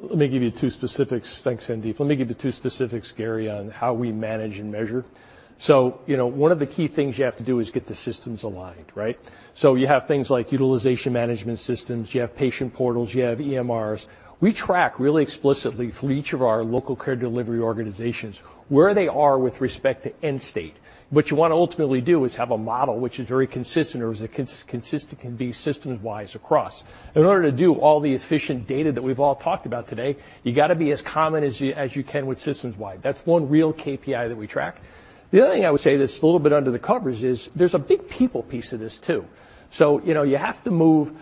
Let me give you two specifics. Thanks, Sandeep. Let me give you two specifics, Gary, on how we manage and measure. You know, one of the key things you have to do is get the systems aligned, right? You have things like utilization management systems, you have patient portals, you have EMRs. We track really explicitly through each of our local care delivery organizations, where they are with respect to end state. What you wanna ultimately do is have a model which is very consistent or is consistent can be systems-wise across. In order to do all the efficient data that we've all talked about today, you gotta be as common as you can with systems-wide. That's one real KPI that we track. The other thing I would say that's a little bit under the covers is there's a big people piece of this too. You know, you have to move.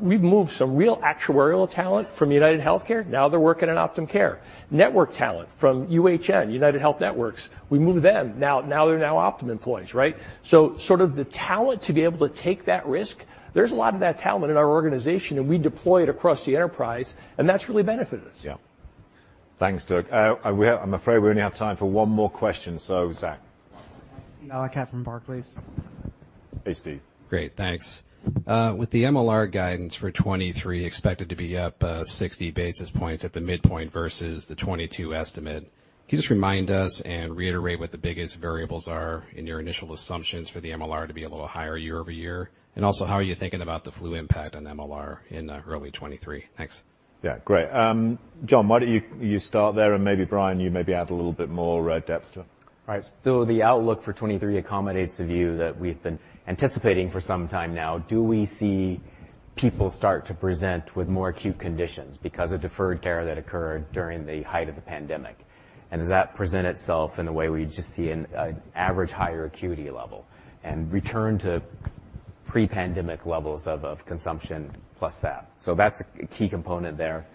We've moved some real actuarial talent from UnitedHealthcare, now they're working at Optum Care. Network talent from UHN, United Health Networks, we moved them, now they're Optum employees, right? Sort of the talent to be able to take that risk, there's a lot of that talent in our organization, and we deploy it across the enterprise, and that's really benefited us. Yeah. Thanks, Doug. I'm afraid we only have time for one more question. Zach. Steve Valiquette from Barclays. Hey, Steve. Great. Thanks. With the MLR guidance for 2023 expected to be up 60 basis points at the midpoint versus the 2022 estimate, can you just remind us and reiterate what the biggest variables are in your initial assumptions for the MLR to be a little higher year-over-year? How are you thinking about the flu impact on MLR in early 2023? Thanks. Yeah. Great. John, why don't you start there and maybe Brian, maybe add a little bit more depth to it. All right. The outlook for 23 accommodates the view that we've been anticipating for some time now. Do we see people start to present with more acute conditions because of deferred care that occurred during the height of the pandemic? Does that present itself in a way where you just see an average higher acuity level and return to pre-pandemic levels of consumption plus that? That's a key component there.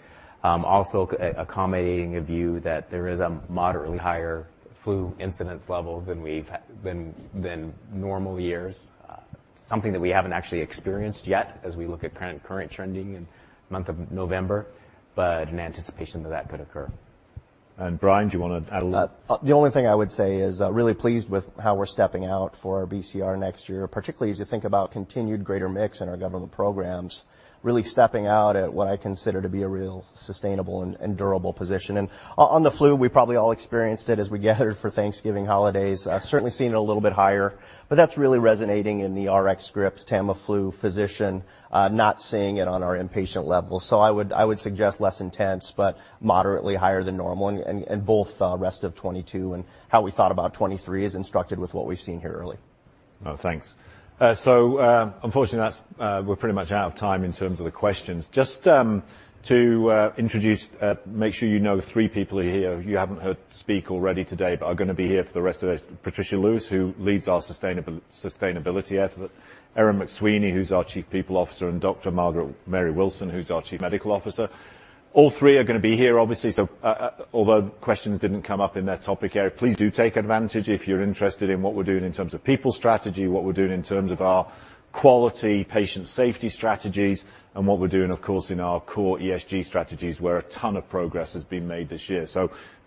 Also accommodating a view that there is a moderately higher flu incidence level than we've had than normal years. Something that we haven't actually experienced yet as we look at current trending in the month of November, but in anticipation that that could occur. Brian, do you wanna add a little? The only thing I would say is really pleased with how we're stepping out for our BCR next year, particularly as you think about continued greater mix in our government programs. Really stepping out at what I consider to be a real sustainable and durable position. On the flu, we probably all experienced it as we gathered for Thanksgiving holidays. certainly seeing it a little bit higher, but that's really resonating in the RX scripts, Tamiflu, physician, not seeing it on our inpatient level. I would suggest less intense but moderately higher than normal and both rest of 2022 and how we thought about 2023 is instructed with what we've seen here early. Oh, thanks. Unfortunately that's, we're pretty much out of time in terms of the questions. Just to introduce, make sure you know three people who are here who you haven't heard speak already today but are gonna be here for the rest of the day. Patricia Lewis, who leads our sustainability effort, Erin McSweeney, who's our Chief People Officer, and Dr. Margaret-Mary Wilson, who's our Chief Medical Officer. All three are gonna be here, obviously. Although questions didn't come up in their topic area, please do take advantage if you're interested in what we're doing in terms of people strategy, what we're doing in terms of our quality patient safety strategies, and what we're doing, of course, in our core ESG strategies, where a ton of progress has been made this year.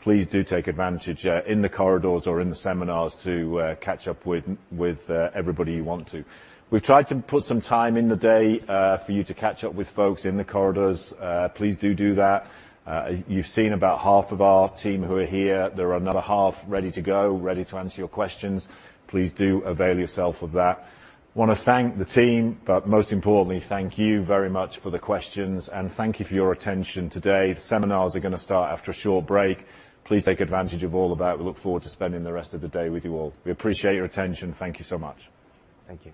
Please do take advantage in the corridors or in the seminars to catch up with everybody you want to. We've tried to put some time in the day for you to catch up with folks in the corridors. Please do do that. You've seen about half of our team who are here. There are another half ready to go, ready to answer your questions. Please do avail yourself of that. Wanna thank the team, but most importantly, thank you very much for the questions, and thank you for your attention today. The seminars are gonna start after a short break. Please take advantage of all of that. We look forward to spending the rest of the day with you all. We appreciate your attention. Thank you so much. Thank you.